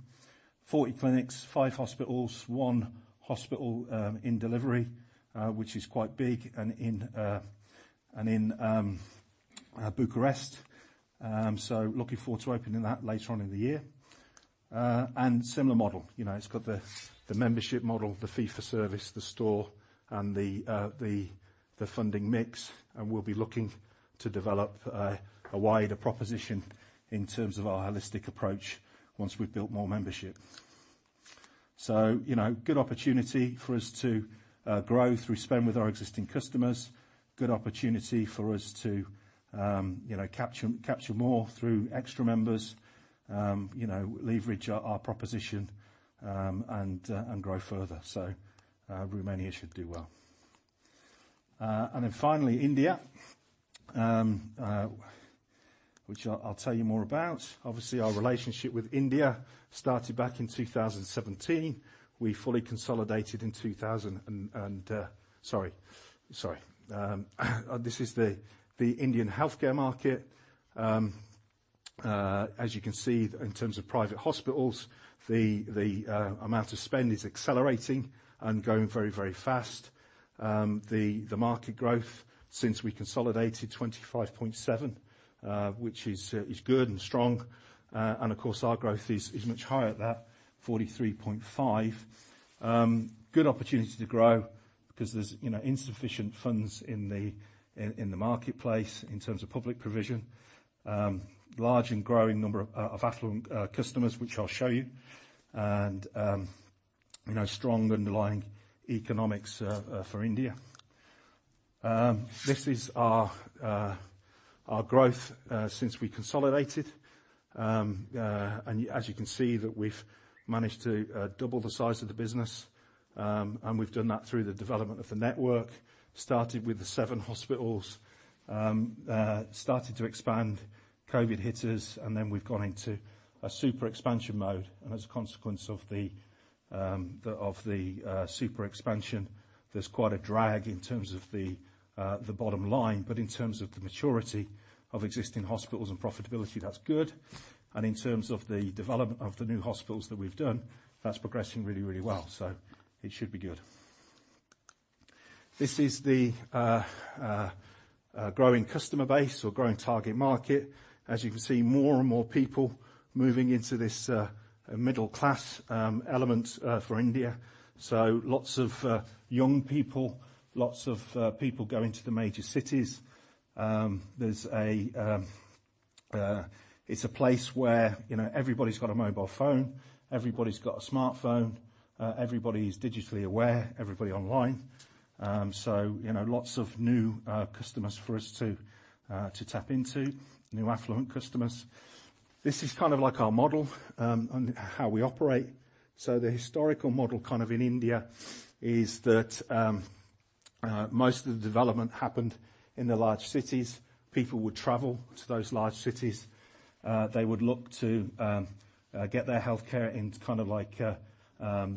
40 clinics, 5 hospitals, 1 hospital in delivery, which is quite big and in Bucharest. Looking forward to opening that later on in the year. Similar model. You know, it's got the membership model, the fee-for-service, the store, and the funding mix, and we'll be looking to develop a wider proposition in terms of our holistic approach once we've built more membership. So, you know, good opportunity for us to grow through spend with our existing customers. Good opportunity for us to, you know, capture more through extra members. You know, leverage our proposition, and grow further. Romania should do well. Finally, India, which I'll tell you more about. Obviously, our relationship with India started back in 2017. We fully consolidated in 2000 and... Sorry. Sorry. This is the Indian healthcare market. As you can see, in terms of private hospitals, the amount of spend is accelerating and growing very, very fast. The market growth since we consolidated, 25.7%, which is good and strong. Of course, our growth is much higher at that, 43.5%. Good opportunity to grow 'cause there's, you know, insufficient funds in the marketplace in terms of public provision. Large and growing number of affluent customers, which I'll show you. You know, strong underlying economics for India. This is our growth since we consolidated. As you can see, that we've managed to double the size of the business, and we've done that through the development of the network. Started with the 7 hospitals. Started to expand. COVID hit us, then we've gone into a super expansion mode, and as a consequence of the super expansion, there's quite a drag in terms of the bottom line. In terms of the maturity of existing hospitals and profitability, that's good. In terms of the development of the new hospitals that we've done, that's progressing really, really well, so it should be good. This is the growing customer base or growing target market. As you can see, more and more people moving into this middle class element for India. Lots of young people. Lots of people going to the major cities. There's a place where, you know, everybody's got a mobile phone. Everybody's got a smartphone. Everybody's digitally aware. Everybody online. You know, lots of new customers for us to tap into. New affluent customers. This is kind of like our model and how we operate. The historical model kind of in India is that most of the development happened in the large cities. People would travel to those large cities. They would look to get their healthcare in kind of like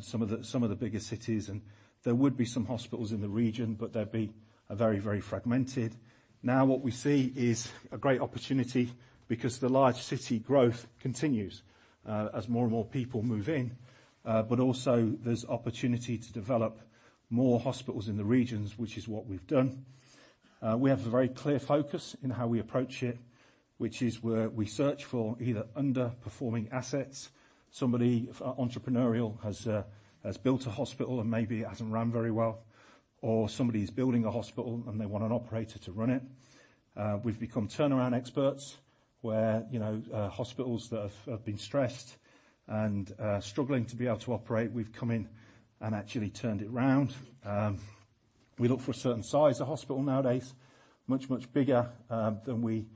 some of the bigger cities. There would be some hospitals in the region, but they'd be very fragmented. What we see is a great opportunity because the large city growth continues as more and more people move in. Also there's opportunity to develop more hospitals in the regions, which is what we've done. We have a very clear focus in how we approach it, which is we search for either underperforming assets. Somebody entrepreneurial has built a hospital and maybe it hasn't ran very well, or somebody's building a hospital, and they want an operator to run it. We've become turnaround experts, where, you know, hospitals that have been stressed and are struggling to be able to operate, we've come in and actually turned it around. We look for a certain size of hospital nowadays. Much, much bigger than we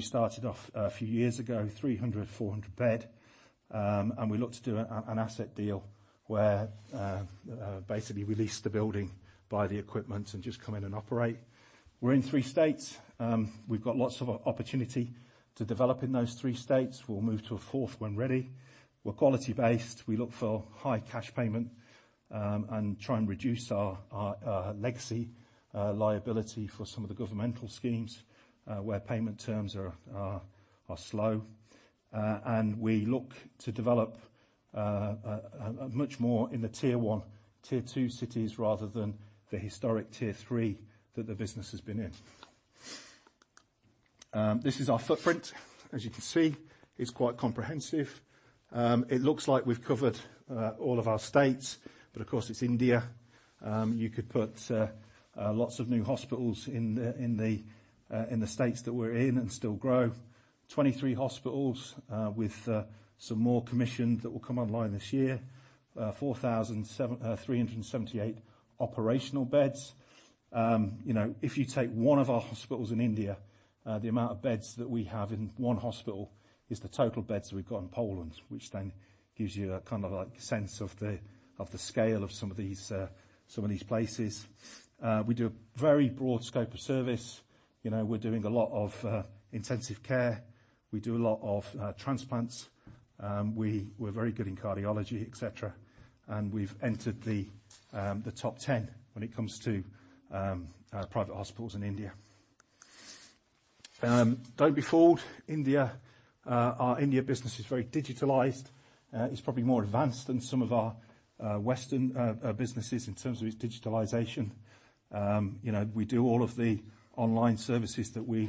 started off a few years ago, 300, 400 bed. We look to do an asset deal where basically release the building, buy the equipment, and just come in and operate. We're in 3 states. We've got lots of opportunity to develop in those 3 states. We'll move to a fourth when ready. We're quality-based. We look for high cash payment, and try and reduce our legacy liability for some of the governmental schemes, where payment terms are slow. We look to develop much more in the tier 1, tier 2 cities, rather than the historic tier 3 that the business has been in. This is our footprint. As you can see, it's quite comprehensive. It looks like we've covered all of our states, but of course it's India. You could put lots of new hospitals in the states that we're in and still grow. 23 hospitals with some more commissioned that will come online this year. 378 operational beds. You know, if you take one of our hospitals in India, the amount of beds that we have in one hospital is the total beds we've got in Poland, which then gives you a kind of, like, sense of the scale of some of these, some of these places. We do a very broad scope of service. You know, we're doing a lot of intensive care. We do a lot of transplants. We, we're very good in cardiology, etc. We've entered the top 10 when it comes to private hospitals in India. Don't be fooled. India, our India business is very digitalized. It's probably more advanced than some of our Western businesses in terms of its digitalization. You know, we do all of the online services that we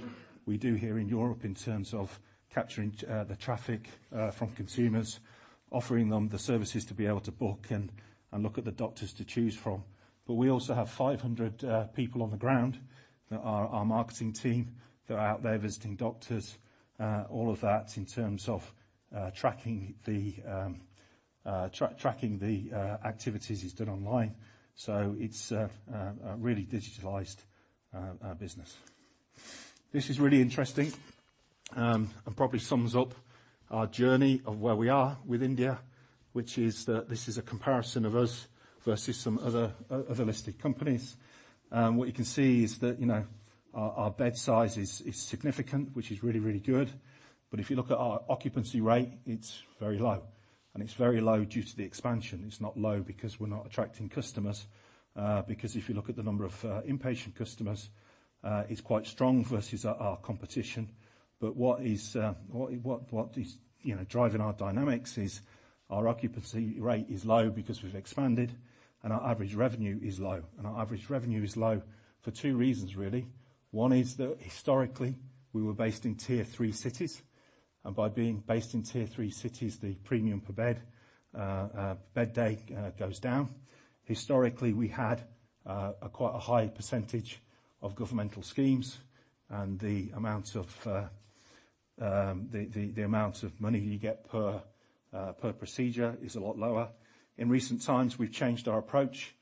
do here in Europe in terms of capturing the traffic from consumers, offering them the services to be able to book and look at the doctors to choose from. We also have 500 people on the ground that are our marketing team. They're out there visiting doctors. All of that in terms of tracking the activities is done online. It's a really digitalized business. This is really interesting, probably sums up our journey of where we are with India, which is that this is a comparison of us versus some other listed companies. What you can see is that, you know, our bed size is significant, which is really good. If you look at our occupancy rate, it's very low. It's very low due to the expansion. It's not low because we're not attracting customers, because if you look at the number of inpatient customers, it's quite strong versus our competition. What is, you know, driving our dynamics is our occupancy rate is low because we've expanded and our average revenue is low. Our average revenue is low for 2 reasons, really. One is that historically we were based in tier-three cities. By being based in tier-three cities, the premium per bed bed day goes down. Historically, we had quite a high percentage of governmental schemes. The amount of money you get per procedure is a lot lower. In recent times, we've changed our approach.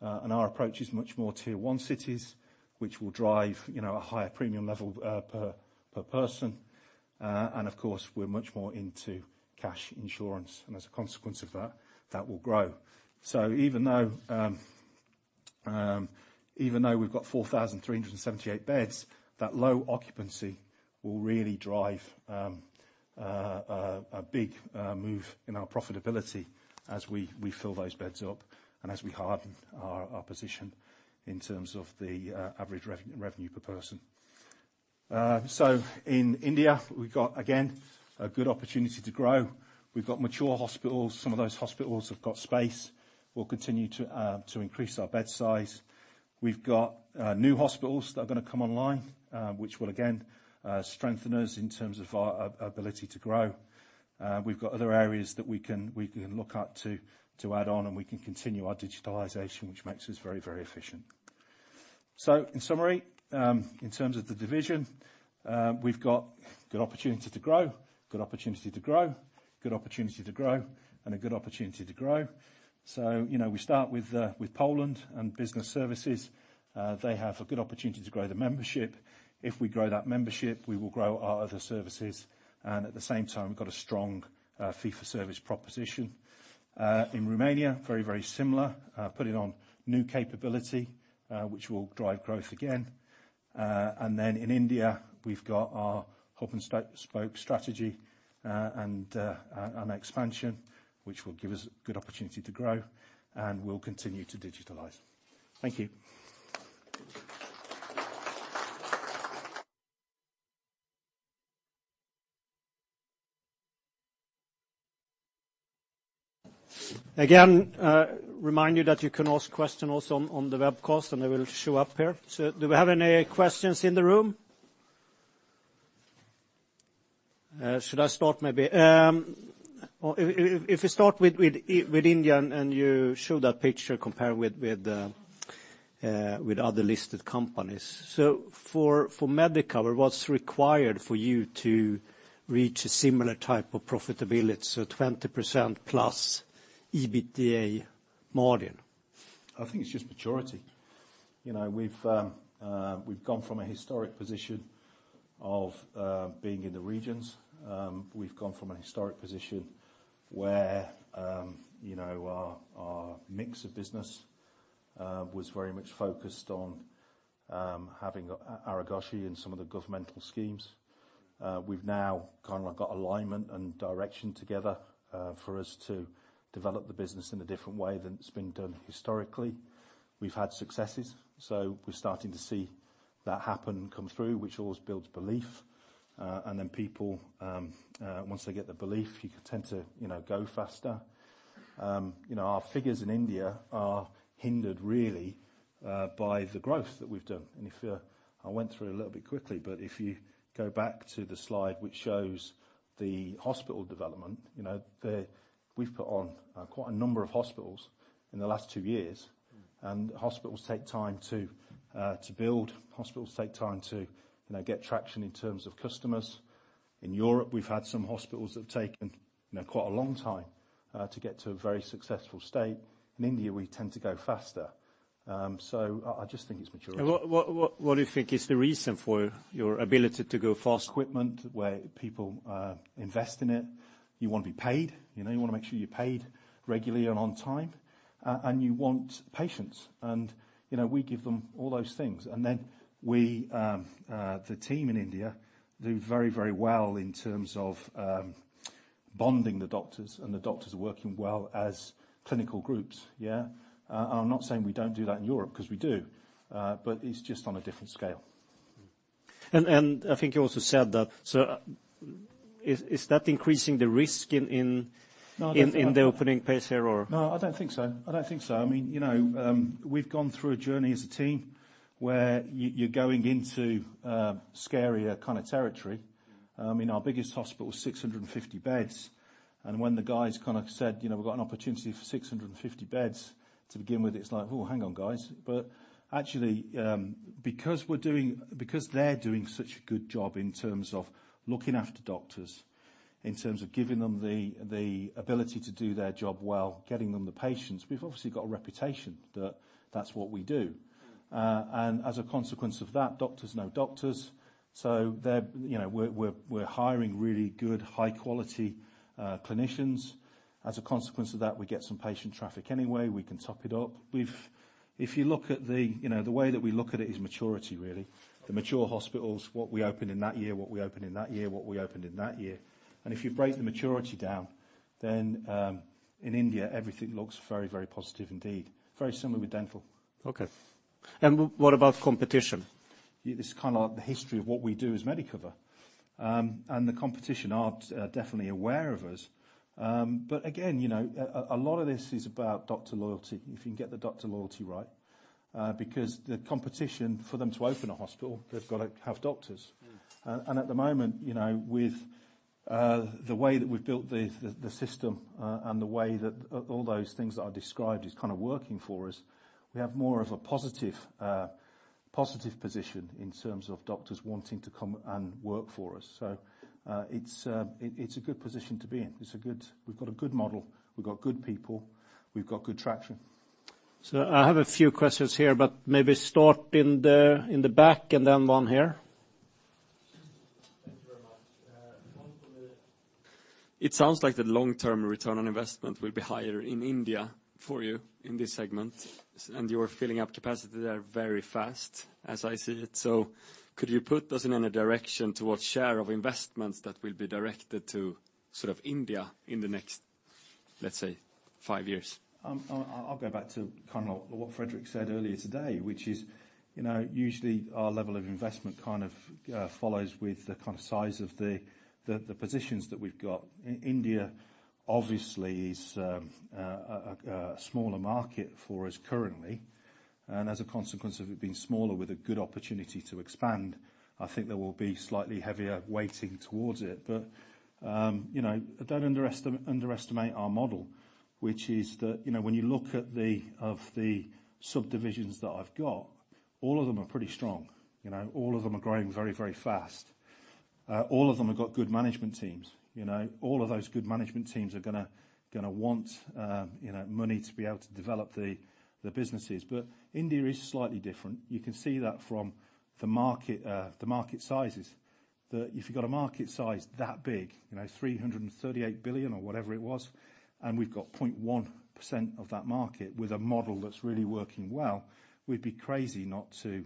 Our approach is much more tier-one cities, which will drive, you know, a higher premium level per person. Of course, we're much more into cash insurance. As a consequence of that will grow. Even though, even though we've got 4,378 beds, that low occupancy will really drive a big move in our profitability as we fill those beds up and as we harden our position in terms of the average revenue per person. In India, we've got, again, a good opportunity to grow. We've got mature hospitals. Some of those hospitals have got space. We'll continue to increase our bed size. We've got new hospitals that are gonna come online, which will again strengthen us in terms of our ability to grow. We've got other areas that we can look at to add on, and we can continue our digitalization, which makes us very, very efficient. In summary, in terms of the division, we've got good opportunity to grow, good opportunity to grow, good opportunity to grow, and a good opportunity to grow. You know, we start with Poland and business services. They have a good opportunity to grow the membership. If we grow that membership, we will grow our other services, and at the same time, we've got a strong fee-for-service proposition. In Romania, very, very similar, putting on new capability, which will drive growth again. In India, we've got our hub-and-spoke strategy and expansion, which will give us good opportunity to grow and will continue to digitalize. Thank you. Again, remind you that you can ask questions also on the webcast, and they will show up here. Do we have any questions in the room? Should I start maybe? If we start with India and you show that picture comparing with other listed companies. For Medicover, what's required for you to reach a similar type of profitability, so 20% plus EBITDA margin? I think it's just maturity. You know, we've gone from a historic position of being in the regions. We've gone from a historic position where, you know, our mix of business was very much focused on having Aarogyasri and some of the governmental schemes. We've now kind of got alignment and direction together for us to develop the business in a different way than it's been done historically. We've had successes, so we're starting to see that happen come through, which always builds belief. People, once they get the belief, you tend to, you know, go faster. You know, our figures in India are hindered really by the growth that we've done. If, I went through a little bit quickly, but if you go back to the slide which shows the hospital development, you know, we've put on quite a number of hospitals in the last 2 years. Hospitals take time to build. Hospitals take time to, you know, get traction in terms of customers. In Europe, we've had some hospitals that have taken, you know, quite a long time to get to a very successful state. In India, we tend to go faster. I just think it's maturity. What do you think is the reason for your ability to go faster? Equipment, where people invest in it. You wanna be paid. You know, you wanna make sure you're paid regularly and on time. You want patients. You know, we give them all those things. We the team in India do very, very well in terms of bonding the doctors, and the doctors are working well as clinical groups, yeah. I'm not saying we don't do that in Europe, 'cause we do. It's just on a different scale. I think you also said that, so, is that increasing the risk in? No, I don't. In the opening pace here or? No, I don't think so. I don't think so. I mean, you know, we've gone through a journey as a team where you're going into scarier kind of territory. I mean, our biggest hospital is 650 beds. When the guys kind of said, you know, we've got an opportunity for 650 beds to begin with, it's like, "Oh, hang on, guys." Actually, because they're doing such a good job in terms of looking after doctors, in terms of giving them the ability to do their job well, getting them the patients, we've obviously got a reputation that that's what we do. As a consequence of that, doctors know doctors, so you know, we're hiring really good high-quality clinicians. As a consequence of that, we get some patient traffic anyway. We can top it up. You know, the way that we look at it is maturity, really. The mature hospitals, what we opened in that year. If you break the maturity down, then, in India, everything looks very, very positive indeed. Very similar with dental. Okay. What about competition? It's kind of like the history of what we do as Medicover. The competition are definitely aware of us. Again, you know, a lot of this is about doctor loyalty. If you can get the doctor loyalty right, because the competition for them to open a hospital, they've got to have doctors. At the moment, you know, with the way that we've built the system, and the way that all those things that I described is kind of working for us, we have more of a positive position in terms of doctors wanting to come and work for us. It's a good position to be in. We've got a good model. We've got good people. We've got good traction. I have a few questions here, but maybe start in the back and then one here. Thank you very much. It sounds like the long-term return on investment will be higher in India for you in this segment, you are filling up capacity there very fast as I see it. Could you put us in any direction towards share of investments that will be directed to sort of India in the next, let's say, five years? I'll go back to what Fredrik said earlier today, which is, you know, usually our level of investment follows with the size of the positions that we've got. India obviously is a smaller market for us currently. As a consequence of it being smaller with a good opportunity to expand, I think there will be slightly heavier weighting towards it. Don't underestimate our model, which is that, you know, when you look at the subdivisions that I've got, all of them are pretty strong. You know? All of them are growing very, very fast. All of them have got good management teams. You know? All of those good management teams are gonna want, you know, money to be able to develop the businesses. India is slightly different. You can see that from the market, the market sizes, that if you've got a market size that big, you know, 338 billion or whatever it was, and we've got 0.1% of that market with a model that's really working well, we'd be crazy not to,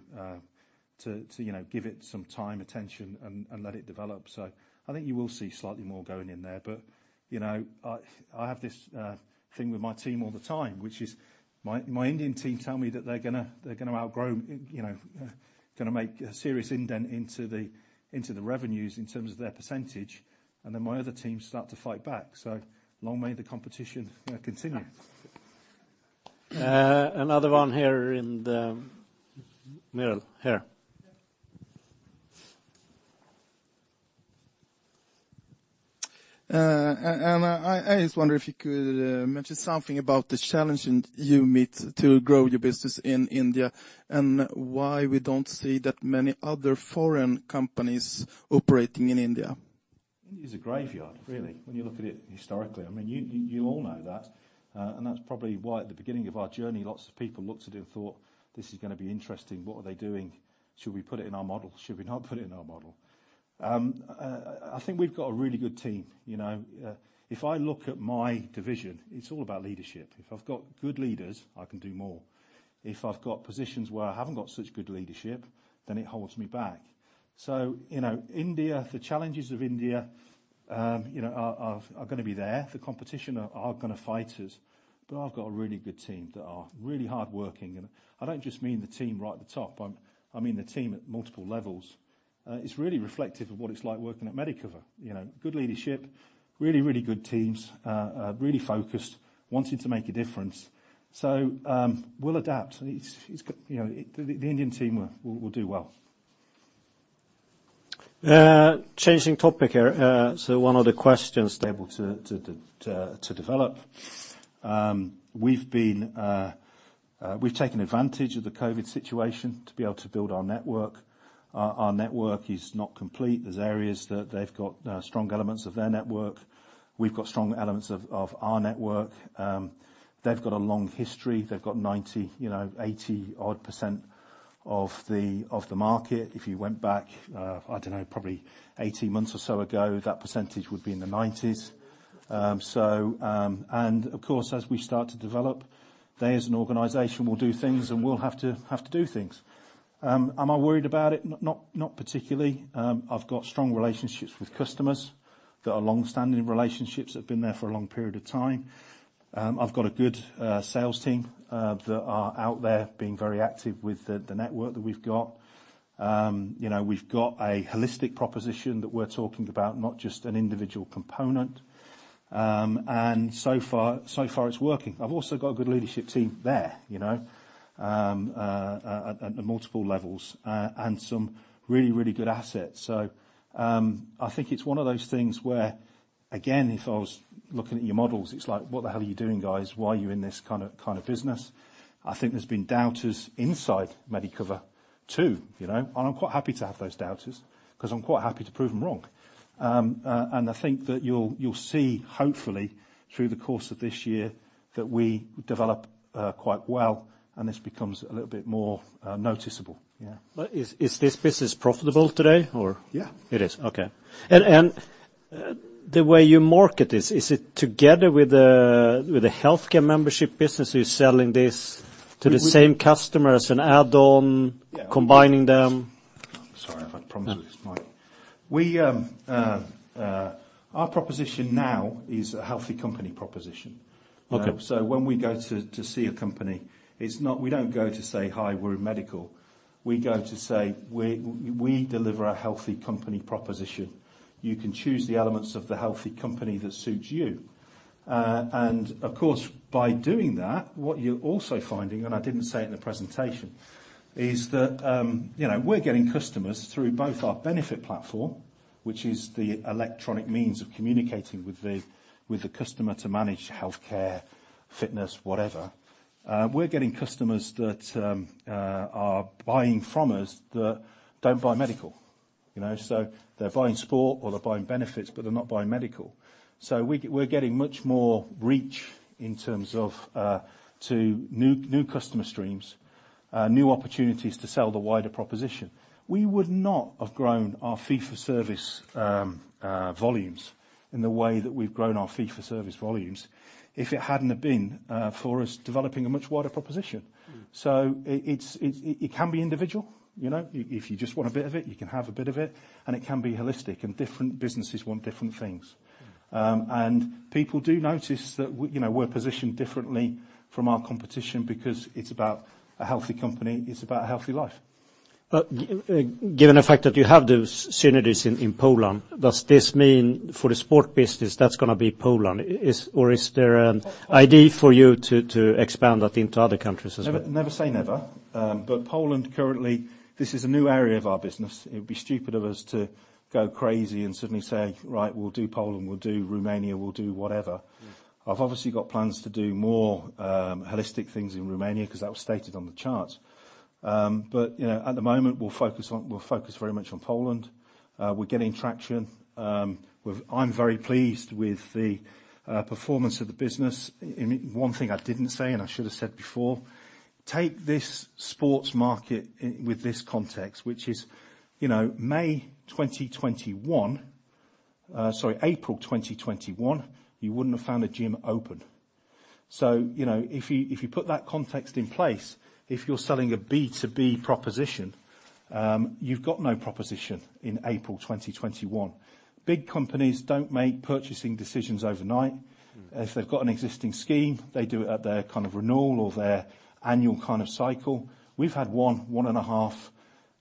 you know, give it some time, attention, and let it develop. I think you will see slightly more going in there. You know, I have this thing with my team all the time, which is my Indian team tell me that they're gonna outgrow, you know, gonna make a serious indent into the, into the revenues in terms of their percentage, and then my other teams start to fight back. Long may the competition continue. Another one here in the middle here. Yeah. I just wonder if you could mention something about the challenge you meet to grow your business in India and why we don't see that many other foreign companies operating in India? India is a graveyard, really, when you look at it historically. I mean, you all know that. That's probably why at the beginning of our journey, lots of people looked at it and thought, "This is gonna be interesting. What are they doing? Should we put it in our model? Should we not put it in our model?" I think we've got a really good team, you know. If I look at my division, it's all about leadership. If I've got good leaders, I can do more. If I've got positions where I haven't got such good leadership, then it holds me back. You know, India, the challenges of India, you know, are gonna be there. The competition are gonna fight us. I've got a really good team that are really hardworking, and I don't just mean the team right at the top. I mean the team at multiple levels. It's really reflective of what it's like working at Medicover. You know, good leadership, really, really good teams, really focused, wanting to make a difference. We'll adapt. It's, you know, the Indian team will do well. changing topic, so one of the. Able to develop. We've taken advantage of the COVID situation to be able to build our network. Our network is not complete. There's areas that they've got strong elements of their network. We've got strong elements of our network. They've got a long history. They've got 90, you know, 80 odd% of the market. If you went back, I don't know, probably 18 months or so ago, that percentage would be in the 90s. Of course, as we start to develop, they as an organization will do things, and we'll have to do things. Am I worried about it? Not particularly. I've got strong relationships with customers that are long-standing relationships, that have been there for a long period of time. I've got a good sales team that are out there being very active with the network that we've got. You know, we've got a holistic proposition that we're talking about, not just an individual component. So far it's working. I've also got a good leadership team there, you know, at multiple levels. Some really good assets. I think it's one of those things where, again, if I was looking at your models, it's like, "What the hell are you doing, guys? Why are you in this kind of business?" I think there's been doubters inside Medicover too, you know? I'm quite happy to have those doubters, 'cause I'm quite happy to prove them wrong. I think that you'll see, hopefully through the course of this year that we develop quite well and this becomes a little bit more noticeable. Is this business profitable today or... Yeah. It is. Okay. The way you market this, is it together with the healthcare membership business who's selling this to the same customers and add on combining them? Sorry. I promise with this mic. We, our proposition now is a healthy company proposition. Okay. When we go to see a company, it's not... We don't go to say, "Hi, we're in medical." We go to say, "We, we deliver a healthy company proposition. You can choose the elements of the healthy company that suits you." And of course, by doing that, what you're also finding, and I didn't say it in the presentation, is that, you know, we're getting customers through both our benefit platform, which is the electronic means of communicating with the, with the customer to manage healthcare, fitness, whatever. We're getting customers that are buying from us that don't buy medical. You know? They're buying sport or they're buying benefits, but they're not buying medical. We're getting much more reach in terms of to new customer streams, new opportunities to sell the wider proposition. We would not have grown our fee-for-service volumes in the way that we've grown our fee-for-service volumes if it hadn't have been for us developing a much wider proposition. It's, it can be individual. You know? If you just want a bit of it, you can have a bit of it. It can be holistic, and different businesses want different things. People do notice that we're, you know, we're positioned differently from our competition because it's about a healthy company, it's about a healthy life. Given the fact that you have those synergies in Poland, does this mean for the sport business, that's gonna be Poland, or is there an idea for you to expand that into other countries as well? Never, never say never. Poland currently, this is a new area of our business. It would be stupid of us to go crazy and suddenly say, "Right, we'll do Poland, we'll do Romania, we'll do whatever. I've obviously got plans to do more holistic things in Romania because that was stated on the charts. You know, at the moment, we'll focus very much on Poland. We're getting traction. I'm very pleased with the performance of the business. One thing I didn't say, and I should have said before, take this sports market with this context, which is, you know, May 2021, sorry, April 2021, you wouldn't have found a gym open. You know, if you, if you put that context in place, if you're selling a B2B proposition, you've got no proposition in April 2021. Big companies don't make purchasing decisions overnight. If they've got an existing scheme, they do it at their kind of renewal or their annual kind of cycle. We've had one and a half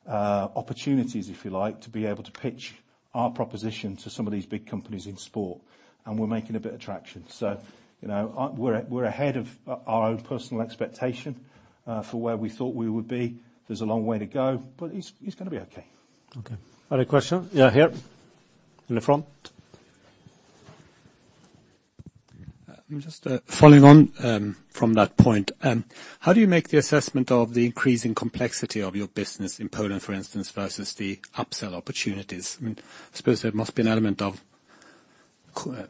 opportunities, if you like, to be able to pitch our proposition to some of these big companies in sport. We're making a bit of traction. you know, we're ahead of our own personal expectation for where we thought we would be. There's a long way to go, but it's gonna be okay. Okay. Other question? Yeah, here in the front. Just following on from that point, how do you make the assessment of the increasing complexity of your business in Poland, for instance, versus the upsell opportunities? I suppose there must be an element of trade-off.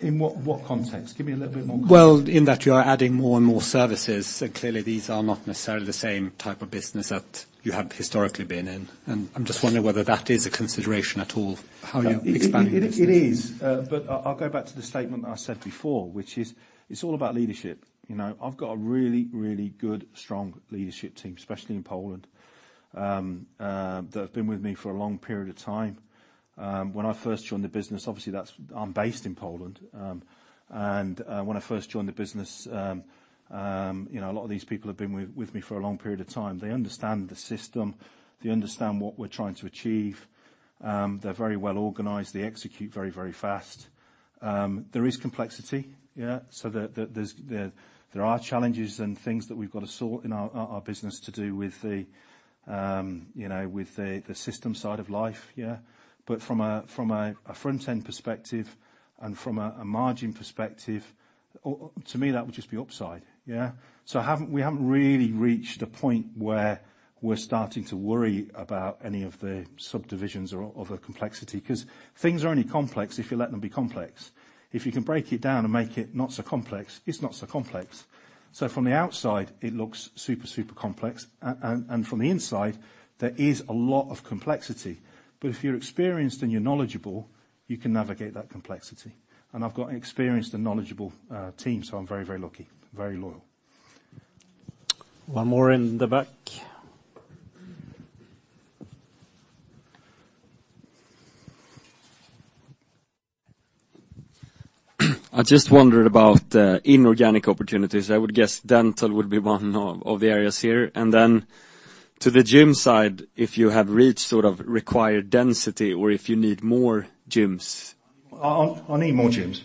In what context? Give me a little bit more context. Well, in that you are adding more and more services. Clearly, these are not necessarily the same type of business that you have historically been in. I'm just wondering whether that is a consideration at all, how you're expanding the business. It is. I'll go back to the statement that I said before, which is it's all about leadership. You know, I've got a really, really good, strong leadership team, especially in Poland, that have been with me for a long period of time. When I first joined the business, obviously, that's I'm based in Poland. When I first joined the business, you know, a lot of these people have been with me for a long period of time. They understand the system, they understand what we're trying to achieve. They're very well-organized. They execute very, very fast. There is complexity. Yeah. There are challenges and things that we've got to sort in our business to do with the, you know, with the system side of life. Yeah. From a front-end perspective and from a margin perspective, to me, that would just be upside. Yeah. We haven't really reached a point where we're starting to worry about any of the subdivisions or the complexity, 'cause things are only complex if you let them be complex. If you can break it down and make it not so complex, it's not so complex. From the outside, it looks super complex. From the inside, there is a lot of complexity. If you're experienced and you're knowledgeable, you can navigate that complexity. I've got an experienced and knowledgeable team, so I'm very, very lucky, very loyal. One more in the back. I just wondered about inorganic opportunities. I would guess dental would be one of the areas here. To the gym side, if you have reached sort of required density or if you need more gyms? I need more gyms.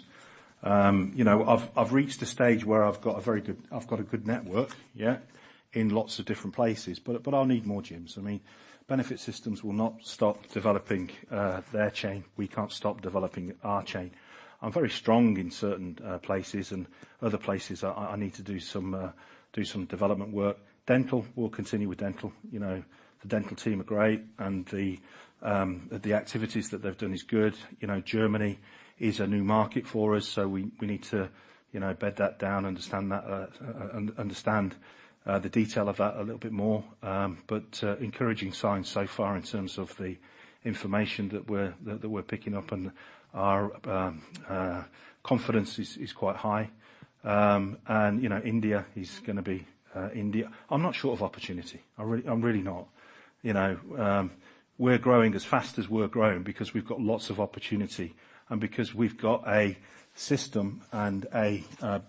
You know, I've reached a stage where I've got a good network, yeah, in lots of different places, but I'll need more gyms. I mean, Benefit Systems will not stop developing their chain. We can't stop developing our chain. I'm very strong in certain places, and other places I need to do some development work. Dental, we'll continue with dental. You know, the dental team are great, and the activities that they've done is good. You know, Germany is a new market for us, so we need to, you know, bed that down, understand that, understand the detail of that a little bit more. Encouraging signs so far in terms of the information that we're picking up, and our confidence is quite high. You know, India is going to be India. I'm not short of opportunity. I'm really not, you know? We're growing as fast as we're growing because we've got lots of opportunity and because we've got a system and a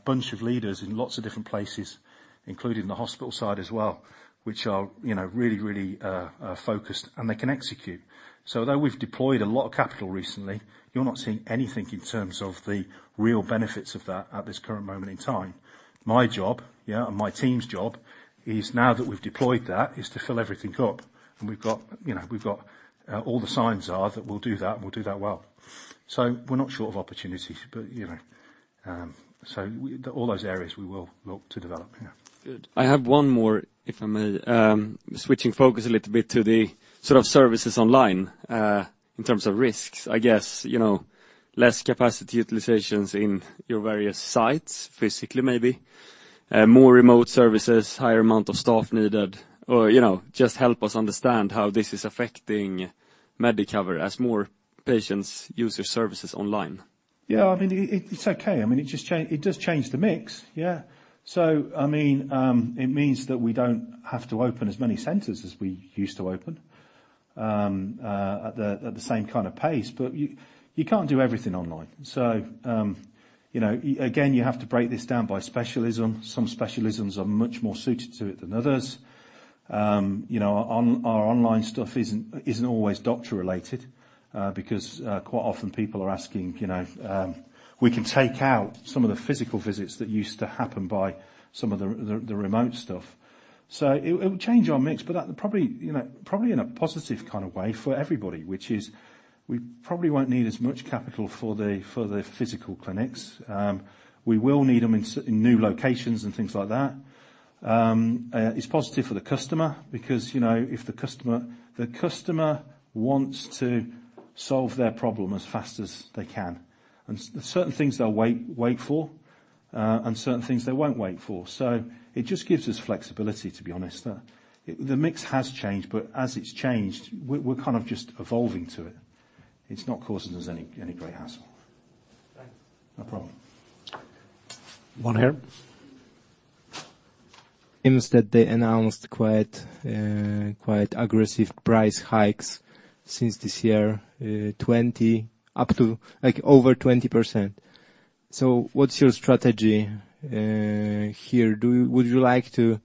bunch of leaders in lots of different places, including the hospital side as well, which are, you know, really, really focused, and they can execute. Though we've deployed a lot of capital recently, you're not seeing anything in terms of the real benefits of that at this current moment in time. My job, yeah, and my team's job is now that we've deployed that, is to fill everything up. We've got, you know, all the signs are that we'll do that, and we'll do that well. We're not short of opportunities, but, you know, so all those areas we will look to develop, yeah. Good. I have one more, if I may. Switching focus a little bit to the sort of services online, in terms of risks, I guess, you know, less capacity utilizations in your various sites, physically maybe, more remote services, higher amount of staff needed. You know, just help us understand how this is affecting Medicover as more patients use your services online? Yeah. I mean, it's okay. I mean, it does change the mix, yeah? I mean, it means that we don't have to open as many centers as we used to open at the same kind of pace. You can't do everything online. You know, again, you have to break this down by specialism. Some specialisms are much more suited to it than others. You know, our online stuff isn't always doctor-related because quite often people are asking, you know, we can take out some of the physical visits that used to happen by some of the remote stuff. It, it will change our mix, but that probably, you know, probably in a positive kind of way for everybody, which is we probably won't need as much capital for the, for the physical clinics. We will need them in new locations and things like that. It's positive for the customer because, you know, the customer wants to solve their problem as fast as they can. Certain things they'll wait for, and certain things they won't wait for. It just gives us flexibility, to be honest. The mix has changed, but as it's changed, we're kind of just evolving to it. It's not causing us any great hassle. Thanks. No problem. One here. Instead they announced quite aggressive price hikes since this year, 20, up to like over 20%. What's your strategy, here? would you like to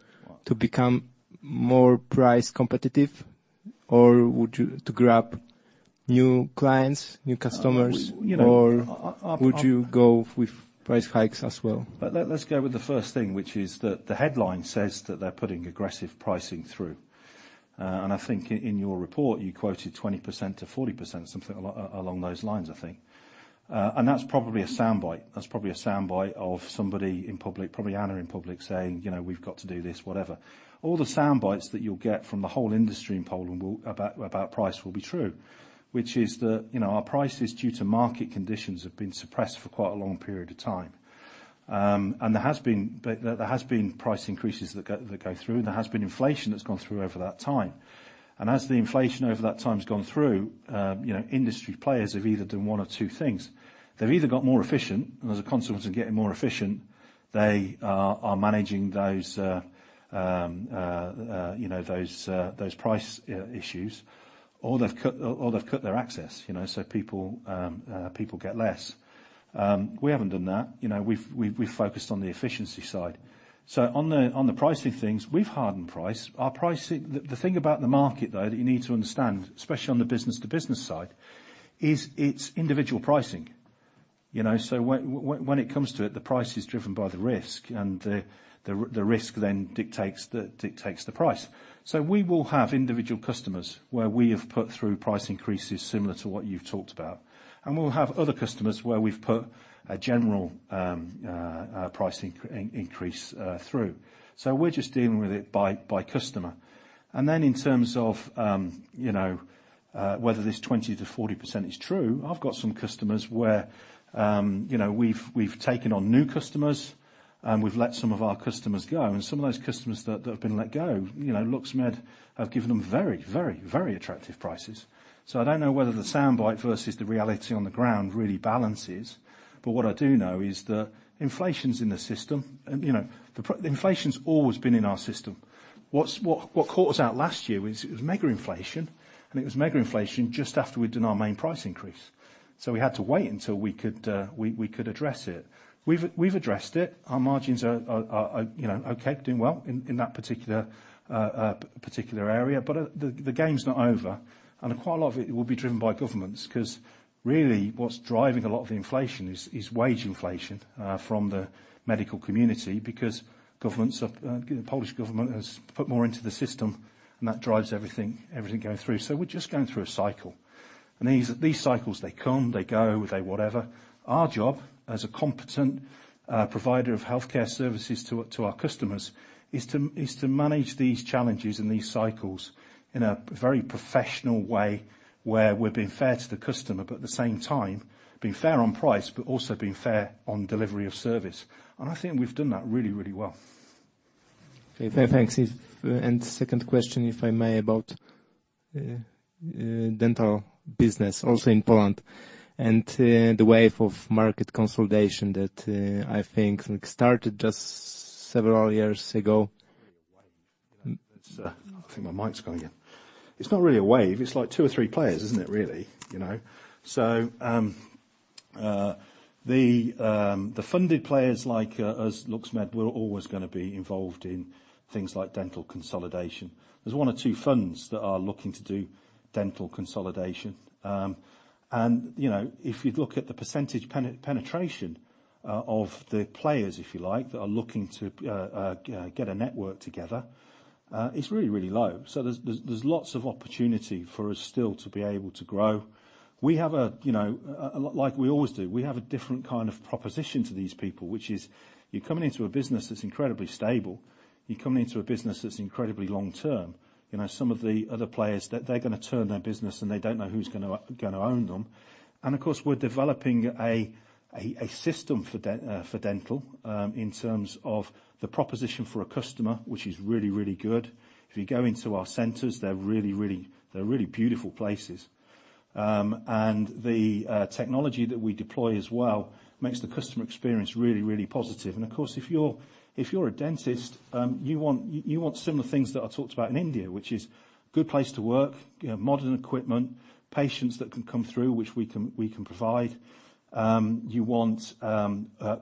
become more price competitive or would you to grab new clients, new customers- You know. Would you go with price hikes as well? Let's go with the first thing, which is the headline says that they're putting aggressive pricing through. I think in your report you quoted 20%-40%, something along those lines, I think. That's probably a soundbite. That's probably a soundbite of somebody in public, probably Anna in public, saying, you know, "We've got to do this," whatever. All the soundbites that you'll get from the whole industry in Poland will, about price will be true, which is that, you know, our prices due to market conditions have been suppressed for quite a long period of time. There has been price increases that go through, and there has been inflation that's gone through over that time. As the inflation over that time has gone through, you know, industry players have either done 1 of 2 things. They've either got more efficient, and as a consequence of getting more efficient, they are managing those, you know, those price issues, or they've cut their access, you know, so people get less. We haven't done that. You know, we've focused on the efficiency side. On the pricing things, we've hardened price. The thing about the market, though, that you need to understand, especially on the business-to-business side, is it's individual pricing. You know? When it comes to it, the price is driven by the risk, and the risk then dictates the price. We will have individual customers where we have put through price increases similar to what you've talked about, and we'll have other customers where we've put a general price increase through. We're just dealing with it by customer. In terms of, you know, whether this 20%-40% is true, I've got some customers where, you know, we've taken on new customers, and we've let some of our customers go. Some of those customers that have been let go, you know, LUX MED have given them very, very, very attractive prices. I don't know whether the soundbite versus the reality on the ground really balances, but what I do know is that inflation's in the system. You know, the inflation's always been in our system. What caught us out last year is it was mega inflation, and it was mega inflation just after we'd done our main price increase. We had to wait until we could address it. We've addressed it. Our margins are, you know, okay, doing well in that particular area. The game's not over, and quite a lot of it will be driven by governments 'cause really what's driving a lot of the inflation is wage inflation, from the medical community because governments have, Polish government has put more into the system, and that drives everything going through. We're just going through a cycle. These cycles, they come, they go, they whatever. Our job as a competent provider of healthcare services to our customers is to manage these challenges and these cycles in a very professional way, where we're being fair to the customer, but at the same time being fair on price, but also being fair on delivery of service. I think we've done that really well. Second question, if I may, about dental business also in Poland, and the wave of market consolidation that I think started just several years ago. I think my mic's going again. It's not really a wave. It's like two or three players, isn't it, really? You know. The funded players like us, LUX MED, we're always gonna be involved in things like dental consolidation. There's one or two funds that are looking to do dental consolidation. You know, if you look at the percentage penetration of the players, if you like, that are looking to get a network together, it's really, really low. There's lots of opportunity for us still to be able to grow. We have a, you know, like we always do, we have a different kind of proposition to these people, which is you're coming into a business that's incredibly stable. You're coming into a business that's incredibly long term. You know, some of the other players, they're gonna turn their business, and they don't know who's gonna own them. Of course, we're developing a system for dental in terms of the proposition for a customer which is really, really good. If you go into our centers, they're really beautiful places. And the technology that we deploy as well makes the customer experience really, really positive. Of course, if you're a dentist, you want similar things that I talked about in India, which is good place to work, you have modern equipment, patients that can come through, which we can provide. You want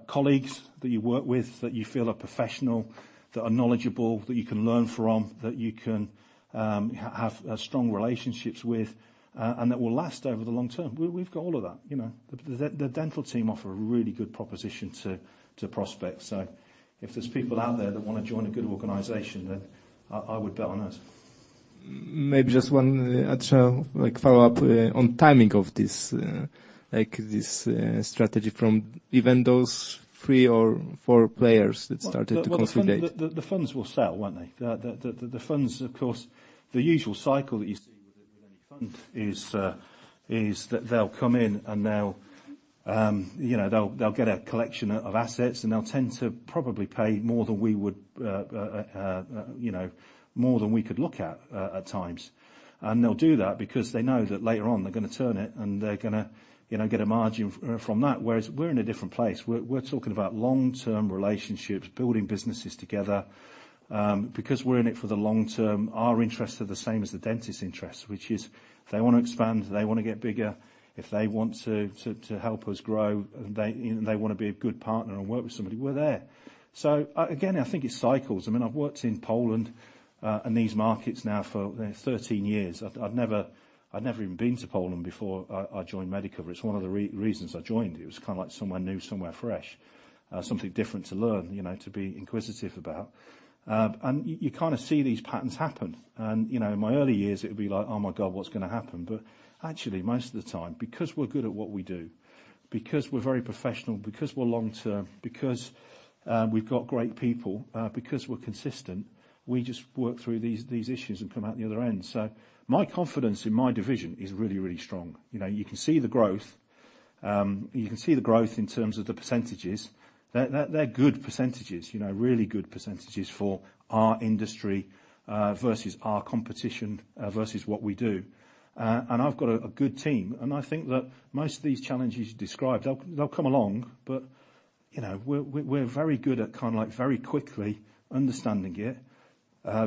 colleagues that you work with that you feel are professional, that are knowledgeable, that you can learn from, that you can have strong relationships with, and that will last over the long term. We've got all of that, you know. The dental team offer a really good proposition to prospects. If there's people out there that wanna join a good organization, then I would bet on us. Maybe just one extra, follow-up on timing of this strategy from even those three or four players that started to consolidate. Well, the funds will sell, won't they? The funds, of course. The usual cycle that you see with any fund is that they'll come in and they'll, you know, they'll get a collection of assets, and they'll tend to probably pay more than we would, you know, more than we could look at at times. They'll do that because they know that later on, they're gonna turn it, and they're gonna, you know, get a margin from that, whereas we're in a different place. We're talking about long-term relationships, building businesses together. Because we're in it for the long term, our interests are the same as the dentist's interests, which is they wanna expand, they wanna get bigger. If they want to help us grow, they, you know, they wanna be a good partner and work with somebody, we're there. Again, I think it cycles. I mean, I've worked in Poland and these markets now for, you know, 13 years. I've never, I'd never even been to Poland before I joined Medicover. It's one of the reasons I joined. It was kind of like somewhere new, somewhere fresh, something different to learn, you know, to be inquisitive about. You kind of see these patterns happen. You know, in my early years, it would be like, "Oh, my God, what's gonna happen?" Actually, most of the time, because we're good at what we do, because we're very professional, because we're long term, because we've got great people, because we're consistent, we just work through these issues and come out the other end. My confidence in my division is really, really strong. You know, you can see the growth. You can see the growth in terms of the percentages. They're good percentages, you know, really good percentages for our industry, versus our competition, versus what we do. I've got a good team, and I think that most of these challenges you described, they'll come along, but, you know, we're very good at kind of like very quickly understanding it,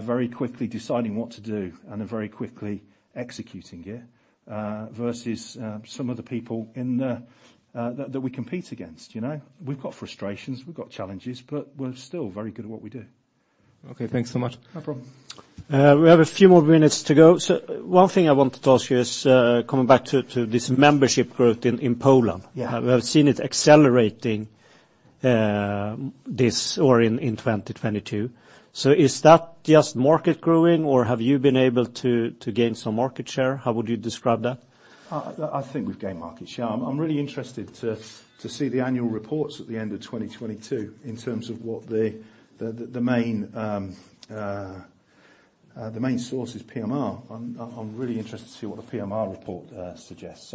very quickly deciding what to do, and then very quickly executing it, versus some of the people in that we compete against, you know? We've got frustrations, we've got challenges, but we're still very good at what we do. Okay, thanks so much. No problem. We have a few more minutes to go. One thing I wanted to ask you is, coming back to this membership growth in Poland. Yeah. We've seen it accelerating, this year or in 2022. Is that just market growing, or have you been able to gain some market share? How would you describe that? I think we've gained market share. I'm really interested to see the annual reports at the end of 2022 in terms of what the main source is PMR. I'm really interested to see what the PMR report suggests.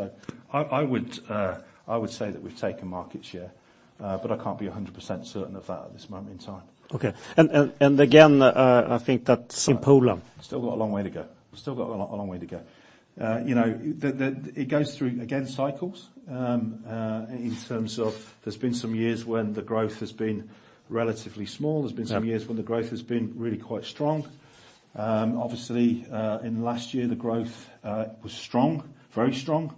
I would say that we've taken market share, but I can't be 100% certain of that at this moment in time. Okay. And again, I think that in Still got a long way to go. Still got a long way to go. You know, it goes through, again, cycles, in terms of there's been some years when the growth has been relatively small. Yeah. There's been some years when the growth has been really quite strong. Obviously, in last year, the growth was strong, very strong.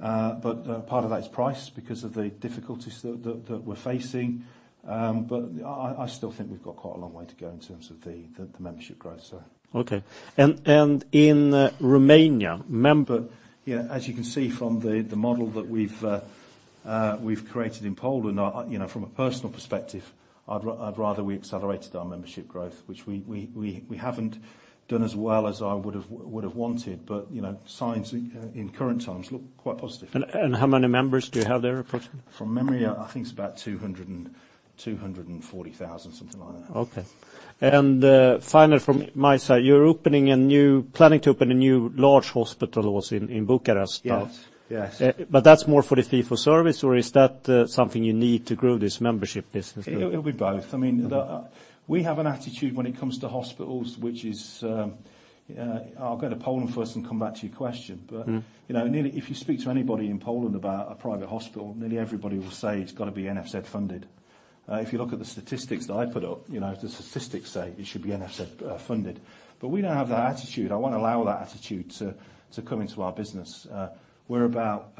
Part of that is price because of the difficulties that we're facing. I still think we've got quite a long way to go in terms of the membership growth, so. Okay. in Romania. Yeah. As you can see from the model that we've created in Poland, I, you know, from a personal perspective, I'd rather we accelerated our membership growth, which we haven't done as well as I would've wanted. You know, signs in current times look quite positive. How many members do you have there approximately? From memory, I think it's about 240,000, something like that. Okay. Final from my side, planning to open a new large hospital also in Bucharest now? Yes. Yes. That's more for the fee-for-service, or is that something you need to grow this membership business further? It'll be both. I mean. Okay... the, we have an attitude when it comes to hospitals, which is, I'll go to Poland first and come back to your question.... you know, nearly... if you speak to anybody in Poland about a private hospital, nearly everybody will say it's gotta be NFZ funded. If you look at the statistics that I put up, you know, the statistics say it should be NFZ funded. We don't have that attitude. I won't allow that attitude to come into our business. We're about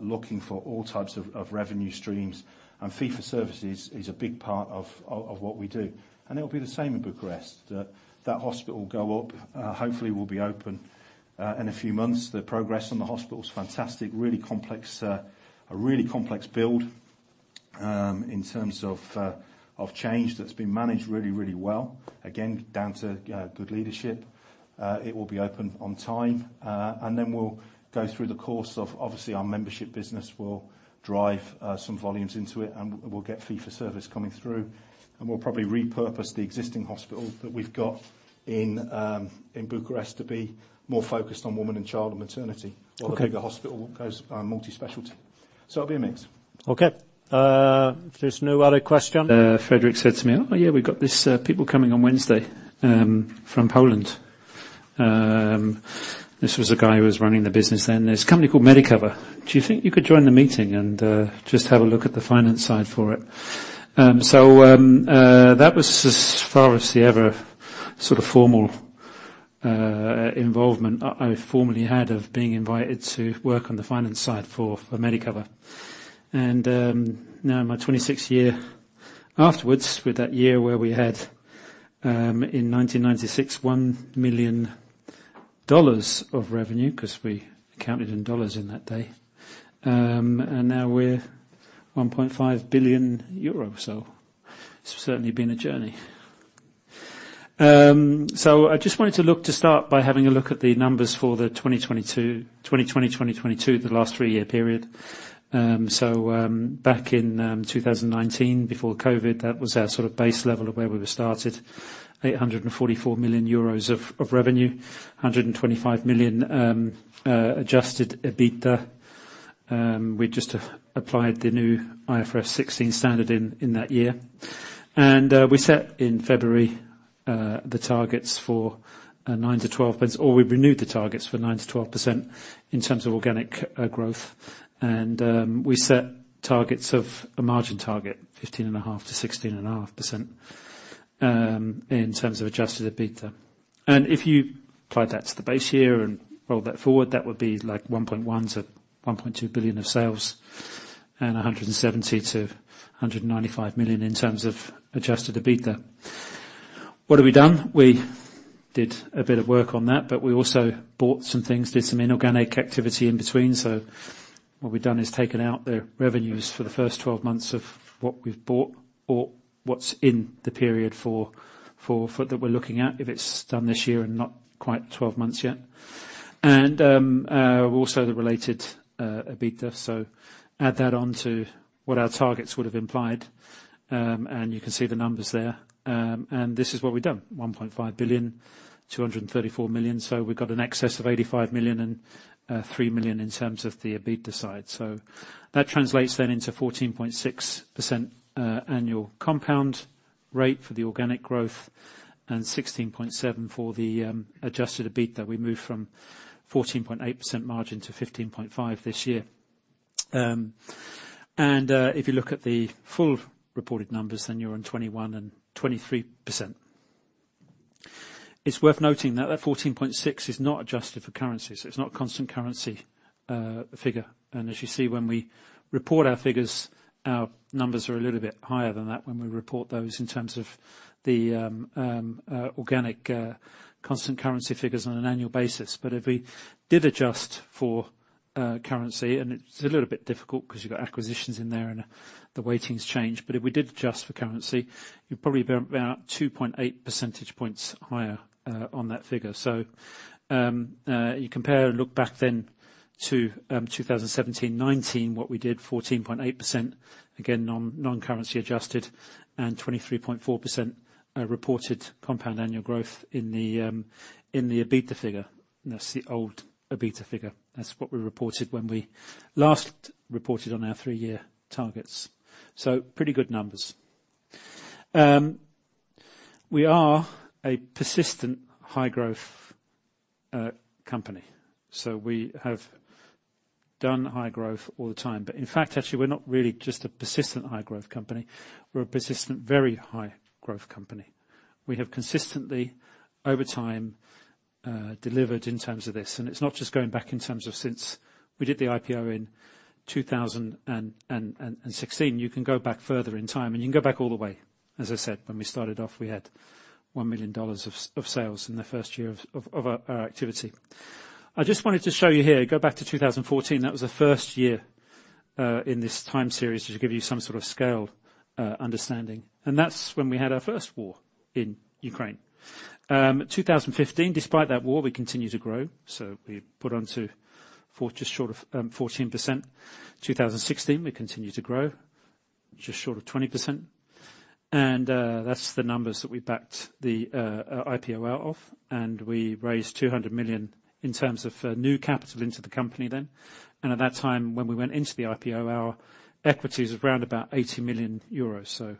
looking for all types of revenue streams, and fee-for-service is a big part of what we do. It'll be the same in Bucharest. That hospital will go up. Hopefully will be open in a few months. The progress on the hospital is fantastic. Really complex, a really complex build in terms of change that's been managed really, really well. Again, down to good leadership. It will be open on time, and then we'll go through the course of... Obviously, our membership business will drive some volumes into it, and we'll get fee-for-service coming through. We'll probably repurpose the existing hospital that we've got in Bucharest to be more focused on woman and child and maternity. Okay. The bigger hospital goes on multi-specialty. It'll be a mix. Okay. If there's no other question. Fredrik said to me, "Oh, yeah, we've got these people coming on Wednesday from Poland." This was a guy who was running the business then. "There's a company called Medicover. Do you think you could join the meeting and just have a look at the finance side for it?" That was as far as he ever sort of formal involvement I formally had of being invited to work on the finance side for Medicover. Now in my 26th year afterwards, with that year where we had in 1996, $1 million of revenue, 'cause we counted in dollars in that day. Now we're 1.5 billion euros. It's certainly been a journey. I just wanted to look to start by having a look at the numbers for the 2022... 2020, 2022, the last three-year period. back in 2019, before COVID, that was our sort of base level of where we were started. 844 million euros of revenue, 125 million EUR Adjusted EBITDA. We just have applied the new IFRS 16 standard in that year. we set in February the targets for 9%-12%, or we renewed the targets for 9%-12% in terms of organic growth. we set targets of a margin target, 15.5%-16.5%, in terms of Adjusted EBITDA. If you apply that to the base year and roll that forward, that would be like 1.1 billion-1.2 billion of sales and 170 million-195 million in terms of Adjusted EBITDA. What have we done? We did a bit of work on that, but we also bought some things, did some inorganic activity in between. What we've done is taken out the revenues for the first 12 months of what we've bought or what's in the period for that we're looking at, if it's done this year and not quite 12 months yet. Also the related EBITDA. Add that on to what our targets would have implied, and you can see the numbers there. This is what we've done, 1.5 billion, 234 million. We've got an excess of 85 million and 3 million in terms of the EBITDA side. That translates then into 14.6% annual compound rate for the organic growth and 16.7% for the Adjusted EBITDA. We moved from 14.8% margin to 15.5% this year. If you look at the full reported numbers, then you're on 21% and 23%. It's worth noting that that 14.6% is not adjusted for currency, so it's not constant currency figure. As you see, when we report our figures, our numbers are a little bit higher than that when we report those in terms of the organic constant currency figures on an annual basis. If we did adjust for currency, and it's a little bit difficult because you've got acquisitions in there and the weightings change, but if we did adjust for currency, you're probably about 2.8 percentage points higher on that figure. You compare and look back then to 2017, 2019, what we did, 14.8%, again, non-currency adjusted, and 23.4% reported compound annual growth in the EBITDA figure. That's the old EBITDA figure. That's what we reported when we last reported on our three-year targets. Pretty good numbers. We are a persistent high-growth company. We have done high growth all the time. In fact, actually, we're not really just a persistent high growth company, we're a persistent very high growth company. We have consistently, over time, delivered in terms of this. It's not just going back in terms of since we did the IPO in 2016. You can go back further in time, you can go back all the way. As I said, when we started off, we had $1 million of sales in the first year of our activity. I just wanted to show you here, go back to 2014. That was the first year in this time series, just to give you some sort of scale understanding. That's when we had our first war in Ukraine. 2015, despite that war, we continued to grow. We put onto just short of 14%. 2016, we continued to grow, just short of 20%. That's the numbers that we backed the IPO out of, we raised 200 million in terms of new capital into the company then. At that time, when we went into the IPO, our equity was around about 80 million euros.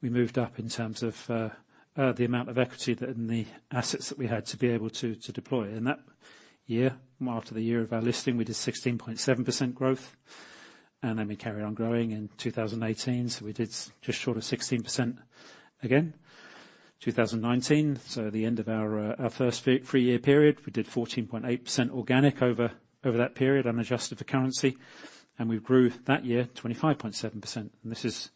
We moved up in terms of the amount of equity in the assets that we had to be able to deploy. In that year, after the year of our listing, we did 16.7% growth. We carry on growing in 2018. We did just short of 16% again. 2019, the end of our first three-year period, we did 14.8% organic over that period, unadjusted for currency. We grew that year 25.7%. This is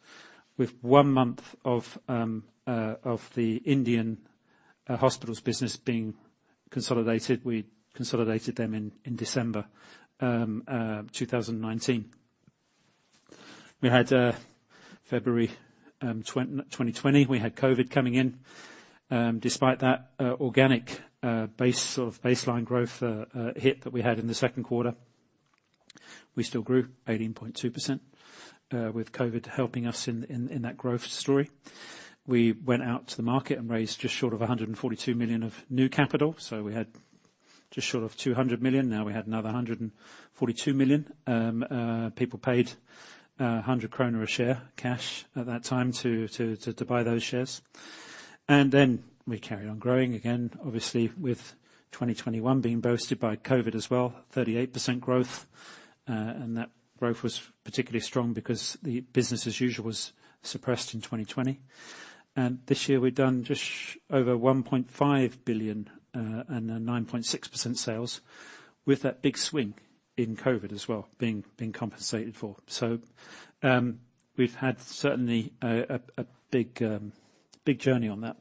with one month of the Medicover Hospitals business being consolidated. We consolidated them in December 2019. We had February 2020, we had COVID coming in. Despite that, organic sort of baseline growth hit that we had in the second quarter, we still grew 18.2% with COVID helping us in that growth story. We went out to the market and raised just short of 142 million of new capital. We had just short of 200 million. We had another 142 million. People paid 100 krona a share cash at that time to buy those shares. We carry on growing again, obviously with 2021 being boosted by COVID as well, 38% growth. That growth was particularly strong because the business as usual was suppressed in 2020. This year we've done just over 1.5 billion, and a 9.6% sales, with that big swing in COVID as well being compensated for. We've had certainly a big journey on that.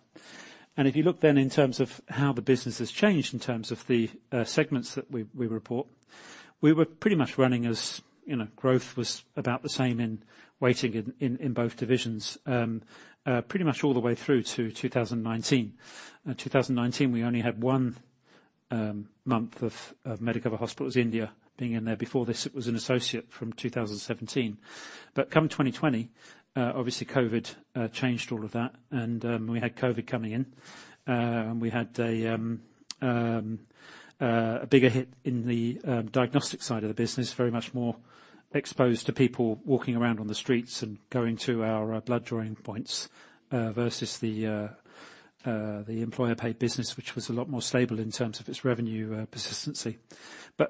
If you look then in terms of how the business has changed in terms of the segments that we report, we were pretty much running as, you know, growth was about the same in weighting in both divisions, pretty much all the way through to 2019. 2019, we only had one month of Medicover Hospitals India being in there. Before this it was an associate from 2017. Come 2020, obviously COVID changed all of that, and we had COVID coming in. And we had a bigger hit in the diagnostic side of the business, very much more exposed to people walking around on the streets and going to our blood drawing points, versus the employer paid business, which was a lot more stable in terms of its revenue persistency.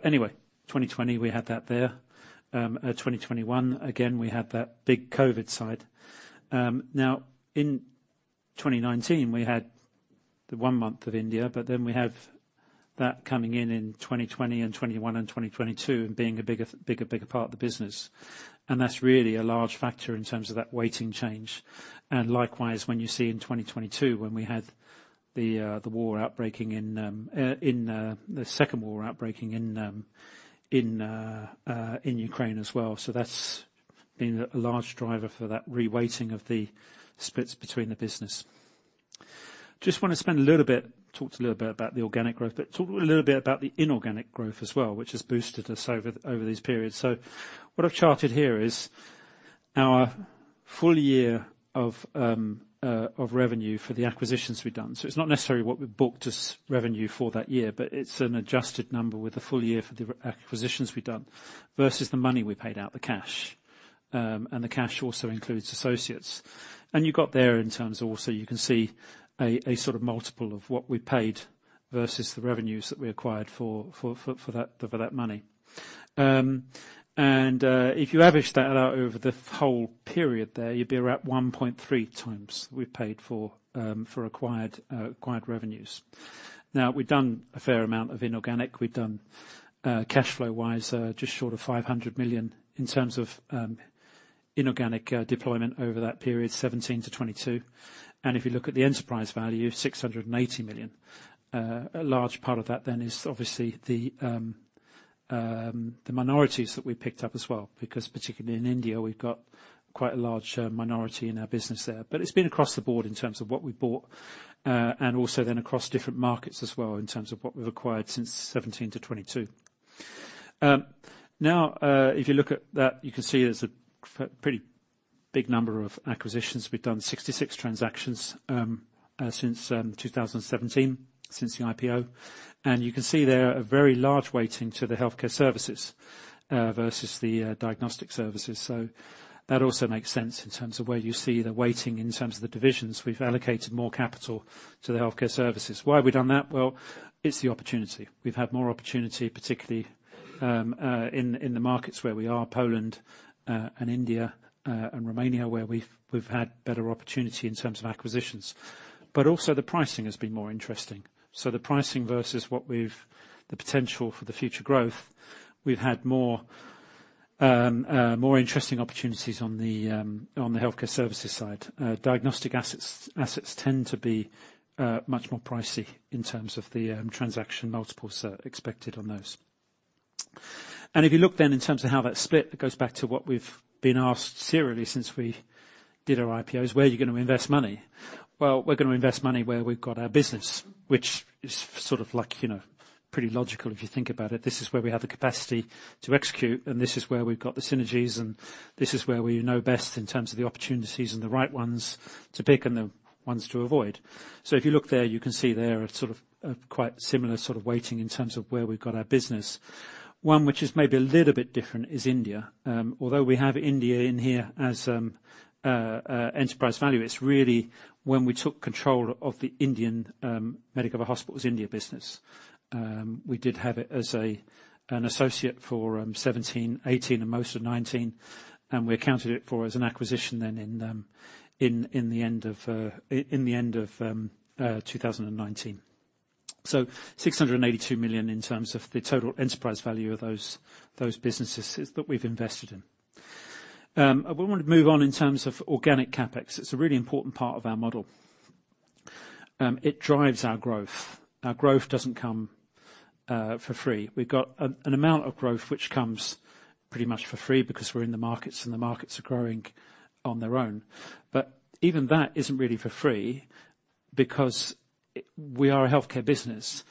Anyway, 2020, we had that there. 2021, again, we had that big COVID side. Now in 2019, we had the 1 month of India, but then we have that coming in in 2020 and 21 and 22, and being a bigger part of the business. That's really a large factor in terms of that weighting change. Likewise, when you see in 2022, when we had the war outbreaking in the second war outbreaking in Ukraine as well. That's been a large driver for that reweighting of the splits between the business. Just wanna spend a little bit, talk to you a little bit about the organic growth, but talk a little bit about the inorganic growth as well, which has boosted us over these periods. What I've charted here is our full year of revenue for the acquisitions we've done. It's not necessarily what we've booked as revenue for that year, but it's an adjusted number with the full year for the re- acquisitions we've done versus the money we paid out, the cash. The cash also includes associates. You got there in terms of also you can see a sort of multiple of what we paid versus the revenues that we acquired for that, for that money. If you average that out over the whole period there, you'd be around 1.3x we paid for acquired acquired revenues. Now, we've done a fair amount of inorganic. We've done cash flow-wise, just short of 500 million in terms of inorganic deployment over that period, 2017-2022. If you look at the enterprise value, 680 million. A large part of that then is obviously the minorities that we picked up as well, because particularly in India, we've got quite a large minority in our business there. It's been across the board in terms of what we bought, and also then across different markets as well in terms of what we've acquired since 2017-2022. Now, if you look at that, you can see there's a pretty big number of acquisitions. We've done 66 transactions since 2017, since the IPO. You can see there a very large weighting to the healthcare services versus the diagnostic services. That also makes sense in terms of where you see the weighting in terms of the divisions. We've allocated more capital to the healthcare services. Why we've done that? Well, it's the opportunity. We've had more opportunity, particularly in the markets where we are, Poland, and India, and Romania, where we've had better opportunity in terms of acquisitions. Also the pricing has been more interesting. The pricing versus the potential for the future growth, we've had more interesting opportunities on the healthcare services side. Diagnostic assets tend to be much more pricey in terms of the transaction multiples expected on those. If you look then in terms of how that's split, that goes back to what we've been asked serially since we did our IPOs. Where are you gonna invest money? Well, we're gonna invest money where we've got our business, which is sort of like, you know, pretty logical if you think about it. This is where we have the capacity to execute, and this is where we've got the synergies, and this is where we know best in terms of the opportunities and the right ones to pick and the ones to avoid. If you look there, you can see there a sort of, a quite similar sort of weighting in terms of where we've got our business. One which is maybe a little bit different is India. Although we have India in here as enterprise value, it's really when we took control of the Indian Medicover Hospitals India business, we did have it as an associate for 2017, 2018, and most of 2019, and we accounted it for as an acquisition then in the end of 2019. 682 million in terms of the total enterprise value of those businesses is what we've invested in. I wanna move on in terms of organic CapEx. It's a really important part of our model. It drives our growth. Our growth doesn't come for free. We've got an amount of growth which comes pretty much for free because we're in the markets, and the markets are growing on their own. Even that isn't really for free because we are a healthcare business.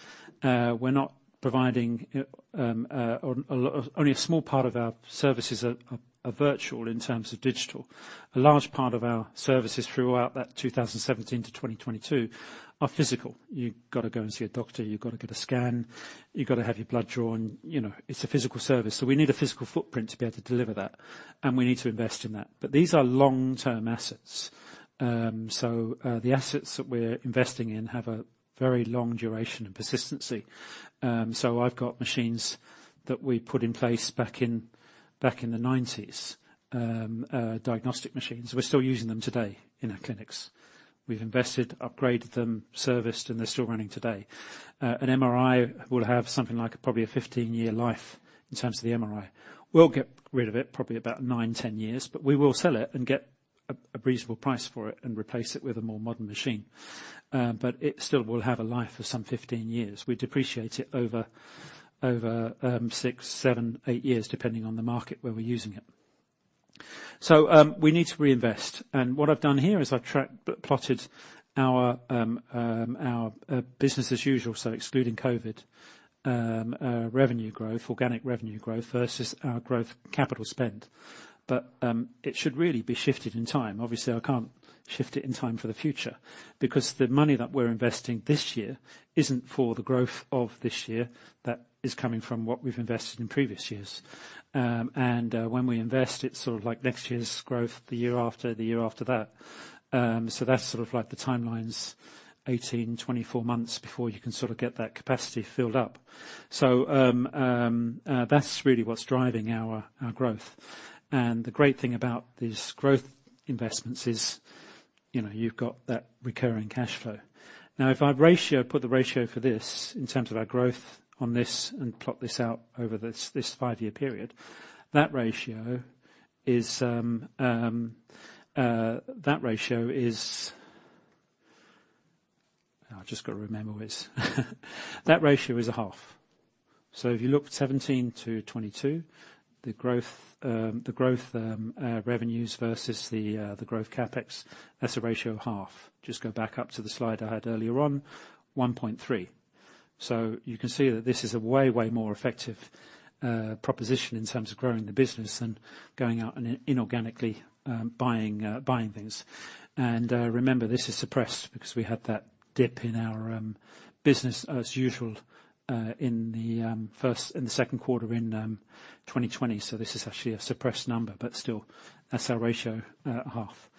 We're not providing. Only a small part of our services are virtual in terms of digital. A large part of our services throughout that 2017 to 2022 are physical. You've gotta go and see a doctor, you've gotta get a scan, you've gotta have your blood drawn. You know, it's a physical service, so we need a physical footprint to be able to deliver that, and we need to invest in that. These are long-term assets. The assets that we're investing in have a very long duration and persistency. I've got machines that we put in place back in the 90s. Diagnostic machines. We're still using them today in our clinics. We've invested, upgraded them, serviced, and they're still running today. An MRI will have something like probably a 15-year life in terms of the MRI. We'll get rid of it probably about 9, 10 years, but we will sell it and get a reasonable price for it and replace it with a more modern machine. It still will have a life of some 15 years. We depreciate it over 6, 7, 8 years, depending on the market where we're using it. We need to reinvest. What I've done here is I've plotted our business as usual, so excluding COVID, revenue growth, organic revenue growth versus our growth capital spend. It should really be shifted in time. Obviously, I can't shift it in time for the future because the money that we're investing this year isn't for the growth of this year. That is coming from what we've invested in previous years. When we invest, it's sort of like next year's growth, the year after, the year after that. That's sort of like the timeline's 18, 24 months before you can sort of get that capacity filled up. That's really what's driving our growth. The great thing about these growth investments is, you know, you've got that recurring cash flow. If I ratio, put the ratio for this in terms of our growth on this and plot this out over this 5-year period, that ratio is... I've just gotta remember what it is. That ratio is a half. If you look 17-22, the growth revenues versus the growth CapEx, that's a ratio of half. Just go back up to the slide I had earlier on, 1.3. You can see that this is a way more effective proposition in terms of growing the business than going out and inorganically buying buying things. Remember, this is suppressed because we had that dip in our business as usual in the 1st and 2nd quarter in 2020. This is actually a suppressed number, but still that's our ratio at half.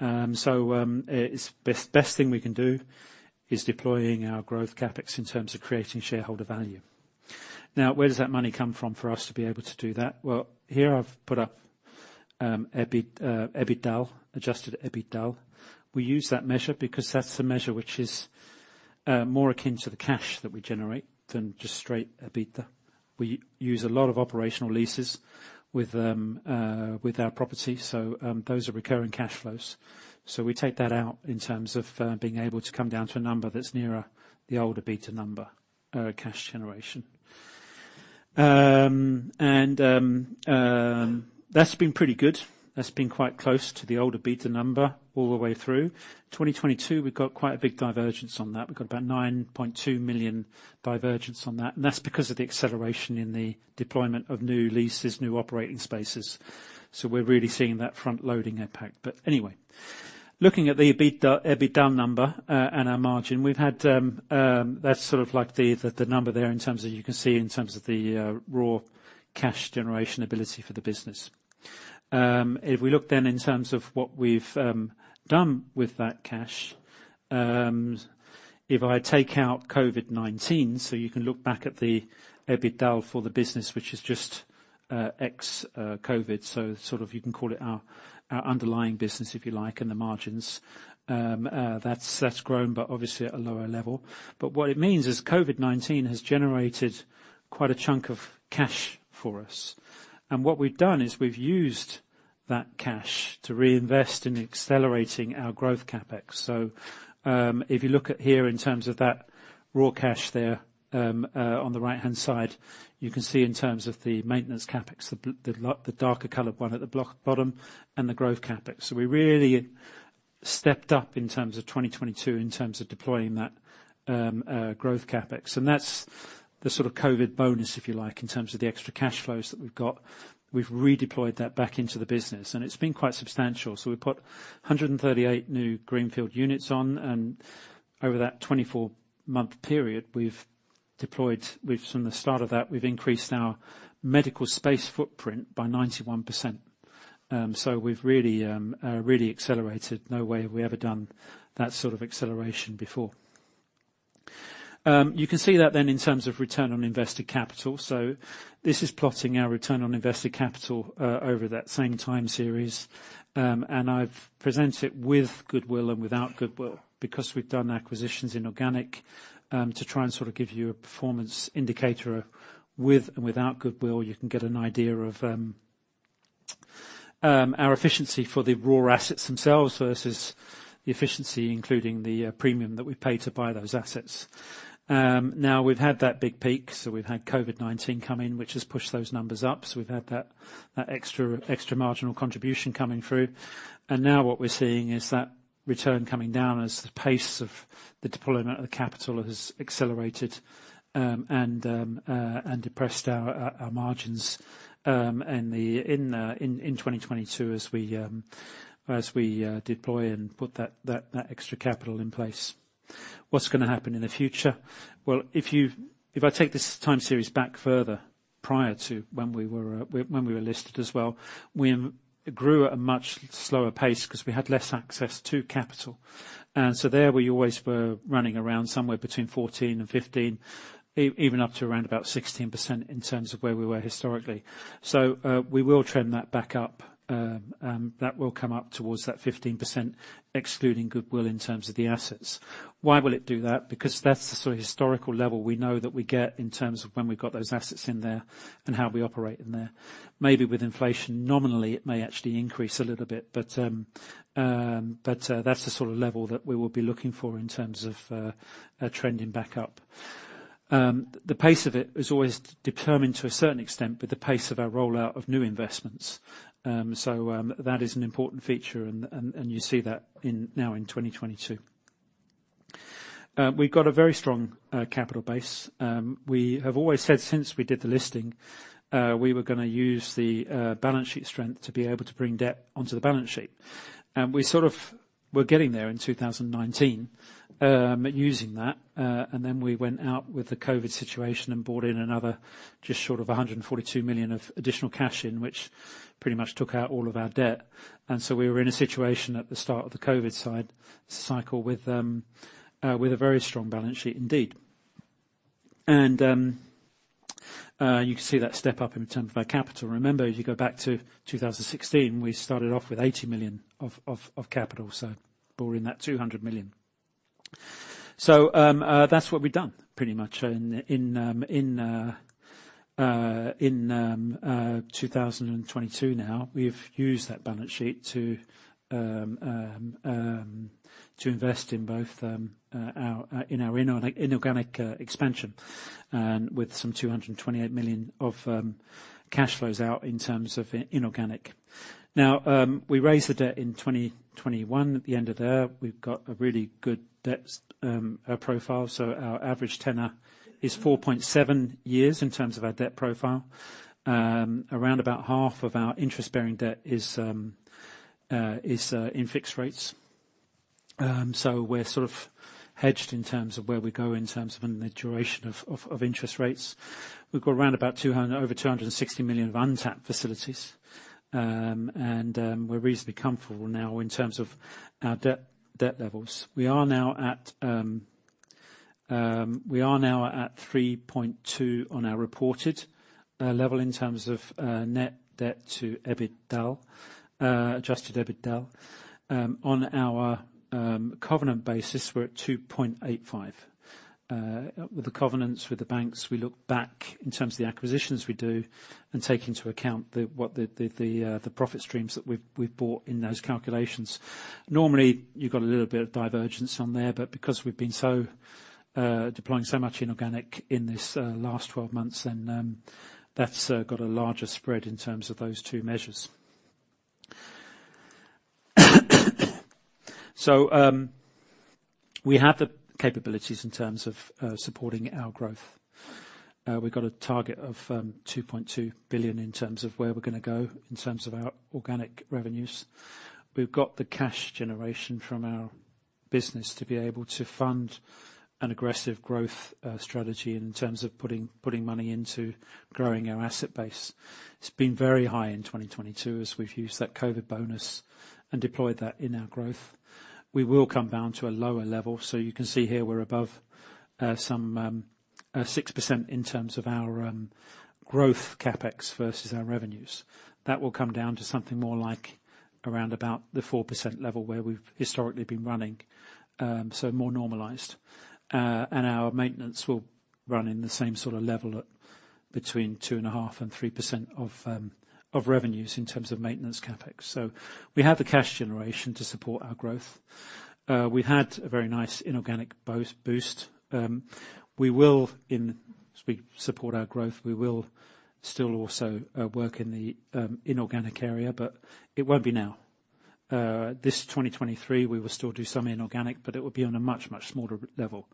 It's best thing we can do is deploying our growth CapEx in terms of creating shareholder value. Where does that money come from for us to be able to do that? Here I've put up EBIT, EBITDA, Adjusted EBITDA. We use that measure because that's the measure which is more akin to the cash that we generate than just straight EBITDA. We use a lot of operational leases with our property. Those are recurring cash flows. We take that out in terms of being able to come down to a number that's nearer the old EBITDA number, cash generation. And that's been pretty good. That's been quite close to the old EBITDA number all the way through. 2022, we've got quite a big divergence on that. We've got about 9.2 million divergence on that. That's because of the acceleration in the deployment of new leases, new operating spaces. We're really seeing that front-loading impact. Anyway, looking at the EBITDA number and our margin, we've had that's sort of like the number there in terms of, you can see in terms of the raw cash generation ability for the business. If we look in terms of what we've done with that cash, if I take out COVID-19, you can look back at the EBITDA for the business, which is just ex COVID. Sort of you can call it our underlying business, if you like, and the margins. That's grown, but obviously at a lower level. What it means is COVID-19 has generated quite a chunk of cash for us. What we've done is we've used that cash to reinvest in accelerating our growth CapEx. If you look at here in terms of that raw cash there, on the right-hand side, you can see in terms of the maintenance CapEx, the darker colored one at the block bottom and the growth CapEx. We really stepped up in terms of 2022 in terms of deploying that growth CapEx. That's the sort of COVID bonus, if you like, in terms of the extra cash flows that we've got. We've redeployed that back into the business, and it's been quite substantial. We put 138 new greenfield units on and over that 24-month period, we've deployed. From the start of that, we've increased our medical space footprint by 91%. We've really, really accelerated. No way have we ever done that sort of acceleration before. You can see that then in terms of return on invested capital. This is plotting our return on invested capital over that same time series. I've presented it with goodwill and without goodwill because we've done acquisitions inorganic, to try and sort of give you a performance indicator with and without goodwill, you can get an idea of our efficiency for the raw assets themselves versus the efficiency, including the premium that we pay to buy those assets. Now we've had that big peak, we've had COVID-19 come in, which has pushed those numbers up. We've had that extra marginal contribution coming through. Now what we're seeing is that return coming down as the pace of the deployment of the capital has accelerated and depressed our margins and in 2022 as we deploy and put that extra capital in place. What's gonna happen in the future? Well, if I take this time series back further prior to when we were when we were listed as well, we grew at a much slower pace 'cause we had less access to capital. There we always were running around somewhere between 14 and 15, even up to around about 16% in terms of where we were historically. We will trend that back up, that will come up towards that 15%, excluding goodwill in terms of the assets. Why will it do that? Because that's the sort of historical level we know that we get in terms of when we've got those assets in there and how we operate in there. Maybe with inflation, nominally, it may actually increase a little bit, but that's the sort of level that we will be looking for in terms of trending back up. The pace of it is always determined to a certain extent with the pace of our rollout of new investments. That is an important feature and you see that in, now in 2022. We've got a very strong capital base. We have always said since we did the listing, we were gonna use the balance sheet strength to be able to bring debt onto the balance sheet. We sort of were getting there in 2019, using that. We went out with the COVID situation and brought in another just short of 142 million of additional cash in which pretty much took out all of our debt. We were in a situation at the start of the COVID side cycle with a very strong balance sheet indeed. You can see that step up in terms of our capital. Remember, as you go back to 2016, we started off with 80 million of capital, so brought in that 200 million. That's what we've done pretty much in 2022 now. We've used that balance sheet to invest in both our inorganic expansion with some 228 million of cash flows out in terms of inorganic. We raised the debt in 2021. At the end of there, we've got a really good debt profile. Our average tenor is 4.7 years in terms of our debt profile. Around about half of our interest-bearing debt is in fixed rates. We're sort of hedged in terms of where we go in terms of the duration of interest rates. We've got around about 260 million of untapped facilities. We're reasonably comfortable now in terms of our debt levels. We are now at 3.2 on our reported level in terms of net debt to EBITDA, Adjusted EBITDA. On our covenant basis, we're at 2.85. With the covenants with the banks, we look back in terms of the acquisitions we do and take into account the profit streams that we've bought in those calculations. Normally, you got a little bit of divergence on there, but because we've been so deploying so much inorganic in this last 12 months, that's got a larger spread in terms of those two measures. We have the capabilities in terms of supporting our growth. We've got a target of 2.2 billion in terms of where we're gonna go in terms of our organic revenues. We've got the cash generation from our business to be able to fund an aggressive growth strategy in terms of putting money into growing our asset base. It's been very high in 2022 as we've used that COVID bonus and deployed that in our growth. We will come down to a lower level. You can see here we're above some 6% in terms of our growth CapEx versus our revenues. That will come down to something more like around about the 4% level where we've historically been running, more normalized. Our maintenance will run in the same sort of level at between 2.5 and 3% of revenues in terms of maintenance CapEx. We have the cash generation to support our growth. We've had a very nice inorganic boost. We will, in, as we support our growth, we will still also work in the inorganic area, but it won't be now. This 2023, we will still do some inorganic, but it will be on a much, much smaller level.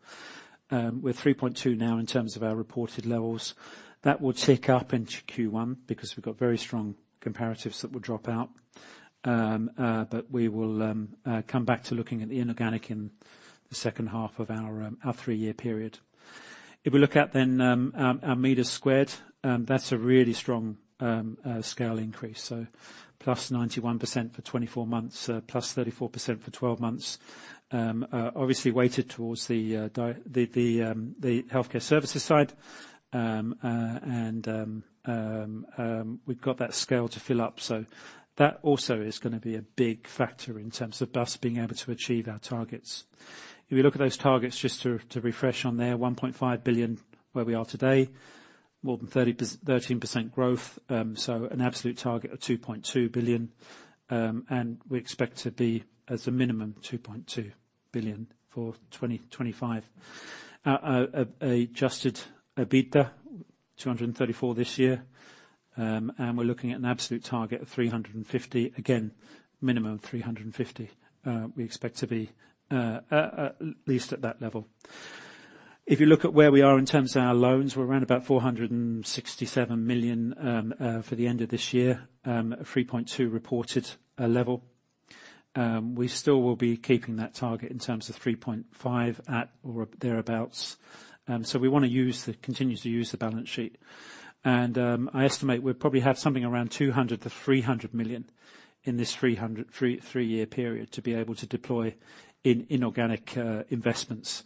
We're 3.2 now in terms of our reported levels. That will tick up into Q1 because we've got very strong comparatives that will drop out. We will come back to looking at the inorganic in the second half of our 3-year period. If we look at our meters squared, that's a really strong scale increase, so +91% for 24 months, +34% for 12 months. Obviously weighted towards the Healthcare Services side. We've got that scale to fill up. That also is gonna be a big factor in terms of us being able to achieve our targets. If you look at those targets just to refresh on there, 1.5 billion where we are today, more than 13% growth, an absolute target of 2.2 billion. We expect to be as a minimum, 2.2 billion for 2025. Adjusted EBITDA, 234 million this year. We're looking at an absolute target of 350 million. Again, minimum of 350 million. We expect to be at least at that level. If you look at where we are in terms of our loans, we're around about 467 million for the end of this year. A 3.2 reported level. We still will be keeping that target in terms of 3.0 at or thereabouts. We wanna continue to use the balance sheet. I estimate we'll probably have something around 200 million-300 million in this three hundred... three-year period to be able to deploy in, inorganic investments.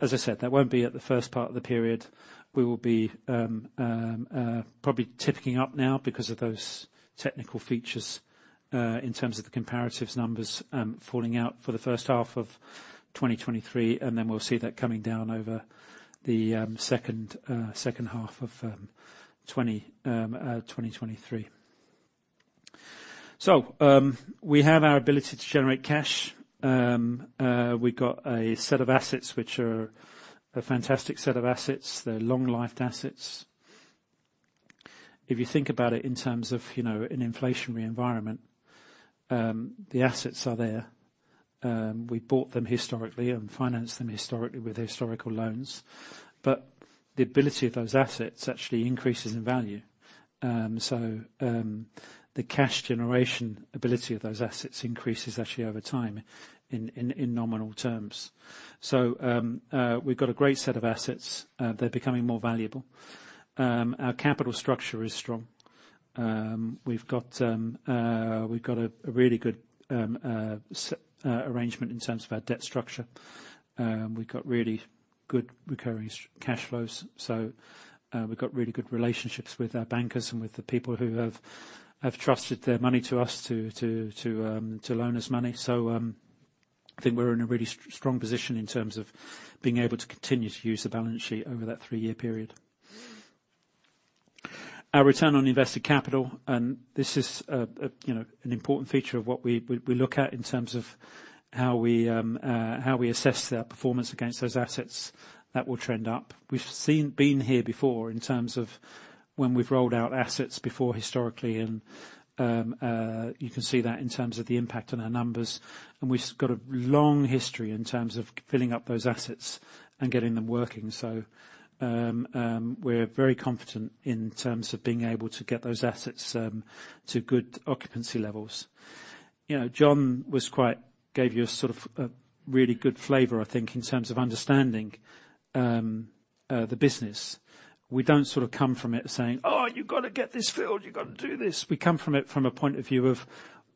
As I said, that won't be at the first part of the period. We will be probably tipping up now because of those technical features in terms of the comparatives numbers falling out for the first half of 2023, and then we'll see that coming down over the second half of 2023. We have our ability to generate cash. We've got a set of assets which are a fantastic set of assets. They're long-lived assets. If you think about it in terms of, you know, an inflationary environment, the assets are there. We bought them historically and financed them historically with historical loans. The ability of those assets actually increases in value. The cash generation ability of those assets increases actually over time in nominal terms. We've got a great set of assets. They're becoming more valuable. Our capital structure is strong. We've got a really good arrangement in terms of our debt structure. We've got really good recurring cash flows, we've got really good relationships with our bankers and with the people who have trusted their money to us to loan us money. I think we're in a really strong position in terms of being able to continue to use the balance sheet over that 3-year period. Our return on invested capital, and this is, a, you know, an important feature of what we look at in terms of how we, how we assess our performance against those assets, that will trend up. We've been here before in terms of when we've rolled out assets before historically, and, you can see that in terms of the impact on our numbers. We've got a long history in terms of filling up those assets and getting them working. We're very confident in terms of being able to get those assets, to good occupancy levels. You know, John was quite. Gave you a sort of, a really good flavor, I think, in terms of understanding, the business. We don't sort of come from it saying, "Oh, you've gotta get this filled, you've gotta do this." We come from it from a point of view of,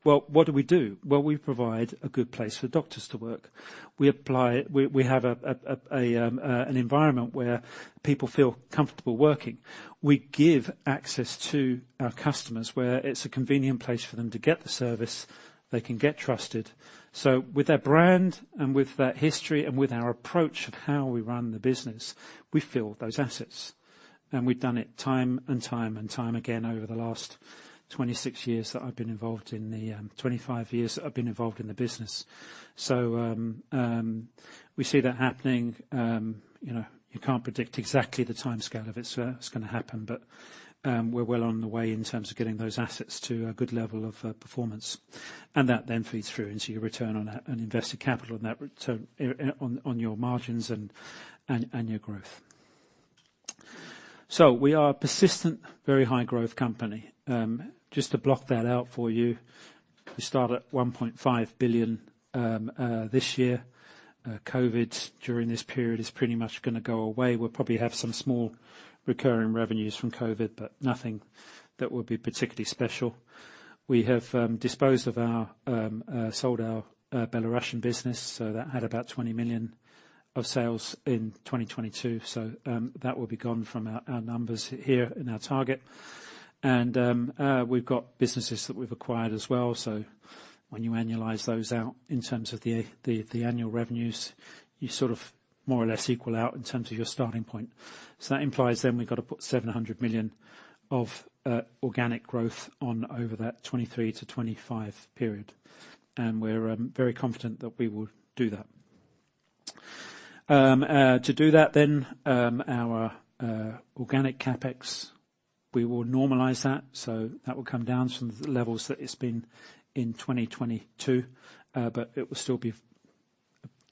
well, what do we do? We provide a good place for doctors to work. We have an environment where people feel comfortable working. We give access to our customers where it's a convenient place for them to get the service. They can get trusted. With their brand, and with their history, and with our approach of how we run the business, we fill those assets. We've done it time and time and time again over the last 26 years that I've been involved in the 25 years that I've been involved in the business. We see that happening. you know, you can't predict exactly the timescale of it, so it's gonna happen, but we're well on the way in terms of getting those assets to a good level of performance. That then feeds through into your return on an invested capital on that return on your margins and your growth. We are a persistent, very high growth company. just to block that out for you, we start at 1.5 billion this year. COVID during this period is pretty much gonna go away. We'll probably have some small recurring revenues from COVID, but nothing that will be particularly special. We have disposed of our sold our Belarusian business, so that had about 20 million of sales in 2022. That will be gone from our numbers here in our target. We've got businesses that we've acquired as well. When you annualize those out in terms of the annual revenues, you sort of more or less equal out in terms of your starting point. That implies then we've got to put 700 million of organic growth on over that 2023-2025 period. We're very confident that we will do that. To do that then, our organic CapEx, we will normalize that. That will come down from the levels that it's been in 2022. It will still be,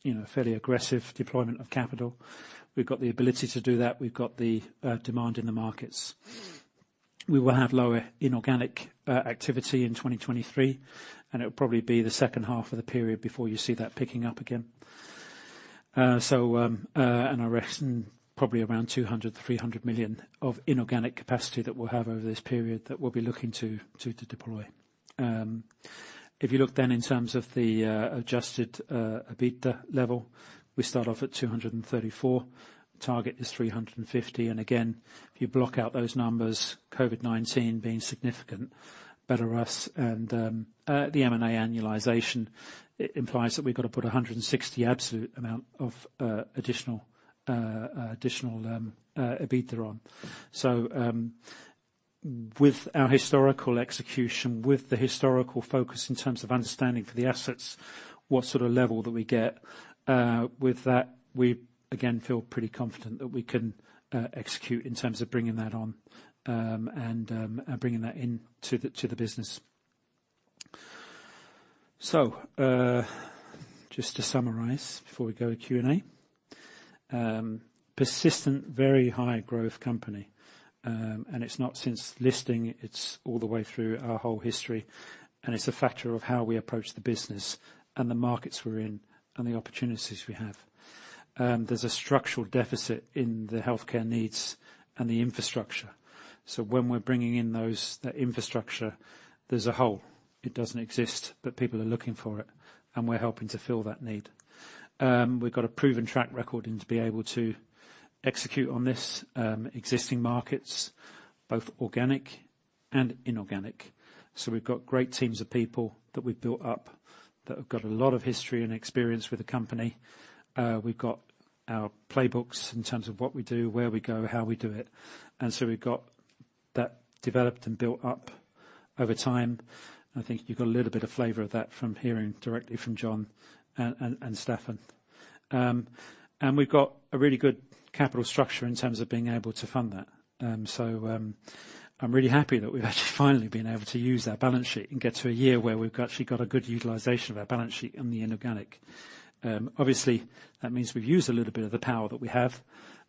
you know, fairly aggressive deployment of capital. We've got the ability to do that. We've got the demand in the markets. We will have lower inorganic activity in 2023, and it will probably be the second half of the period before you see that picking up again. I reckon probably around 200 million-300 million of inorganic capacity that we'll have over this period that we'll be looking to deploy. If you look then in terms of the Adjusted EBITDA level, we start off at 234. Target is 350. If you block out those numbers, COVID-19 being significant, Belarus and the M&A annualization, it implies that we've got to put 160 absolute amount of additional EBITDA on. With our historical execution, with the historical focus in terms of understanding for the assets what sort of level that we get, with that, we again feel pretty confident that we can execute in terms of bringing that on, and bringing that into the, to the business. Just to summarize before we go to Q&A. Persistent very high growth company, and it's not since listing, it's all the way through our whole history, and it's a factor of how we approach the business and the markets we're in and the opportunities we have. There's a structural deficit in the healthcare needs and the infrastructure. When we're bringing in those, the infrastructure, there's a hole. It doesn't exist, but people are looking for it, and we're helping to fill that need. We've got a proven track record and to be able to execute on this, existing markets, both organic and inorganic. We've got great teams of people that we've built up that have got a lot of history and experience with the company. We've got our playbooks in terms of what we do, where we go, how we do it. We've got that developed and built up over time. I think you've got a little bit of flavor of that from hearing directly from John Stubbington and Staffan Ternström. We've got a really good capital structure in terms of being able to fund that. I'm really happy that we've actually finally been able to use our balance sheet and get to a year where we've actually got a good utilization of our balance sheet and the inorganic. Obviously, that means we've used a little bit of the power that we have,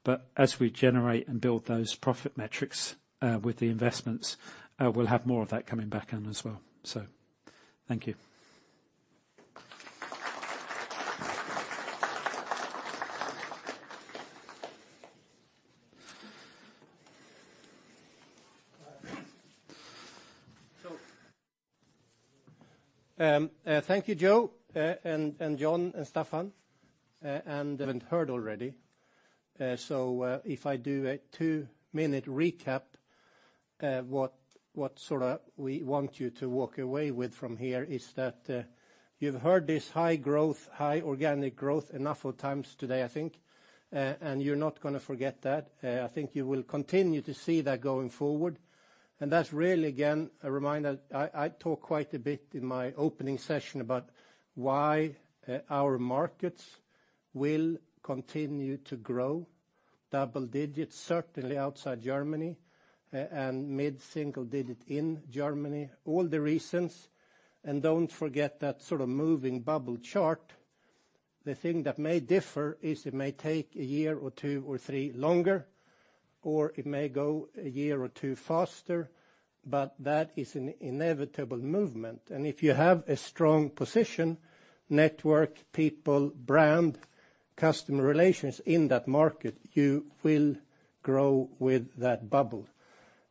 but as we generate and build those profit metrics, with the investments, we'll have more of that coming back in as well. Thank you. Thank you, Joe, and John and Staffan. You haven't heard already, if I do a 2-minute recap, what sort of we want you to walk away with from here is that you've heard this high growth, high organic growth enough of times today, I think. You're not gonna forget that. I think you will continue to see that going forward. That's really, again, a reminder. I talked quite a bit in my opening session about why our markets will continue to grow double digits, certainly outside Germany, and mid-single digits in Germany, all the reasons. Don't forget that sort of moving bubble chart. The thing that may differ is it may take one or two or three years longer, or it may go one or two years faster, but that is an inevitable movement. If you have a strong position, network, people, brand, customer relations in that market, you will grow with that bubble.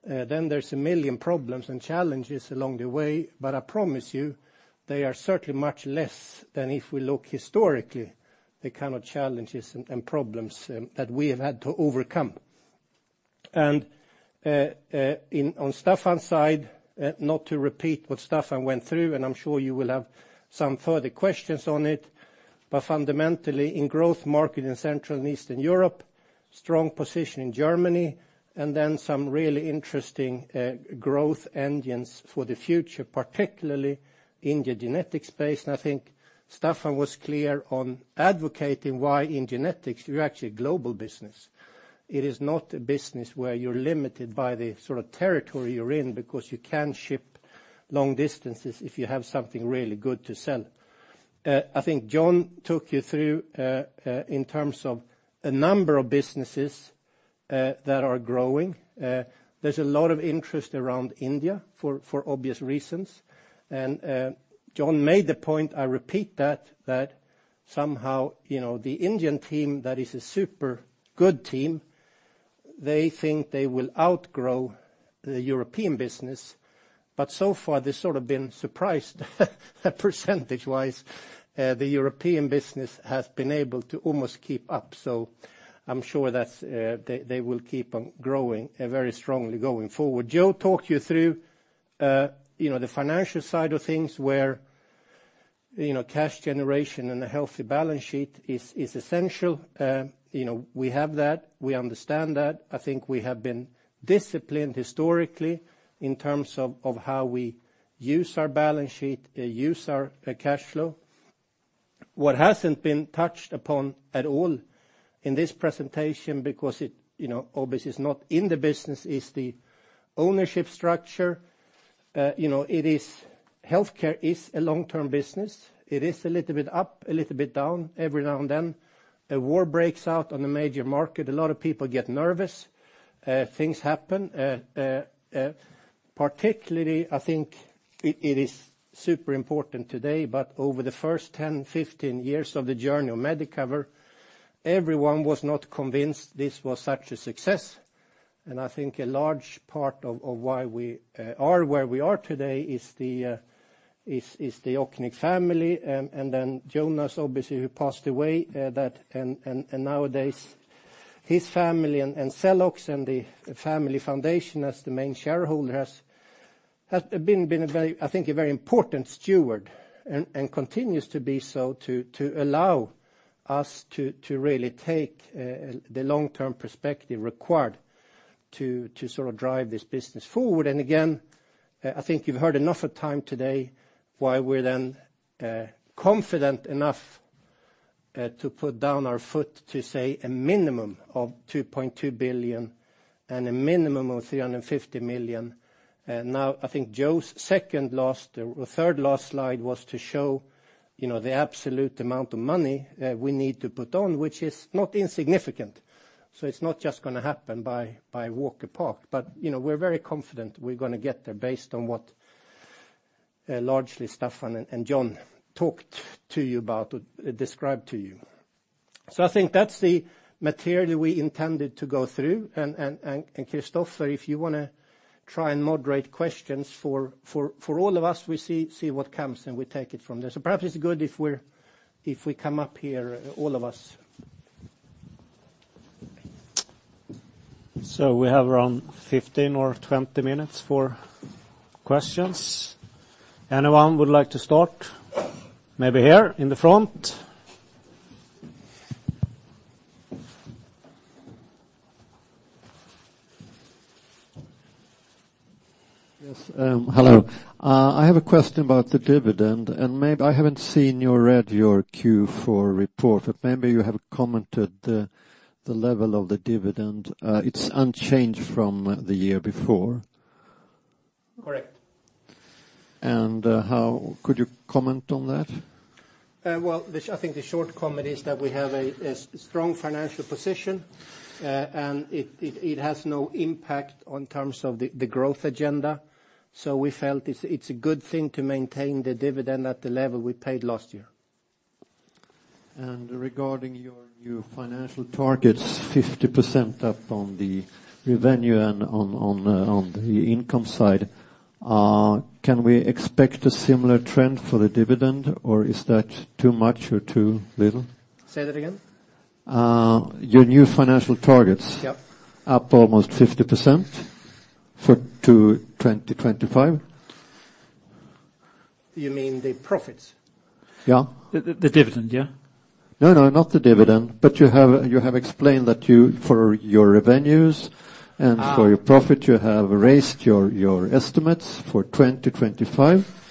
There's a million problems and challenges along the way, but I promise you, they are certainly much less than if we look historically, the kind of challenges and problems that we have had to overcome. On Staffan's side, not to repeat what Staffan went through, and I'm sure you will have some further questions on it, but fundamentally in growth market in Central and Eastern Europe, strong position in Germany, and then some really interesting growth engines for the future, particularly in the genetic space. I think Staffan was clear on advocating why in genetics you're actually a global business. It is not a business where you're limited by the sort of territory you're in because you can ship long distances if you have something really good to sell. I think John took you through in terms of a number of businesses that are growing. There's a lot of interest around India for obvious reasons. John made the point, I repeat that somehow, you know, the Indian team, that is a super good team, they think they will outgrow the European business. So far, they've sort of been surprised percentage-wise, the European business has been able to almost keep up. I'm sure that they will keep on growing very strongly going forward. Joe talked you through, you know, the financial side of things where, you know, cash generation and a healthy balance sheet is essential. You know, we have that. We understand that. I think we have been disciplined historically in terms of how we use our balance sheet, use our cash flow. What hasn't been touched upon at all in this presentation because it, you know, obviously is not in the business, is the ownership structure. You know, it is, healthcare is a long-term business. It is a little bit up, a little bit down every now and then. A war breaks out on a major market, a lot of people get nervous, things happen. Particularly, I think it is super important today, but over the first 10, 15 years of the journey of Medicover, everyone was not convinced this was such a success. I think a large part of why we are where we are today is the af Jochnick family and then Jonas, obviously, who passed away. Nowadays his family and Celox and the family foundation as the main shareholder has been a very, I think a very important steward and continues to be so to allow us to really take the long-term perspective required to sort of drive this business forward. Again, I think you've heard enough of time today why we're then confident enough to put down our foot to say a minimum of 2.2 billion and a minimum of 350 million. I think Joe's second last, or third last slide was to show, you know, the absolute amount of money that we need to put on, which is not insignificant. It's not just gonna happen by walk and park. You know, we're very confident we're gonna get there based on what largely Staffan and John talked to you about or described to you. I think that's the material we intended to go through. Kristofer, if you wanna try and moderate questions for all of us, we see what comes, and we take it from there. Perhaps it's good if we come up here, all of us. We have around 15 or 20 minutes for questions. Anyone would like to start? Maybe here in the front. Yes, hello. I have a question about the dividend. I haven't seen or read your Q4 report, but maybe you have commented the level of the dividend. It's unchanged from the year before. Correct. Could you comment on that? Well, I think the short comment is that we have a strong financial position, and it has no impact on terms of the growth agenda. We felt it's a good thing to maintain the dividend at the level we paid last year. Regarding your new financial targets, 50% up on the revenue and on the income side, can we expect a similar trend for the dividend, or is that too much or too little? Say that again. Your new financial targets. Yep. -up almost 50% for, to 2025. You mean the profits? Yeah. The dividend, yeah. No, no, not the dividend. You have explained that you, for your revenues and for your profit, you have raised your estimates for 2025.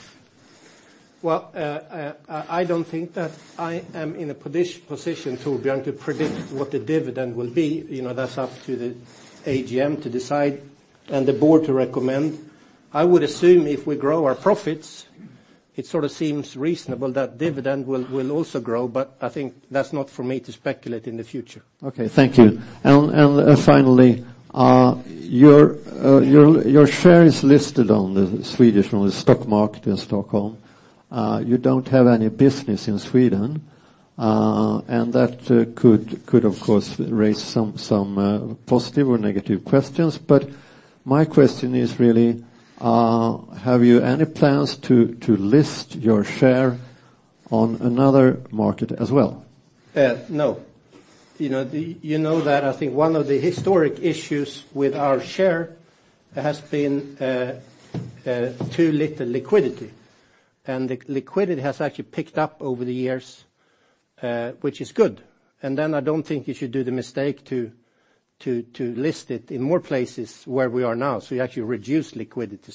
Well, I don't think that I am in a position, Torbjörn, to predict what the dividend will be. You know, that's up to the AGM to decide and the board to recommend. I would assume if we grow our profits, it sort of seems reasonable that dividend will also grow. I think that's not for me to speculate in the future. Okay, thank you. Finally, your share is listed on the Swedish stock market in Stockholm. You don't have any business in Sweden, and that could of course raise some positive or negative questions. My question is really, have you any plans to list your share on another market as well? No. You know that I think one of the historic issues with our share has been too little liquidity. The liquidity has actually picked up over the years, which is good. I don't think you should do the mistake to list it in more places where we are now. You actually reduce liquidity.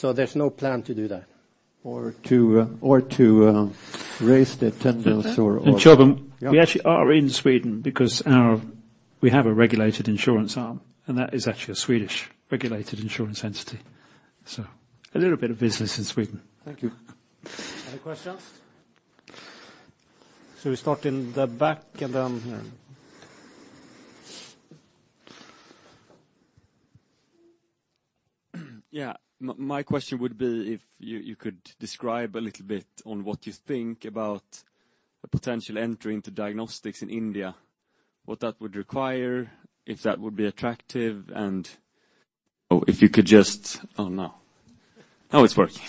There's no plan to do that. To raise the 10 million EUR. Torbjörn, we actually are in Sweden because we have a regulated insurance arm, and that is actually a Swedish regulated insurance entity. A little bit of business in Sweden. Thank you. Other questions? Shall we start in the back and then here? Yeah. My question would be if you could describe a little bit on what you think about a potential entry into diagnostics in India, what that would require, if that would be attractive, and if you could just... Oh, no. Now it's working.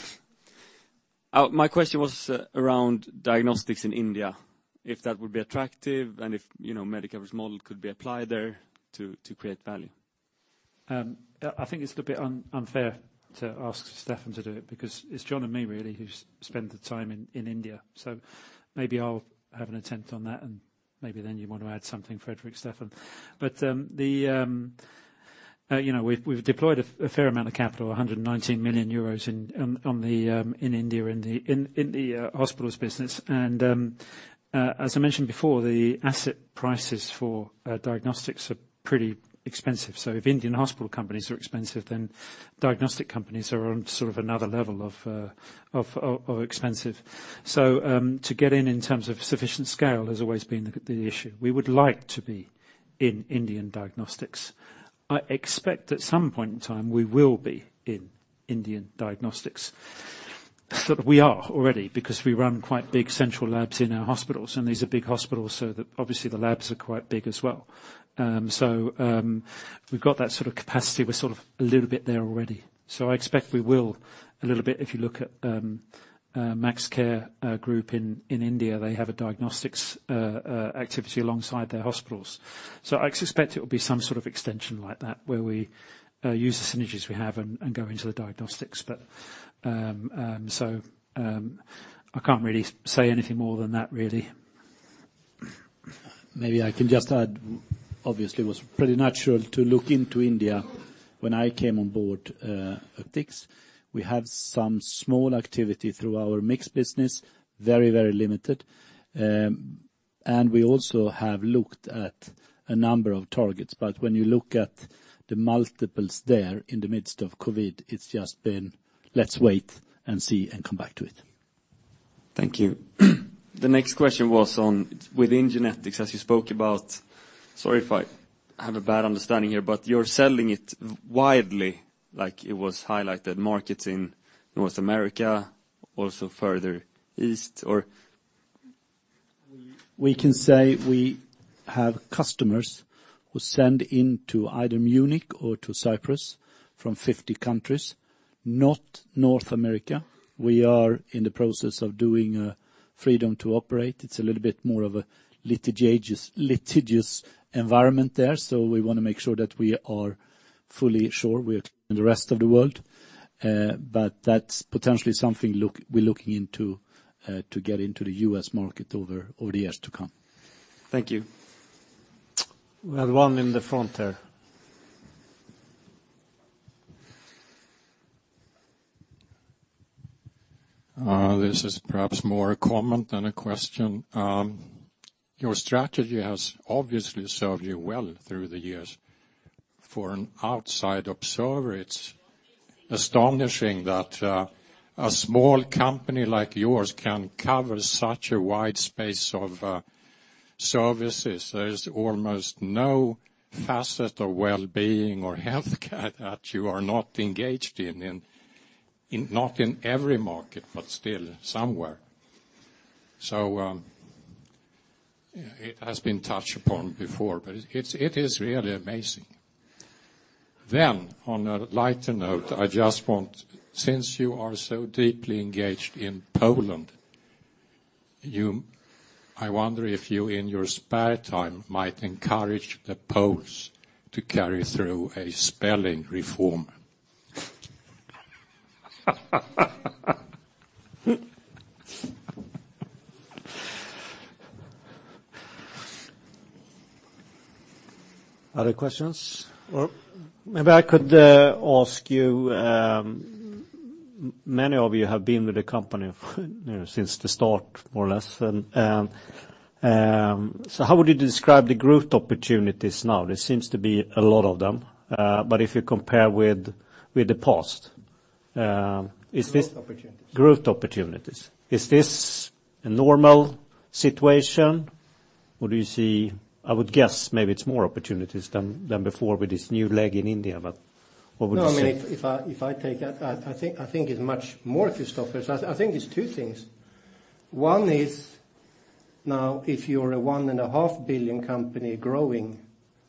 My question was around diagnostics in India, if that would be attractive and if, you know, Medicover's model could be applied there to create value. I think it's a bit unfair to ask Staffan to do it because it's John and me really who's spent the time in India. Maybe I'll have an attempt on that, and maybe then you want to add something, Fredrik, Staffan. You know, we've deployed a fair amount of capital, 119 million euros in India, in the hospitals business. As I mentioned before, the asset prices for diagnostics are pretty expensive. If Indian hospital companies are expensive, then diagnostic companies are on sort of another level of expensive. To get in in terms of sufficient scale has always been the issue. We would like to be in Indian diagnostics. I expect at some point in time we will be in Indian diagnostics. Sort of we are already, because we run quite big central labs in our hospitals, and these are big hospitals, so obviously the labs are quite big as well. We've got that sort of capacity. We're sort of a little bit there already. I expect we will a little bit. If you look at Max Healthcare group in India, they have a diagnostics activity alongside their hospitals. I suspect it will be some sort of extension like that where we use the synergies we have and go into the diagnostics. I can't really say anything more than that, really. Maybe I can just add, obviously it was pretty natural to look into India when I came on board, Optik. We have some small activity through our mixed business. Very, very limited. And we also have looked at a number of targets. When you look at the multiples there in the midst of COVID, it's just been, let's wait and see and come back to it. Thank you. The next question was on within genetics, as you spoke about... Sorry if I have a bad understanding here, but you're selling it widely, like it was highlighted, markets in North America, also further east or- We can say we have customers who send into either Munich or to Cyprus from 50 countries, not North America. We are in the process of doing freedom to operate. It's a little bit more of a litigious environment there, so we wanna make sure that we are fully sure. We are clearing the rest of the world. That's potentially something we're looking into to get into the U.S. market over the years to come. Thank you. We have one in the front there. This is perhaps more a comment than a question. Your strategy has obviously served you well through the years. For an outside observer, it's astonishing that a small company like yours can cover such a wide space of services. There's almost no facet of wellbeing or healthcare that you are not engaged in, not in every market, but still somewhere. It has been touched upon before, but it's, it is really amazing. On a lighter note, I just want, since you are so deeply engaged in Poland, I wonder if you in your spare time might encourage the Poles to carry through a spelling reform. Other questions? Maybe I could ask you, many of you have been with the company for, you know, since the start, more or less. How would you describe the growth opportunities now? There seems to be a lot of them, if you compare with the past. Growth opportunities. Growth opportunities. Is this a normal situation, or I would guess maybe it's more opportunities than before with this new leg in India, but what would you say? I mean, if I take it, I think it's much more, Kristofer. I think there's two things. One is now if you're a 1.5 billion company growing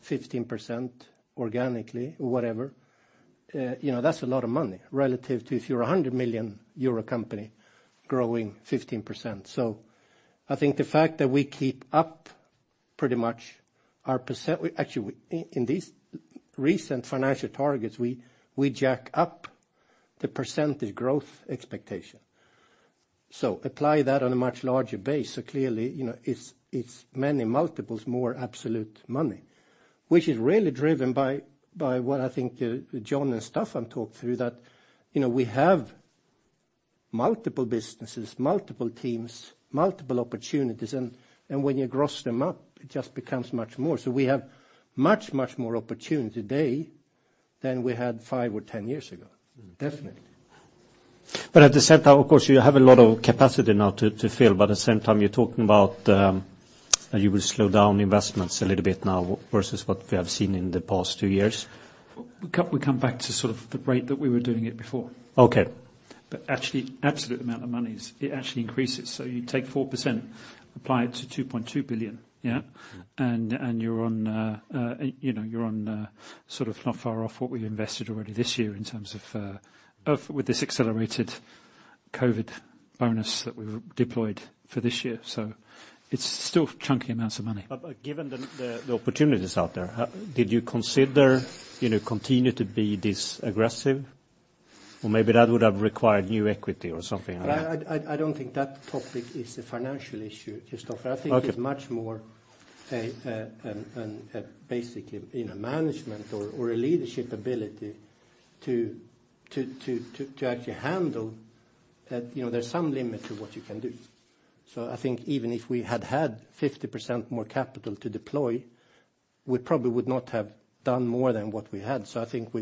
15% organically or whatever, you know, that's a lot of money relative to if you're a 100 million euro company growing 15%. I think the fact that we keep up pretty much our percent. Actually, in these recent financial targets, we jack up the percentage growth expectation. Apply that on a much larger base, so clearly, you know, it's many multiples more absolute money, which is really driven by what I think John and Staffan talked through, that, you know, we have multiple businesses, multiple teams, multiple opportunities, and when you gross them up, it just becomes much more. We have much, much more opportunity today than we had 5 or 10 years ago. Definitely. At the same time, of course, you have a lot of capacity now to fill, but at the same time, you're talking about that you will slow down investments a little bit now versus what we have seen in the past two years. We come back to sort of the rate that we were doing it before. Okay. Actually, absolute amount of monies, it actually increases. You take 4%, apply it to 2.2 billion, yeah, and you're on, you know, you're on, sort of not far off what we invested already this year in terms of with this accelerated COVID bonus that we deployed for this year. It's still chunky amounts of money. given the opportunities out there, did you consider, you know, continue to be this aggressive? Maybe that would have required new equity or something like that. I don't think that topic is a financial issue, Kristofer. Okay. I think it's much more a basic, you know, management or a leadership ability to actually handle that, you know, there's some limit to what you can do. I think even if we had had 50% more capital to deploy, we probably would not have done more than what we had. I think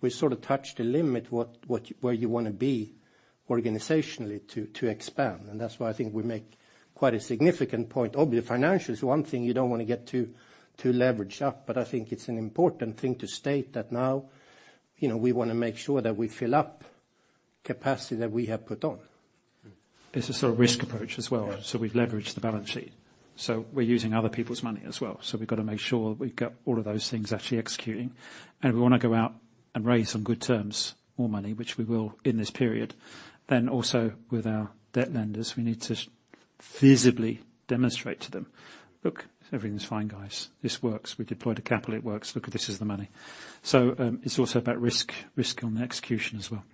we've sort of touched the limit what you where you wanna be organizationally to expand, and that's why I think we make quite a significant point. Obviously, financial is one thing you don't wanna get too leveraged up, but I think it's an important thing to state that now, you know, we wanna make sure that we fill up capacity that we have put on. It's a sort of risk approach as well. Yeah. We've leveraged the balance sheet. We're using other people's money as well, we've gotta make sure we've got all of those things actually executing. We wanna go out and raise on good terms more money, which we will in this period. With our debt lenders, we need to visibly demonstrate to them, "Look, everything's fine, guys. This works. We deployed the capital, it works. Look, this is the money." It's also about risk on execution as well.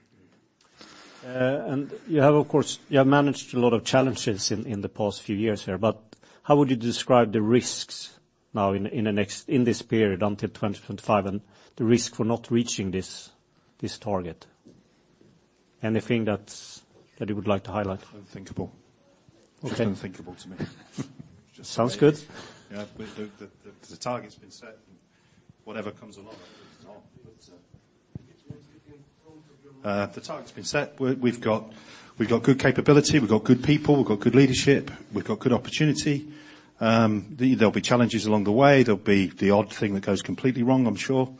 You have, of course, you have managed a lot of challenges in the past few years here, but how would you describe the risks now in this period until 2025 and the risk for not reaching this target? Anything that you would like to highlight? Unthinkable. Okay. Just unthinkable to me. Sounds good. Yeah. The target's been set and whatever comes along, comes along. Could you speak in terms of. The target's been set. We've got good capability. We've got good people. We've got good leadership. We've got good opportunity. There'll be challenges along the way. There'll be the odd thing that goes completely wrong, I'm sure,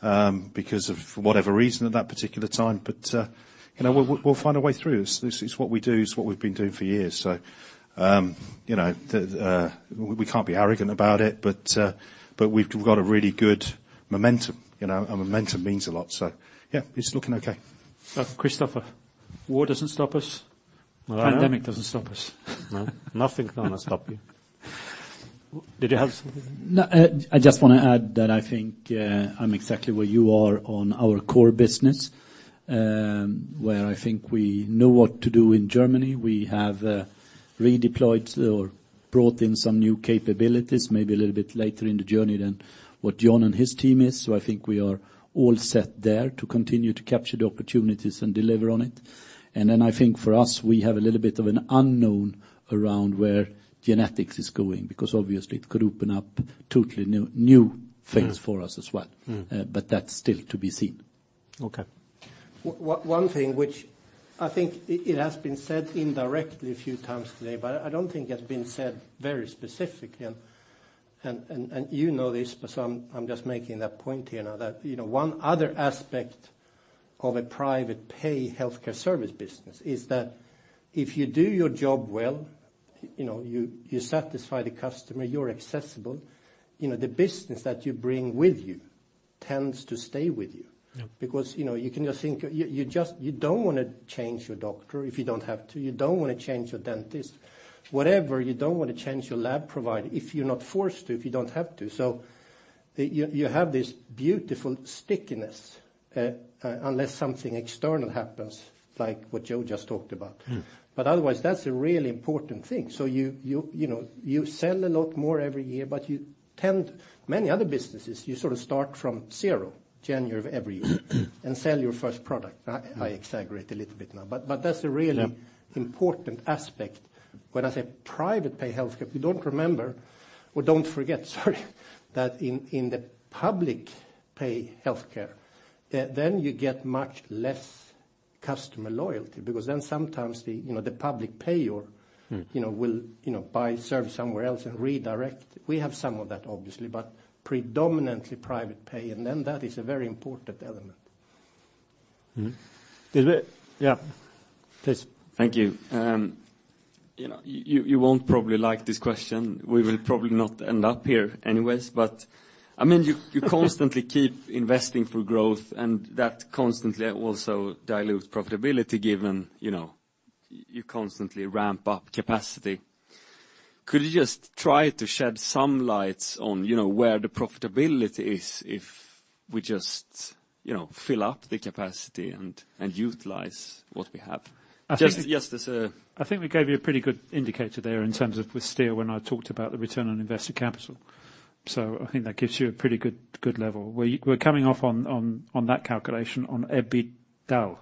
because of whatever reason at that particular time. You know, we'll find a way through. It's what we do, it's what we've been doing for years. You know, we can't be arrogant about it, but we've got a really good momentum, you know, and momentum means a lot. Yeah, it's looking okay. Kristofer. War doesn't stop us. Well, I know. Pandemic doesn't stop us. No. Nothing's gonna stop you. Did you have something? No. I just wanna add that I think I'm exactly where you are on our core business, where I think we know what to do in Germany. We have redeployed or brought in some new capabilities, maybe a little bit later in the journey than what John and his team is. I think we are all set there to continue to capture the opportunities and deliver on it. I think for us, we have a little bit of an unknown around where genetics is going, because obviously it could open up totally new things- for us as well. That's still to be seen. Okay. One thing which I think it has been said indirectly a few times today, but I don't think it's been said very specifically. You know this, but I'm just making that point here now that, you know, one other aspect of a private pay healthcare service business is that if you do your job well, you know, you satisfy the customer, you're accessible. You know, the business that you bring with you tends to stay with you. Yeah. You know, you can just think, you don't wanna change your doctor if you don't have to. You don't wanna change your dentist. Whatever, you don't wanna change your lab provider if you're not forced to, if you don't have to. You have this beautiful stickiness, unless something external happens, like what Joe just talked about. Otherwise, that's a really important thing. You know, you sell a lot more every year, you tend... Many other businesses, you sort of start from 0 January of every year and sell your first product. I exaggerate a little bit now, that's a really important aspect. When I say private pay healthcare, if you don't remember or don't forget, sorry, that in the public pay healthcare, then you get much less customer loyalty because then sometimes you know, the public payer- You know, will, you know, buy service somewhere else and redirect. We have some of that obviously, but predominantly private pay, and then that is a very important element. Mm-hmm. Did we... Yeah. Please. Thank you. You know, you won't probably like this question. We will probably not end up here anyways. I mean, you constantly keep investing for growth and that constantly also dilutes profitability given, you know, you constantly ramp up capacity. Could you just try to shed some lights on, you know, where the profitability is if we just, you know, fill up the capacity and utilize what we have? I think- Just. I think we gave you a pretty good indicator there in terms of with Steel when I talked about the return on invested capital. I think that gives you a pretty good level. We're coming off on that calculation on EBITDA.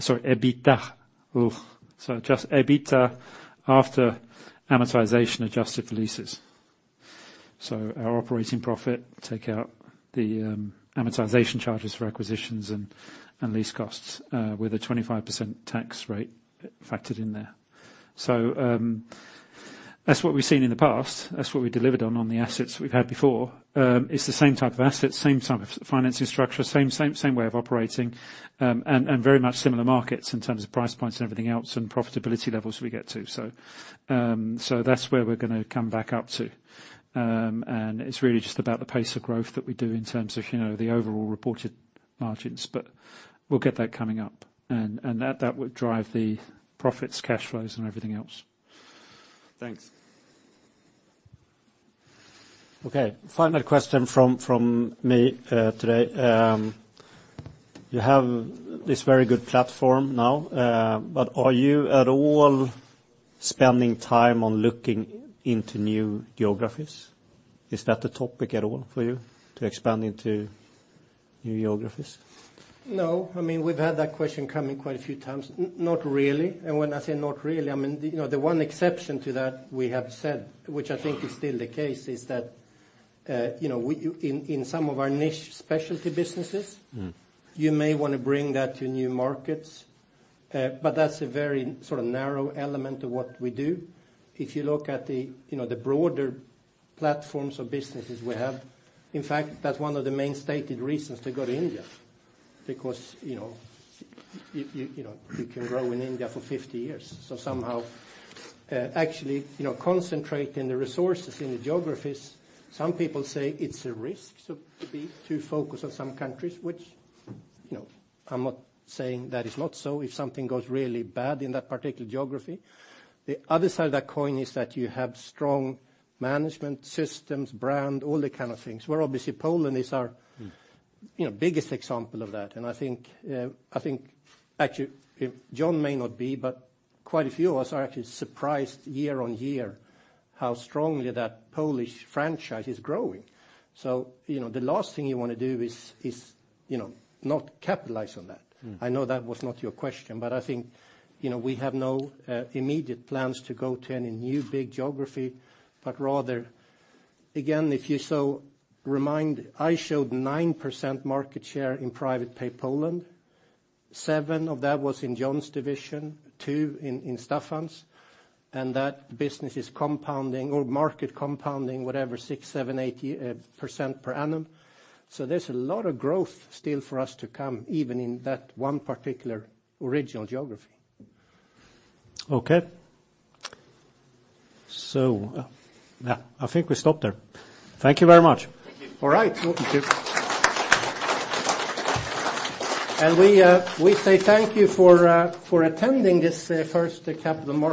Sorry, EBITDA. Just EBITDA after amortization-adjusted leases. Our operating profit take out the amortization charges for acquisitions and lease costs with a 25% tax rate factored in there. That's what we've seen in the past. That's what we delivered on the assets we've had before. It's the same type of assets, same type of financing structure, same way of operating and very much similar markets in terms of price points and everything else and profitability levels we get to. That's where we're gonna come back up to. It's really just about the pace of growth that we do in terms of, you know, the overall reported margins, but we'll get that coming up and that would drive the profits, cash flows and everything else. Thanks. Okay, final question from me today. You have this very good platform now, are you at all spending time on looking into new geographies? Is that a topic at all for you to expand into new geographies? No. I mean, we've had that question come in quite a few times. Not really, and when I say not really, I mean, you know, the one exception to that we have said, which I think is still the case, is that, you know, we in some of our niche specialty businesses. you may wanna bring that to new markets. That's a very sort of narrow element of what we do. If you look at the, you know, the broader platforms or businesses we have, in fact, that's one of the main stated reasons to go to India because, you know, you can grow in India for 50 years. Somehow, actually, you know, concentrating the resources in the geographies, some people say it's a risk, to focus on some countries which, you know, I'm not saying that it's not so if something goes really bad in that particular geography. The other side of that coin is that you have strong management systems, brand, all that kind of things, where obviously Poland is our- You know, biggest example of that. I think, actually, if John may not be, quite a few of us are actually surprised year-on-year how strongly that Polish franchise is growing. You know, the last thing you wanna do is, you know, not capitalize on that. I know that was not your question, I think, you know, we have no immediate plans to go to any new big geography, but rather. If you so remind, I showed 9% market share in private pay Poland. Seven of that was in John's division, Two in Staffan's, and that business is compounding or market compounding, whatever, 6%, 7%, 8% per annum. There's a lot of growth still for us to come, even in that one particular original geography. Yeah, I think we stop there. Thank you very much. Thank you. All right. Thank you. We say thank you for attending this, first capital market.